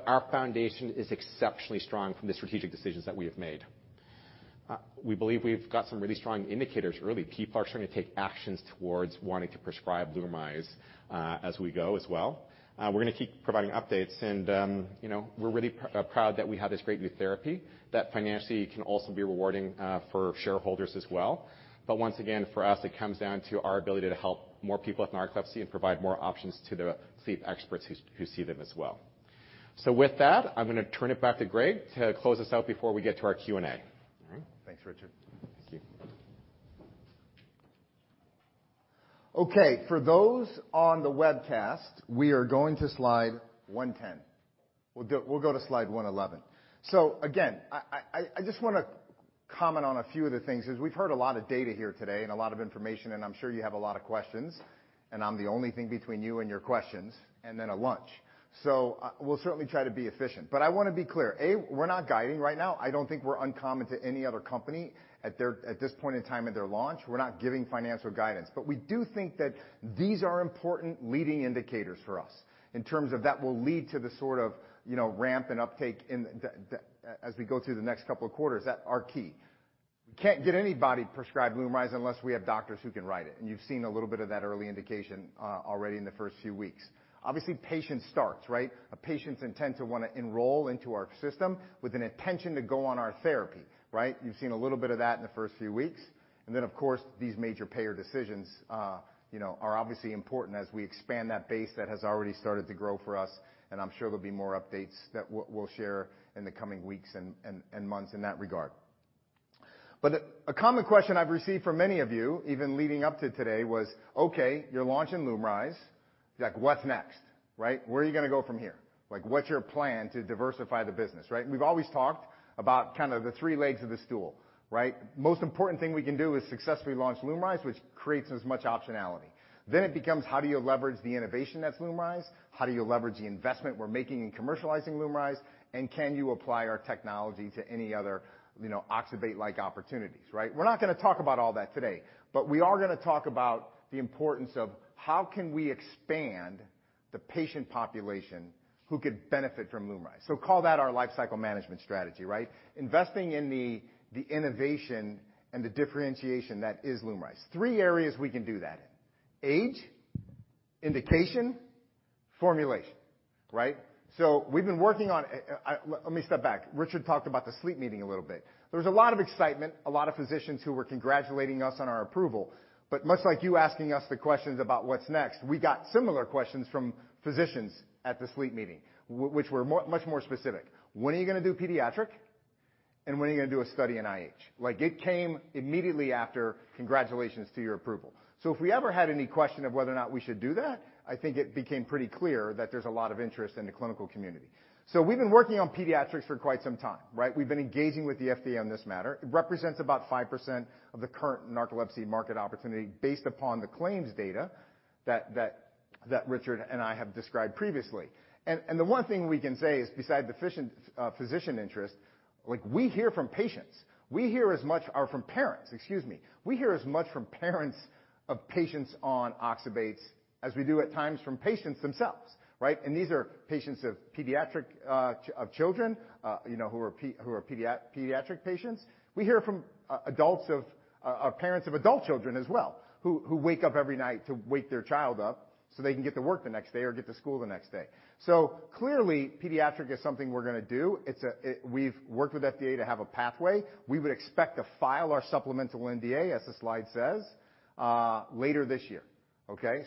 Our foundation is exceptionally strong from the strategic decisions that we have made. We believe we've got some really strong indicators early. People are starting to take actions towards wanting to prescribe LUMRYZ, as we go as well. We're gonna keep providing updates, and, you know, we're really proud that we have this great new therapy that financially can also be rewarding for shareholders as well. Once again, for us, it comes down to our ability to help more people with narcolepsy and provide more options to the sleep experts who see them as well. With that, I'm gonna turn it back to Greg to close us out before we get to our Q&A. All right? Thanks, Richard. Thank you. For those on the webcast, we are going to slide 110. We'll go to slide 111. Again, I just wanna comment on a few of the things, as we've heard a lot of data here today and a lot of information, and I'm sure you have a lot of questions, and I'm the only thing between you and your questions, and then a lunch. We'll certainly try to be efficient, but I wanna be clear, A, we're not guiding right now. I don't think we're uncommon to any other company at this point in time in their launch. We're not giving financial guidance, we do think that these are important leading indicators for us in terms of that will lead to the sort of, you know, ramp and uptake in the, as we go through the next couple of quarters, that are key. We can't get anybody to prescribe LUMRYZ unless we have doctors who can write it, and you've seen a little bit of that early indication, already in the first few weeks. Obviously, patient starts, right? A patient's intent to want to enroll into our system with an intention to go on our therapy, right? You've seen a little bit of that in the first few weeks. Then, of course, these major payer decisions, you know, are obviously important as we expand that base that has already started to grow for us, and I'm sure there'll be more updates that we'll share in the coming weeks and months in that regard. A common question I've received from many of you, even leading up to today, was, "Okay, you're launching LUMRYZ." Like, "What's next?" Right? "Where are you gonna go from here?" Like, "What's your plan to diversify the business," right? We've always talked about kind of the three legs of the stool, right? Most important thing we can do is successfully launch LUMRYZ, which creates as much optionality. It becomes, how do you leverage the innovation that's LUMRYZ? How do you leverage the investment we're making in commercializing LUMRYZ? Can you apply our technology to any other, you know, oxybate-like opportunities, right? We're not gonna talk about all that today, but we are gonna talk about the importance of how can we expand the patient population who could benefit from LUMRYZ. Call that our lifecycle management strategy, right? Investing in the innovation and the differentiation that is LUMRYZ. Three areas we can do that in: age, indication, formulation, right? We've been working on... Let me step back. Richard talked about the sleep meeting a little bit. There was a lot of excitement, a lot of physicians who were congratulating us on our approval, but much like you asking us the questions about what's next, we got similar questions from physicians at the sleep meeting, which were much more specific. "When are you gonna do pediatric?... When are you going to do a study in IH? Like, it came immediately after, "Congratulations to your approval." If we ever had any question of whether or not we should do that, I think it became pretty clear that there's a lot of interest in the clinical community. We've been working on pediatrics for quite some time, right? We've been engaging with the FDA on this matter. It represents about 5% of the current narcolepsy market opportunity, based upon the claims data that Richard and I have described previously. The one thing we can say is, besides the physician interest, like, we hear from patients, we hear as much or from parents, excuse me. We hear as much from parents of patients on oxybates, as we do at times from patients themselves, right? These are patients of children, you know, who are pediatric patients. We hear from adults of parents of adult children as well, who wake up every night to wake their child up so they can get to work the next day or get to school the next day. Clearly, pediatric is something we're going to do. We've worked with FDA to have a pathway. We would expect to file our supplemental NDA, as the slide says, later this year.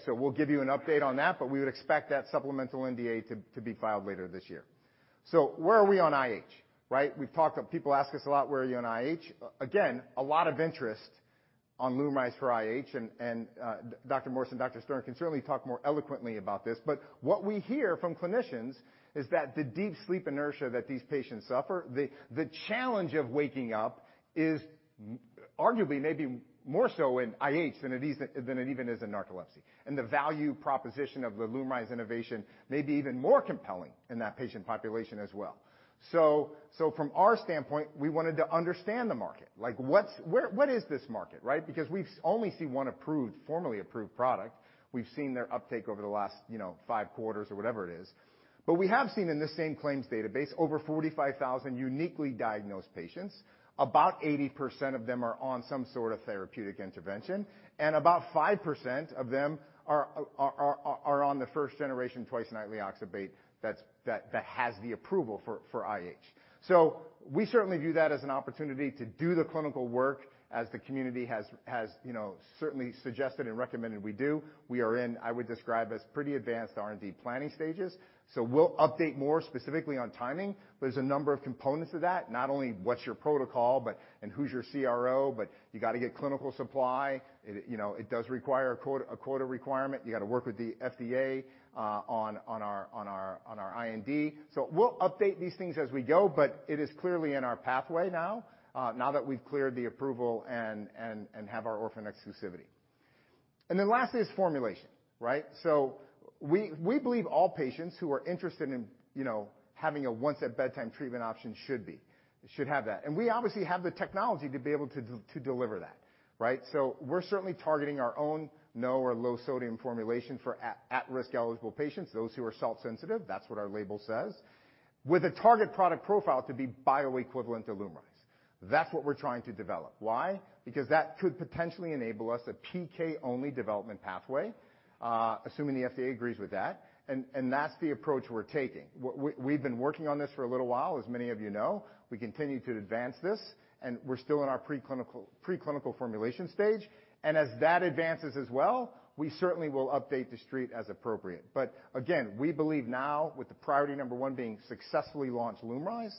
We'll give you an update on that, but we would expect that supplemental NDA to be filed later this year. Where are we on IH. People ask us a lot, where are you on IH? A lot of interest on LUMRYZ for IH, Dr. Morse and Dr. Stern can certainly talk more eloquently about this. What we hear from clinicians is that the deep sleep inertia that these patients suffer, the challenge of waking up is arguably maybe more so in IH than it even is in narcolepsy. The value proposition of the LUMRYZ innovation may be even more compelling in that patient population as well. From our standpoint, we wanted to understand the market. What is this market, right? We've only seen one approved, formally approved product. We've seen their uptake over the last, you know, 5 quarters or whatever it is. We have seen in this same claims database, over 45,000 uniquely diagnosed patients. About 80% of them are on some sort of therapeutic intervention, and about 5% of them are on the first generation, twice-nightly oxybate that has the approval for IH. We certainly view that as an opportunity to do the clinical work, as the community has, you know, certainly suggested and recommended we do. We are in, I would describe, as pretty advanced R&D planning stages. We'll update more specifically on timing. There's a number of components to that, not only what's your protocol, but, and who's your CRO, but you got to get clinical supply. It, you know, it does require a quota requirement. You got to work with the FDA on our IND. We'll update these things as we go, but it is clearly in our pathway now that we've cleared the approval and have our orphan exclusivity. Lastly is formulation, right? We believe all patients who are interested in, you know, having a once-at-bedtime treatment option should have that. We obviously have the technology to deliver that, right? We're certainly targeting our own no or low sodium formulation for at-risk eligible patients, those who are salt sensitive, that's what our label says, with a target product profile to be bioequivalent to LUMRYZ. That's what we're trying to develop. Why? Because that could potentially enable us a PK-only development pathway, assuming the FDA agrees with that, and that's the approach we're taking. We've been working on this for a little while, as many of you know. We continue to advance this. We're still in our preclinical formulation stage, as that advances as well, we certainly will update the street as appropriate. Again, we believe now, with the priority number 1 being successfully launch LUMRYZ,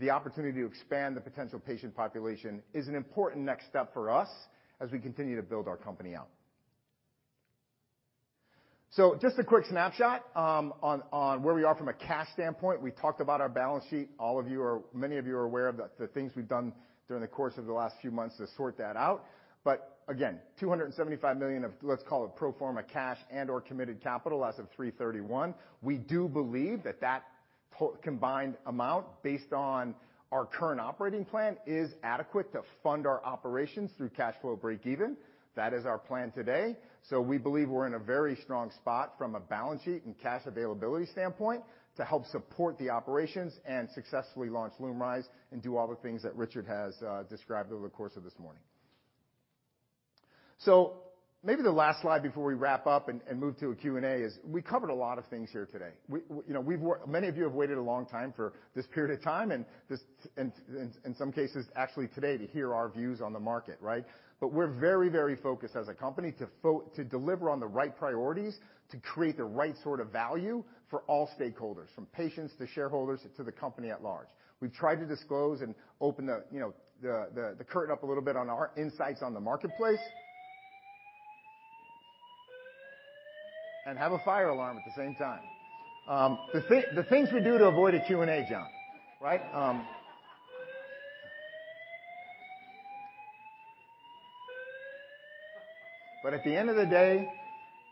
the opportunity to expand the potential patient population is an important next step for us as we continue to build our company out. Just a quick snapshot on where we are from a cash standpoint. We talked about our balance sheet. Many of you are aware of the things we've done during the course of the last few months to sort that out. Again, $275 million of, let's call it pro forma cash and/or committed capital as of 3/31. We do believe that combined amount, based on our current operating plan, is adequate to fund our operations through cash flow break even. That is our plan today. We believe we're in a very strong spot from a balance sheet and cash availability standpoint, to help support the operations and successfully launch LUMRYZ and do all the things that Richard Kim has described over the course of this morning. Maybe the last slide before we wrap up and move to a Q&A is we covered a lot of things here today. We, you know, many of you have waited a long time for this period of time and this, and in some cases, actually today, to hear our views on the market, right? We're very, very focused as a company to deliver on the right priorities, to create the right sort of value for all stakeholders, from patients to shareholders to the company at large. We've tried to disclose and open the, you know, the curtain up a little bit on our insights on the marketplace. Have a fire alarm at the same time. The things we do to avoid a Q&A, John, right? At the end of the day,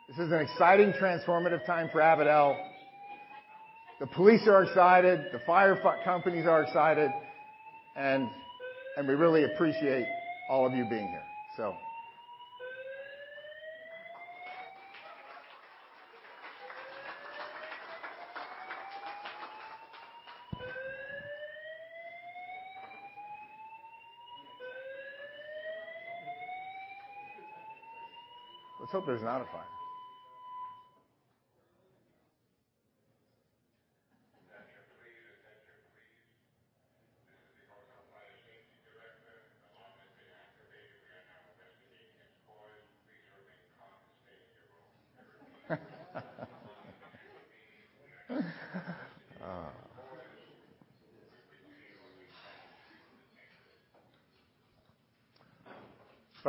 this is an exciting, transformative time for Avadel. The police are excited, the fire companies are excited, and we really appreciate all of you being here. Let's hope there's not a fire.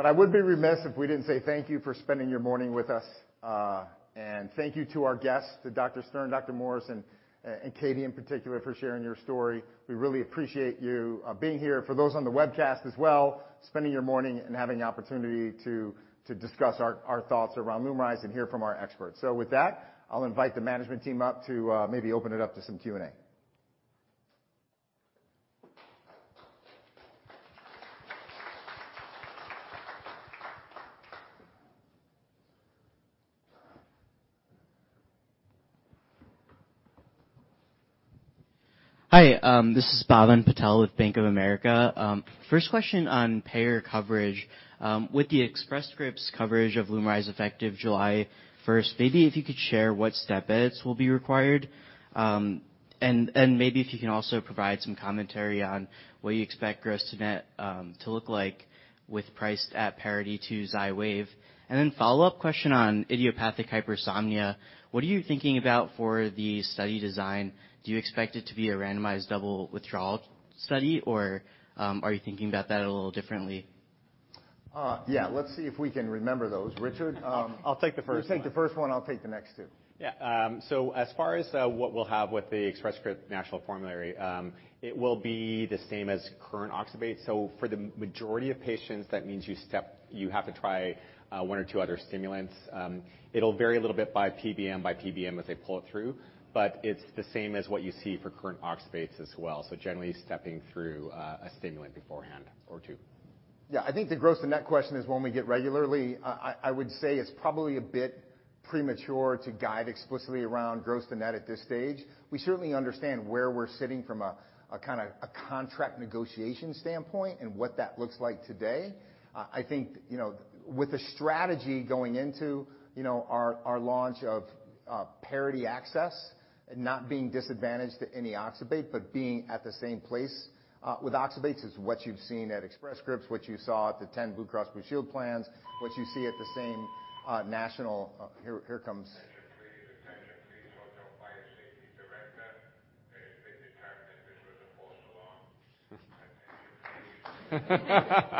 Attention, please. Attention, please. This is the Boston Fire- I would be remiss if we didn't say thank you for spending your morning with us, and thank you to our guests, to Dr. Stern, Dr. Morse, and Katie in particular for sharing your story. We really appreciate you being here. For those on the webcast as well, spending your morning and having the opportunity to discuss our thoughts around LUMRYZ and hear from our experts. With that, I'll invite the management team up to maybe open it up to some Q&A. Hi, this is Bhavin Patel with Bank of America. First question on payer coverage. With the Express Scripts' coverage of LUMRYZ effective July first, maybe if you could share what step edits will be required. Maybe if you can also provide some commentary on what you expect gross-to-net to look like with priced at parity to Xywav. Follow-up question on idiopathic hypersomnia. What are you thinking about for the study design? Do you expect it to be a randomized double withdrawal study, or are you thinking about that a little differently? Yeah, let's see if we can remember those. Richard, I'll take the first one. You take the first one, I'll take the next two. As far as what we'll have with the Express Scripts National Preferred Formulary, it will be the same as current oxybate. For the majority of patients, that means you have to try one or two other stimulants. It'll vary a little bit by PBM as they pull it through, but it's the same as what you see for current oxybates as well. Generally stepping through a stimulant beforehand or two. Yeah, I think the gross to net question is one we get regularly. I would say it's probably a bit premature to guide explicitly around gross to net at this stage. We certainly understand where we're sitting from a kind of a contract negotiation standpoint and what that looks like today. I think, you know, with the strategy going into, you know, our launch of parity access and not being disadvantaged to any oxybate, but being at the same place with oxybates is what you've seen at Express Scripts, what you saw at the 10 Blue Cross Blue Shield plans, what you see at the same national... Attention, please. Attention, please. Hotel fire safety director. This was a false alarm. Thank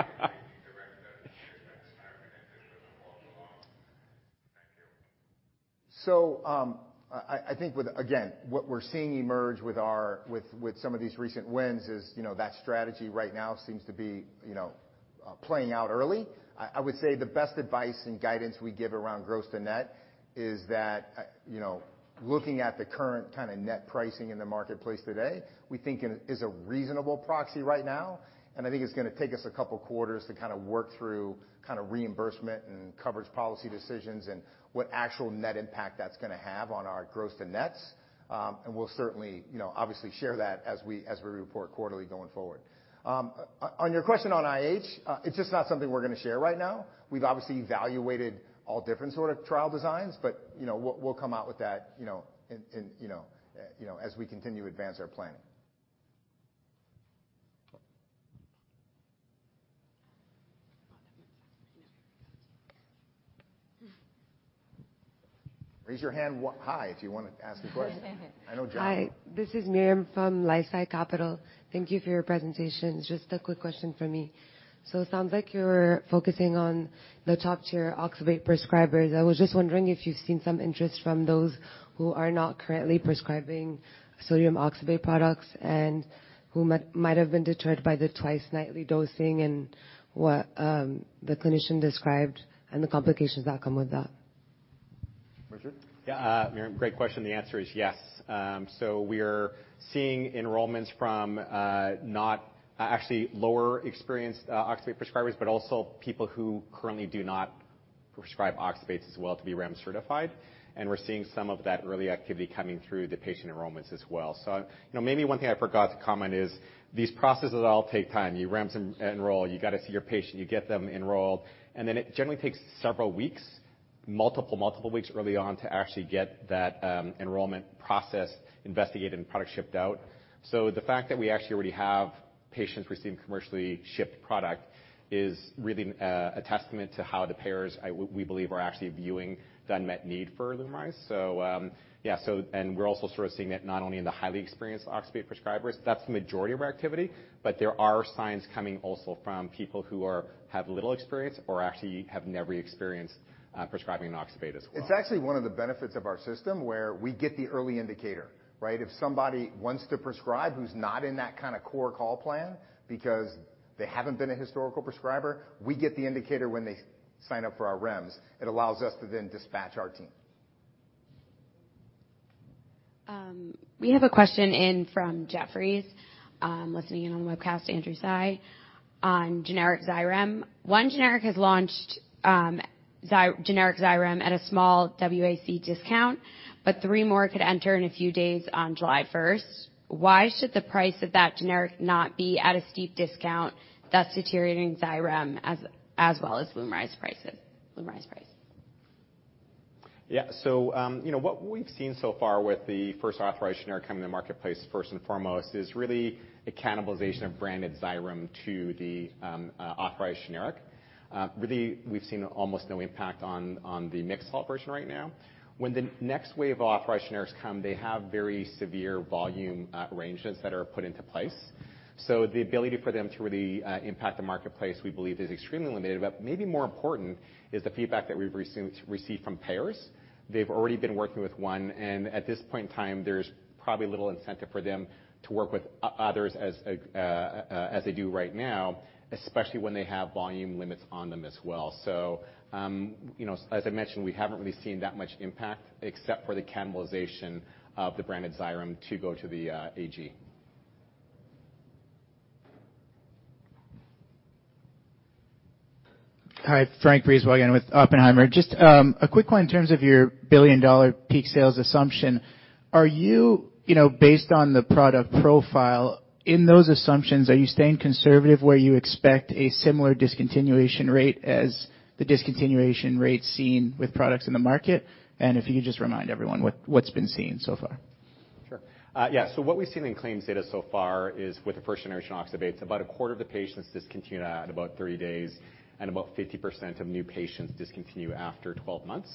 you. I think with, again, what we're seeing emerge with some of these recent wins is, you know, that strategy right now seems to be, you know, playing out early. I would say the best advice and guidance we give around gross-to-net is that, you know, looking at the current kind of net pricing in the marketplace today, we think it is a reasonable proxy right now, and I think it's gonna take us a couple quarters to kind of work through kind of reimbursement and coverage policy decisions and what actual net impact that's gonna have on our gross-to-nets. We'll certainly, you know, obviously share that as we report quarterly going forward. On your question on IH, it's just not something we're gonna share right now. We've obviously evaluated all different sort of trial designs, but, you know, we'll come out with that, you know, in, you know, as we continue to advance our planning. Raise your hand high if you want to ask a question. I know, John. Hi, this is Miriam from LifeSci Capital. Thank you for your presentation. Just a quick question from me. It sounds like you're focusing on the top-tier oxybate prescribers. I was just wondering if you've seen some interest from those who are not currently prescribing sodium oxybate products and who might have been deterred by the twice-nightly dosing and what the clinician described and the complications that come with that. Richard? Yeah, Miriam, great question. The answer is yes. We are seeing enrollments from not actually lower experienced oxybate prescribers, but also people who currently do not prescribe oxybates as well to be REMS certified, and we're seeing some of that early activity coming through the patient enrollments as well. You know, maybe one thing I forgot to comment is these processes all take time. You REMS and enroll, you got to see your patient, you get them enrolled, and then it generally takes several weeks, multiple weeks early on to actually get that enrollment process investigated and product shipped out. The fact that we actually already have patients receiving commercially shipped product is really a testament to how the payers, we believe, are actually viewing the unmet need for LUMRYZ. Yeah, we're also sort of seeing it not only in the highly experienced oxybate prescribers. That's the majority of our activity, but there are signs coming also from people who have little experience or actually have never experienced prescribing an oxybate as well. It's actually one of the benefits of our system, where we get the early indicator, right? If somebody wants to prescribe who's not in that kind of core call plan because they haven't been a historical prescriber, we get the indicator when they sign up for our REMS. It allows us to then dispatch our team. We have a question in from Jefferies, listening in on the webcast, Andrew Tsai, on generic Xyrem. One generic has launched, generic Xyrem at a small WAC discount. Three more could enter in a few days on July 1st. Why should the price of that generic not be at a steep discount that's deteriorating Xyrem as well as LUMRYZ prices? you know, what we've seen so far with the first authorized generic coming to the marketplace, first and foremost, is really a cannibalization of branded Xyrem to the authorized generic. Really, we've seen almost no impact on the mixed health version right now. When the next wave of off-patenters come, they have very severe volume arrangements that are put into place. The ability for them to really impact the marketplace, we believe, is extremely limited. Maybe more important is the feedback that we've received from payers. They've already been working with one, and at this point in time, there's probably little incentive for them to work with others as they do right now, especially when they have volume limits on them as well. You know, as I mentioned, we haven't really seen that much impact, except for the cannibalization of the branded Xyrem to go to the AG. Hi, Frank Brisebois with Oppenheimer. Just a quick one in terms of your billion-dollar peak sales assumption. Are you know, based on the product profile, in those assumptions, are you staying conservative, where you expect a similar discontinuation rate as the discontinuation rate seen with products in the market? If you could just remind everyone what's been seen so far. Sure. Yeah. What we've seen in claims data so far is with the first-generation oxybates, about a quarter of the patients discontinue at about 30 days, and about 50% of new patients discontinue after 12 months.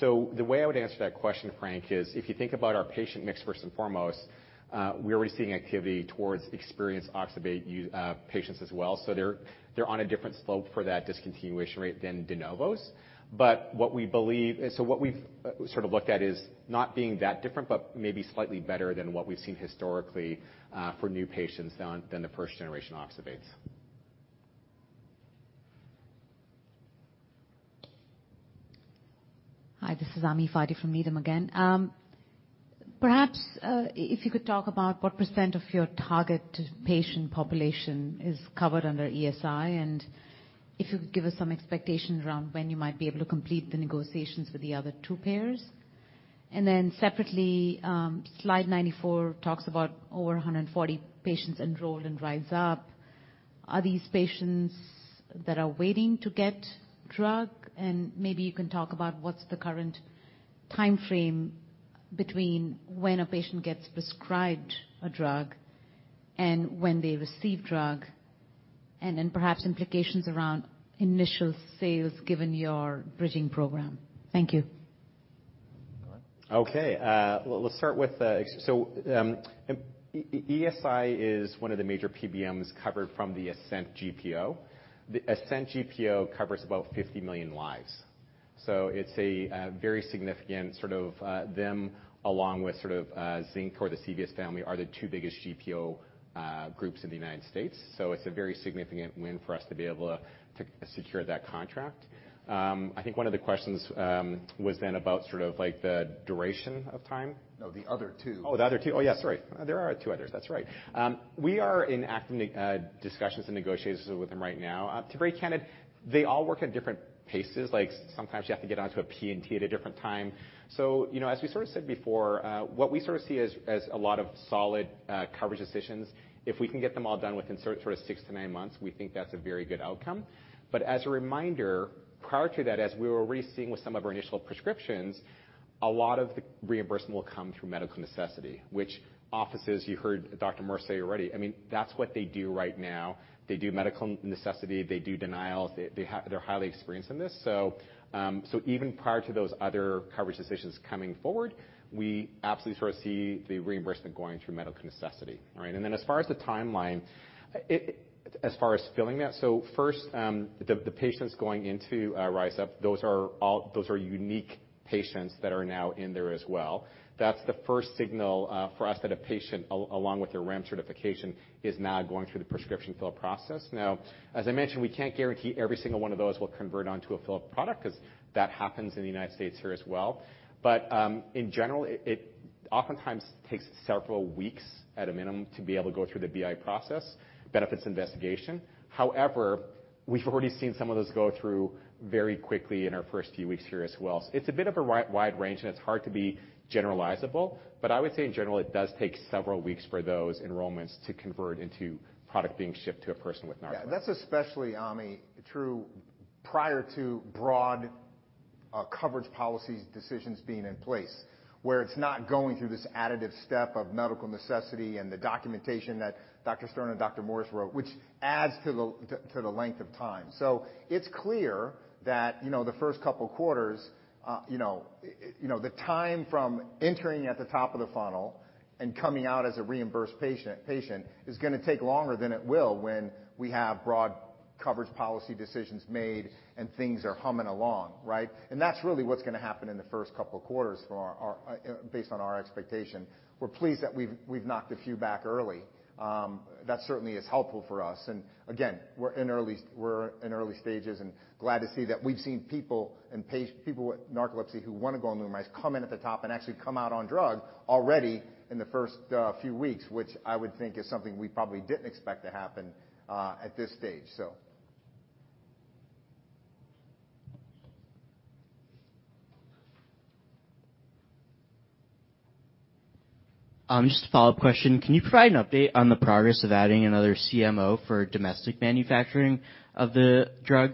The way I would answer that question, Frank, is if you think about our patient mix first and foremost, we're already seeing activity towards experienced oxybate patients as well. They're on a different slope for that discontinuation rate than de novos. What we've sort of looked at is not being that different, but maybe slightly better than what we've seen historically for new patients than the first-generation oxybates. Hi, this is Ami Fadia from Needham again. Perhaps, if you could talk about what % of your target patient population is covered under ESI, and if you could give us some expectation around when you might be able to complete the negotiations with the other two payers. Separately, slide 94 talks about over 140 patients enrolled in RYZUP. Are these patients that are waiting to get drug? Maybe you can talk about what's the current time frame between when a patient gets prescribed a drug and when they receive drug, perhaps implications around initial sales, given your bridging program. Thank you. Okay. Well, let's start with ESI is one of the major PBMs covered from the Ascent GPO. The Ascent GPO covers about 50 million lives. It's a very significant them, along with Zinc, the CVS family, are the two biggest GPO groups in the United States. It's a very significant win for us to be able to secure that contract. I think one of the questions was then about the duration of time. No, the other two. The other two. Yes, sorry. There are two others. That's right. We are in active discussions and negotiations with them right now. To be very candid, they all work at different paces. Like, sometimes you have to get onto a P&T at a different time. You know, as we sort of said before, what we sort of see as a lot of solid coverage decisions, if we can get them all done within sort of 6-9 months, we think that's a very good outcome. As a reminder, prior to that, as we were already seeing with some of our initial prescriptions, a lot of the reimbursement will come through medical necessity, which offices you heard Dr. Morse say already. I mean, that's what they do right now. They do medical necessity, they do denials. They're highly experienced in this. Even prior to those other coverage decisions coming forward, we absolutely sort of see the reimbursement going through medical necessity, all right? As far as the timeline, as far as filling that, first, the patients going into RYZUP, those are unique patients that are now in there as well. That's the first signal for us, that a patient, along with their REMS certification, is now going through the prescription fill process. As I mentioned, we can't guarantee every single one of those will convert onto a fill product, because that happens in the United States here as well. In general, it oftentimes takes several weeks at a minimum to be able to go through the BI process, benefits investigation. However, we've already seen some of those go through very quickly in our first few weeks here as well. It's a bit of a wide range, and it's hard to be generalizable, but I would say in general, it does take several weeks for those enrollments to convert into product being shipped to a person with narcolepsy. That's especially, Ami, true prior to broad coverage policy decisions being in place, where it's not going through this additive step of medical necessity and the documentation that Dr. Stern and Dr. Morse wrote, which adds to the length of time. It's clear that, you know, the first couple quarters, you know, the time from entering at the top of the funnel and coming out as a reimbursed patient, is gonna take longer than it will when we have broad coverage policy decisions made and things are humming along, right? That's really what's gonna happen in the first couple of quarters for our, based on our expectation. We're pleased that we've knocked a few back early. That certainly is helpful for us. Again, we're in early stages and glad to see that we've seen people and people with narcolepsy who want to go on LUMRYZ come in at the top and actually come out on drug already in the first few weeks, which I would think is something we probably didn't expect to happen at this stage, so. Just a follow-up question. Can you provide an update on the progress of adding another CMO for domestic manufacturing of the drug?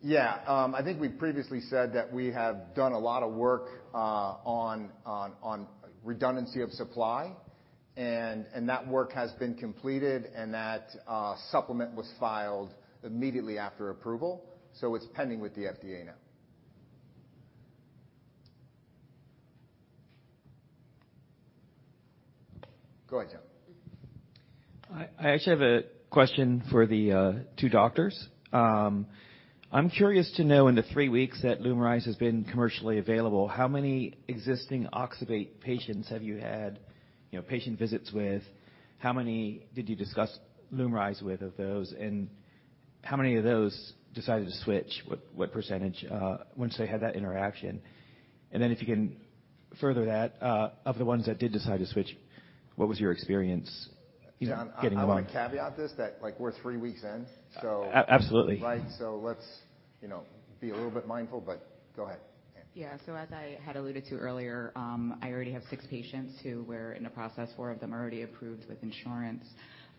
Yeah, I think we previously said that we have done a lot of work on redundancy of supply, and that work has been completed, and that supplement was filed immediately after approval. It's pending with the FDA now. Go ahead, John. I actually have a question for the two doctors. I'm curious to know, in the three weeks that LUMRYZ has been commercially available, how many existing oxybate patients have you had, you know, patient visits with? How many did you discuss LUMRYZ with of those? How many of those decided to switch, what percentage once they had that interaction? If you can further that, of the ones that did decide to switch, what was your experience, you know, getting them on? I want to caveat this, that, like, we're three weeks in. A-absolutely. Right. let's, you know, be a little bit mindful, but go ahead. Yeah. As I had alluded to earlier, I already have 6 patients who were in the process. 4 of them are already approved with insurance.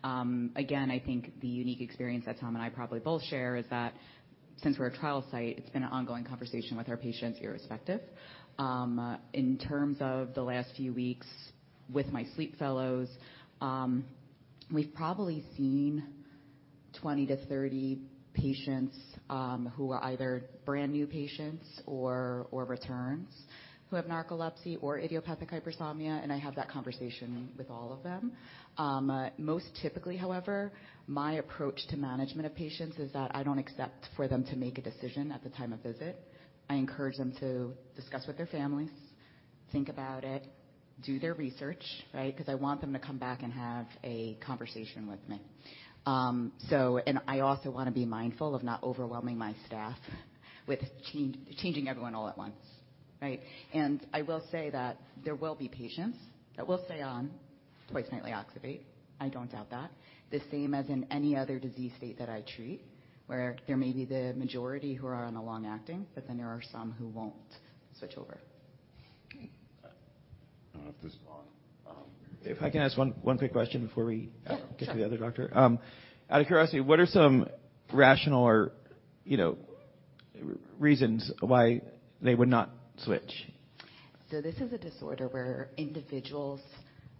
Again, I think the unique experience that Tom Stern and I probably both share is that since we're a trial site, it's been an ongoing conversation with our patients irrespective. In terms of the last few weeks with my sleep fellows, we've probably seen 20-30 patients, who are either brand-new patients or returns, who have narcolepsy or idiopathic hypersomnia, and I have that conversation with all of them. Most typically, however, my approach to management of patients is that I don't expect for them to make a decision at the time of visit. I encourage them to discuss with their families, think about it, do their research, right? Because I want them to come back and have a conversation with me. I also want to be mindful of not overwhelming my staff with changing everyone all at once, right? I will say that there will be patients that will stay on twice nightly oxybate. I don't doubt that. The same as in any other disease state that I treat, where there may be the majority who are on a long-acting, but then there are some who won't switch over. I'll have to respond. If I can ask one quick question before. Sure. -get to the other doctor. Out of curiosity, what are some rational or, you know, reasons why they would not switch? This is a disorder where individuals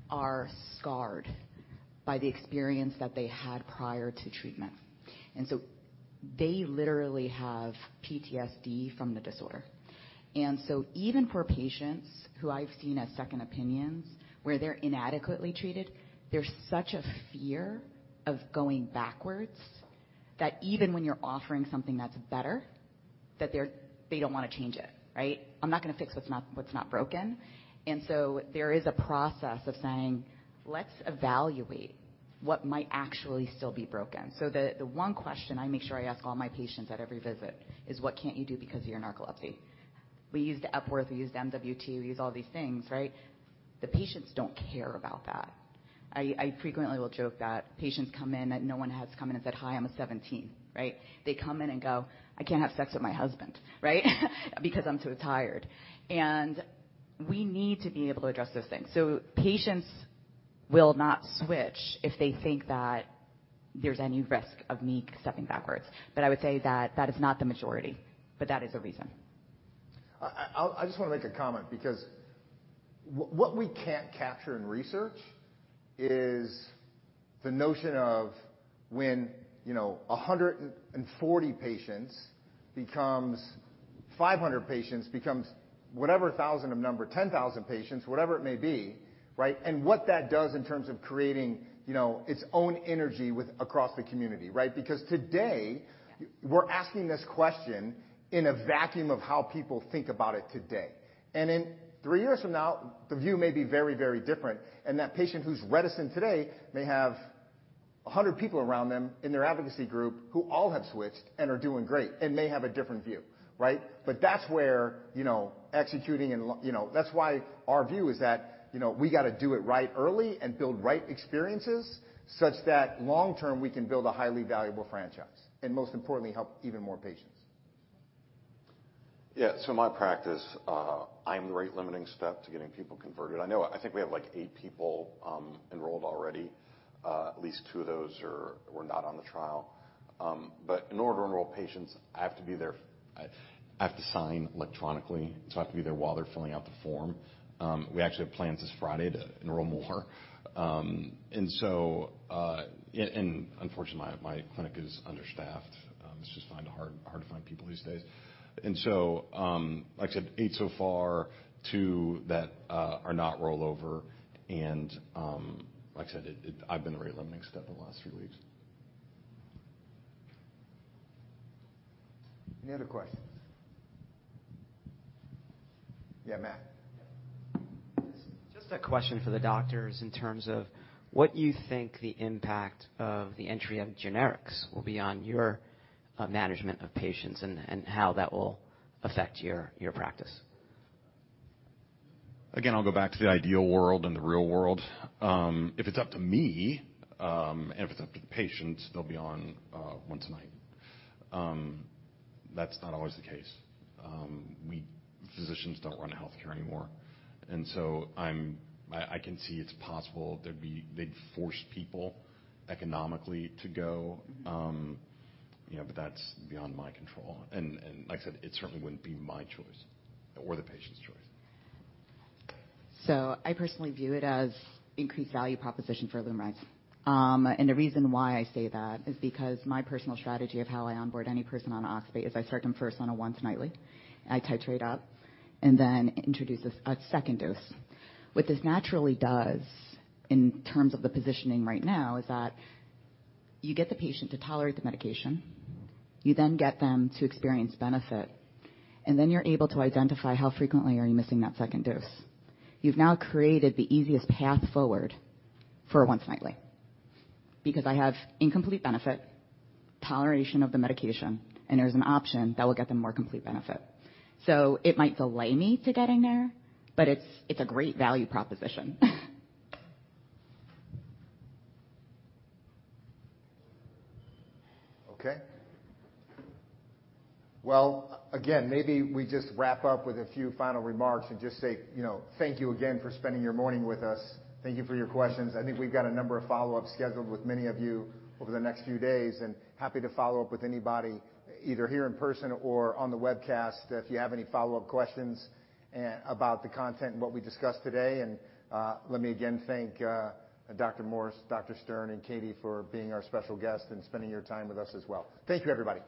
are scarred by the experience that they had prior to treatment, and so they literally have PTSD from the disorder. Even for patients who I've seen as second opinions, where they're inadequately treated, there's such a fear of going backwards, that even when you're offering something that's better, that they don't want to change it, right? I'm not going to fix what's not broken. There is a process of saying, "Let's evaluate what might actually still be broken." The one question I make sure I ask all my patients at every visit is: What can't you do because of your narcolepsy? We use the Epworth, we use MWT, we use all these things, right? The patients don't care about that. I frequently will joke that patients come in, that no one has come in and said, "Hi, I'm a 17," right? They come in and go, "I can't have sex with my husband," right? "Because I'm so tired." We need to be able to address those things. Patients will not switch if they think that there's any risk of me stepping backwards. I would say that that is not the majority, but that is a reason. I just want to make a comment because what we can't capture in research is the notion of when, you know, 140 patients becomes 500 patients, becomes whatever thousand of number, 10,000 patients, whatever it may be, right? What that does in terms of creating, you know, its own energy with across the community, right? Today, we're asking this question in a vacuum of how people think about it today. In three years from now, the view may be very, very different, and that patient who's reticent today may have 100 people around them in their advocacy group who all have switched and are doing great and may have a different view, right? That's where, you know, executing and, you know... That's why our view is that, you know, we got to do it right early and build right experiences such that long term, we can build a highly valuable franchise, and most importantly, help even more patients. Yeah. My practice, I'm the rate-limiting step to getting people converted. I think we have, like, eight people enrolled already. At least two of those were not on the trial. In order to enroll patients, I have to be there. I have to sign electronically, I have to be there while they're filling out the form. We actually have plans this Friday to enroll more. Yeah, unfortunately, my clinic is understaffed. It's just finding hard to find people these days. Like I said, eight so far, two that are not rollover, like I said, I've been the rate-limiting step the last three weeks. Any other questions? Yeah, Matt. Just a question for the doctors in terms of what you think the impact of the entry of generics will be on your management of patients and how that will affect your practice? Again, I'll go back to the ideal world and the real world. If it's up to me, and if it's up to the patients, they'll be on once a night. That's not always the case. Physicians don't run healthcare anymore, so I can see it's possible they'd force people economically to go, you know, but that's beyond my control. Like I said, it certainly wouldn't be my choice or the patient's choice. I personally view it as increased value proposition for LUMRYZ. The reason why I say that is because my personal strategy of how I onboard any person on oxybate is I start them first on a once nightly. I titrate up and then introduce a second dose. What this naturally does, in terms of the positioning right now, is that you get the patient to tolerate the medication. You then get them to experience benefit, and then you're able to identify how frequently are you missing that second dose. You've now created the easiest path forward for a once nightly. I have incomplete benefit, toleration of the medication, and there's an option that will get them more complete benefit. It might delay me to getting there, but it's a great value proposition. Okay. Well, again, maybe we just wrap up with a few final remarks and just say, you know, thank you again for spending your morning with us. Thank you for your questions. I think we've got a number of follow-ups scheduled with many of you over the next few days, and happy to follow up with anybody, either here in person or on the webcast, if you have any follow-up questions, about the content and what we discussed today. Let me again thank Dr. Morse, Dr. Stern, and Katie for being our special guests and spending your time with us as well. Thank you, everybody.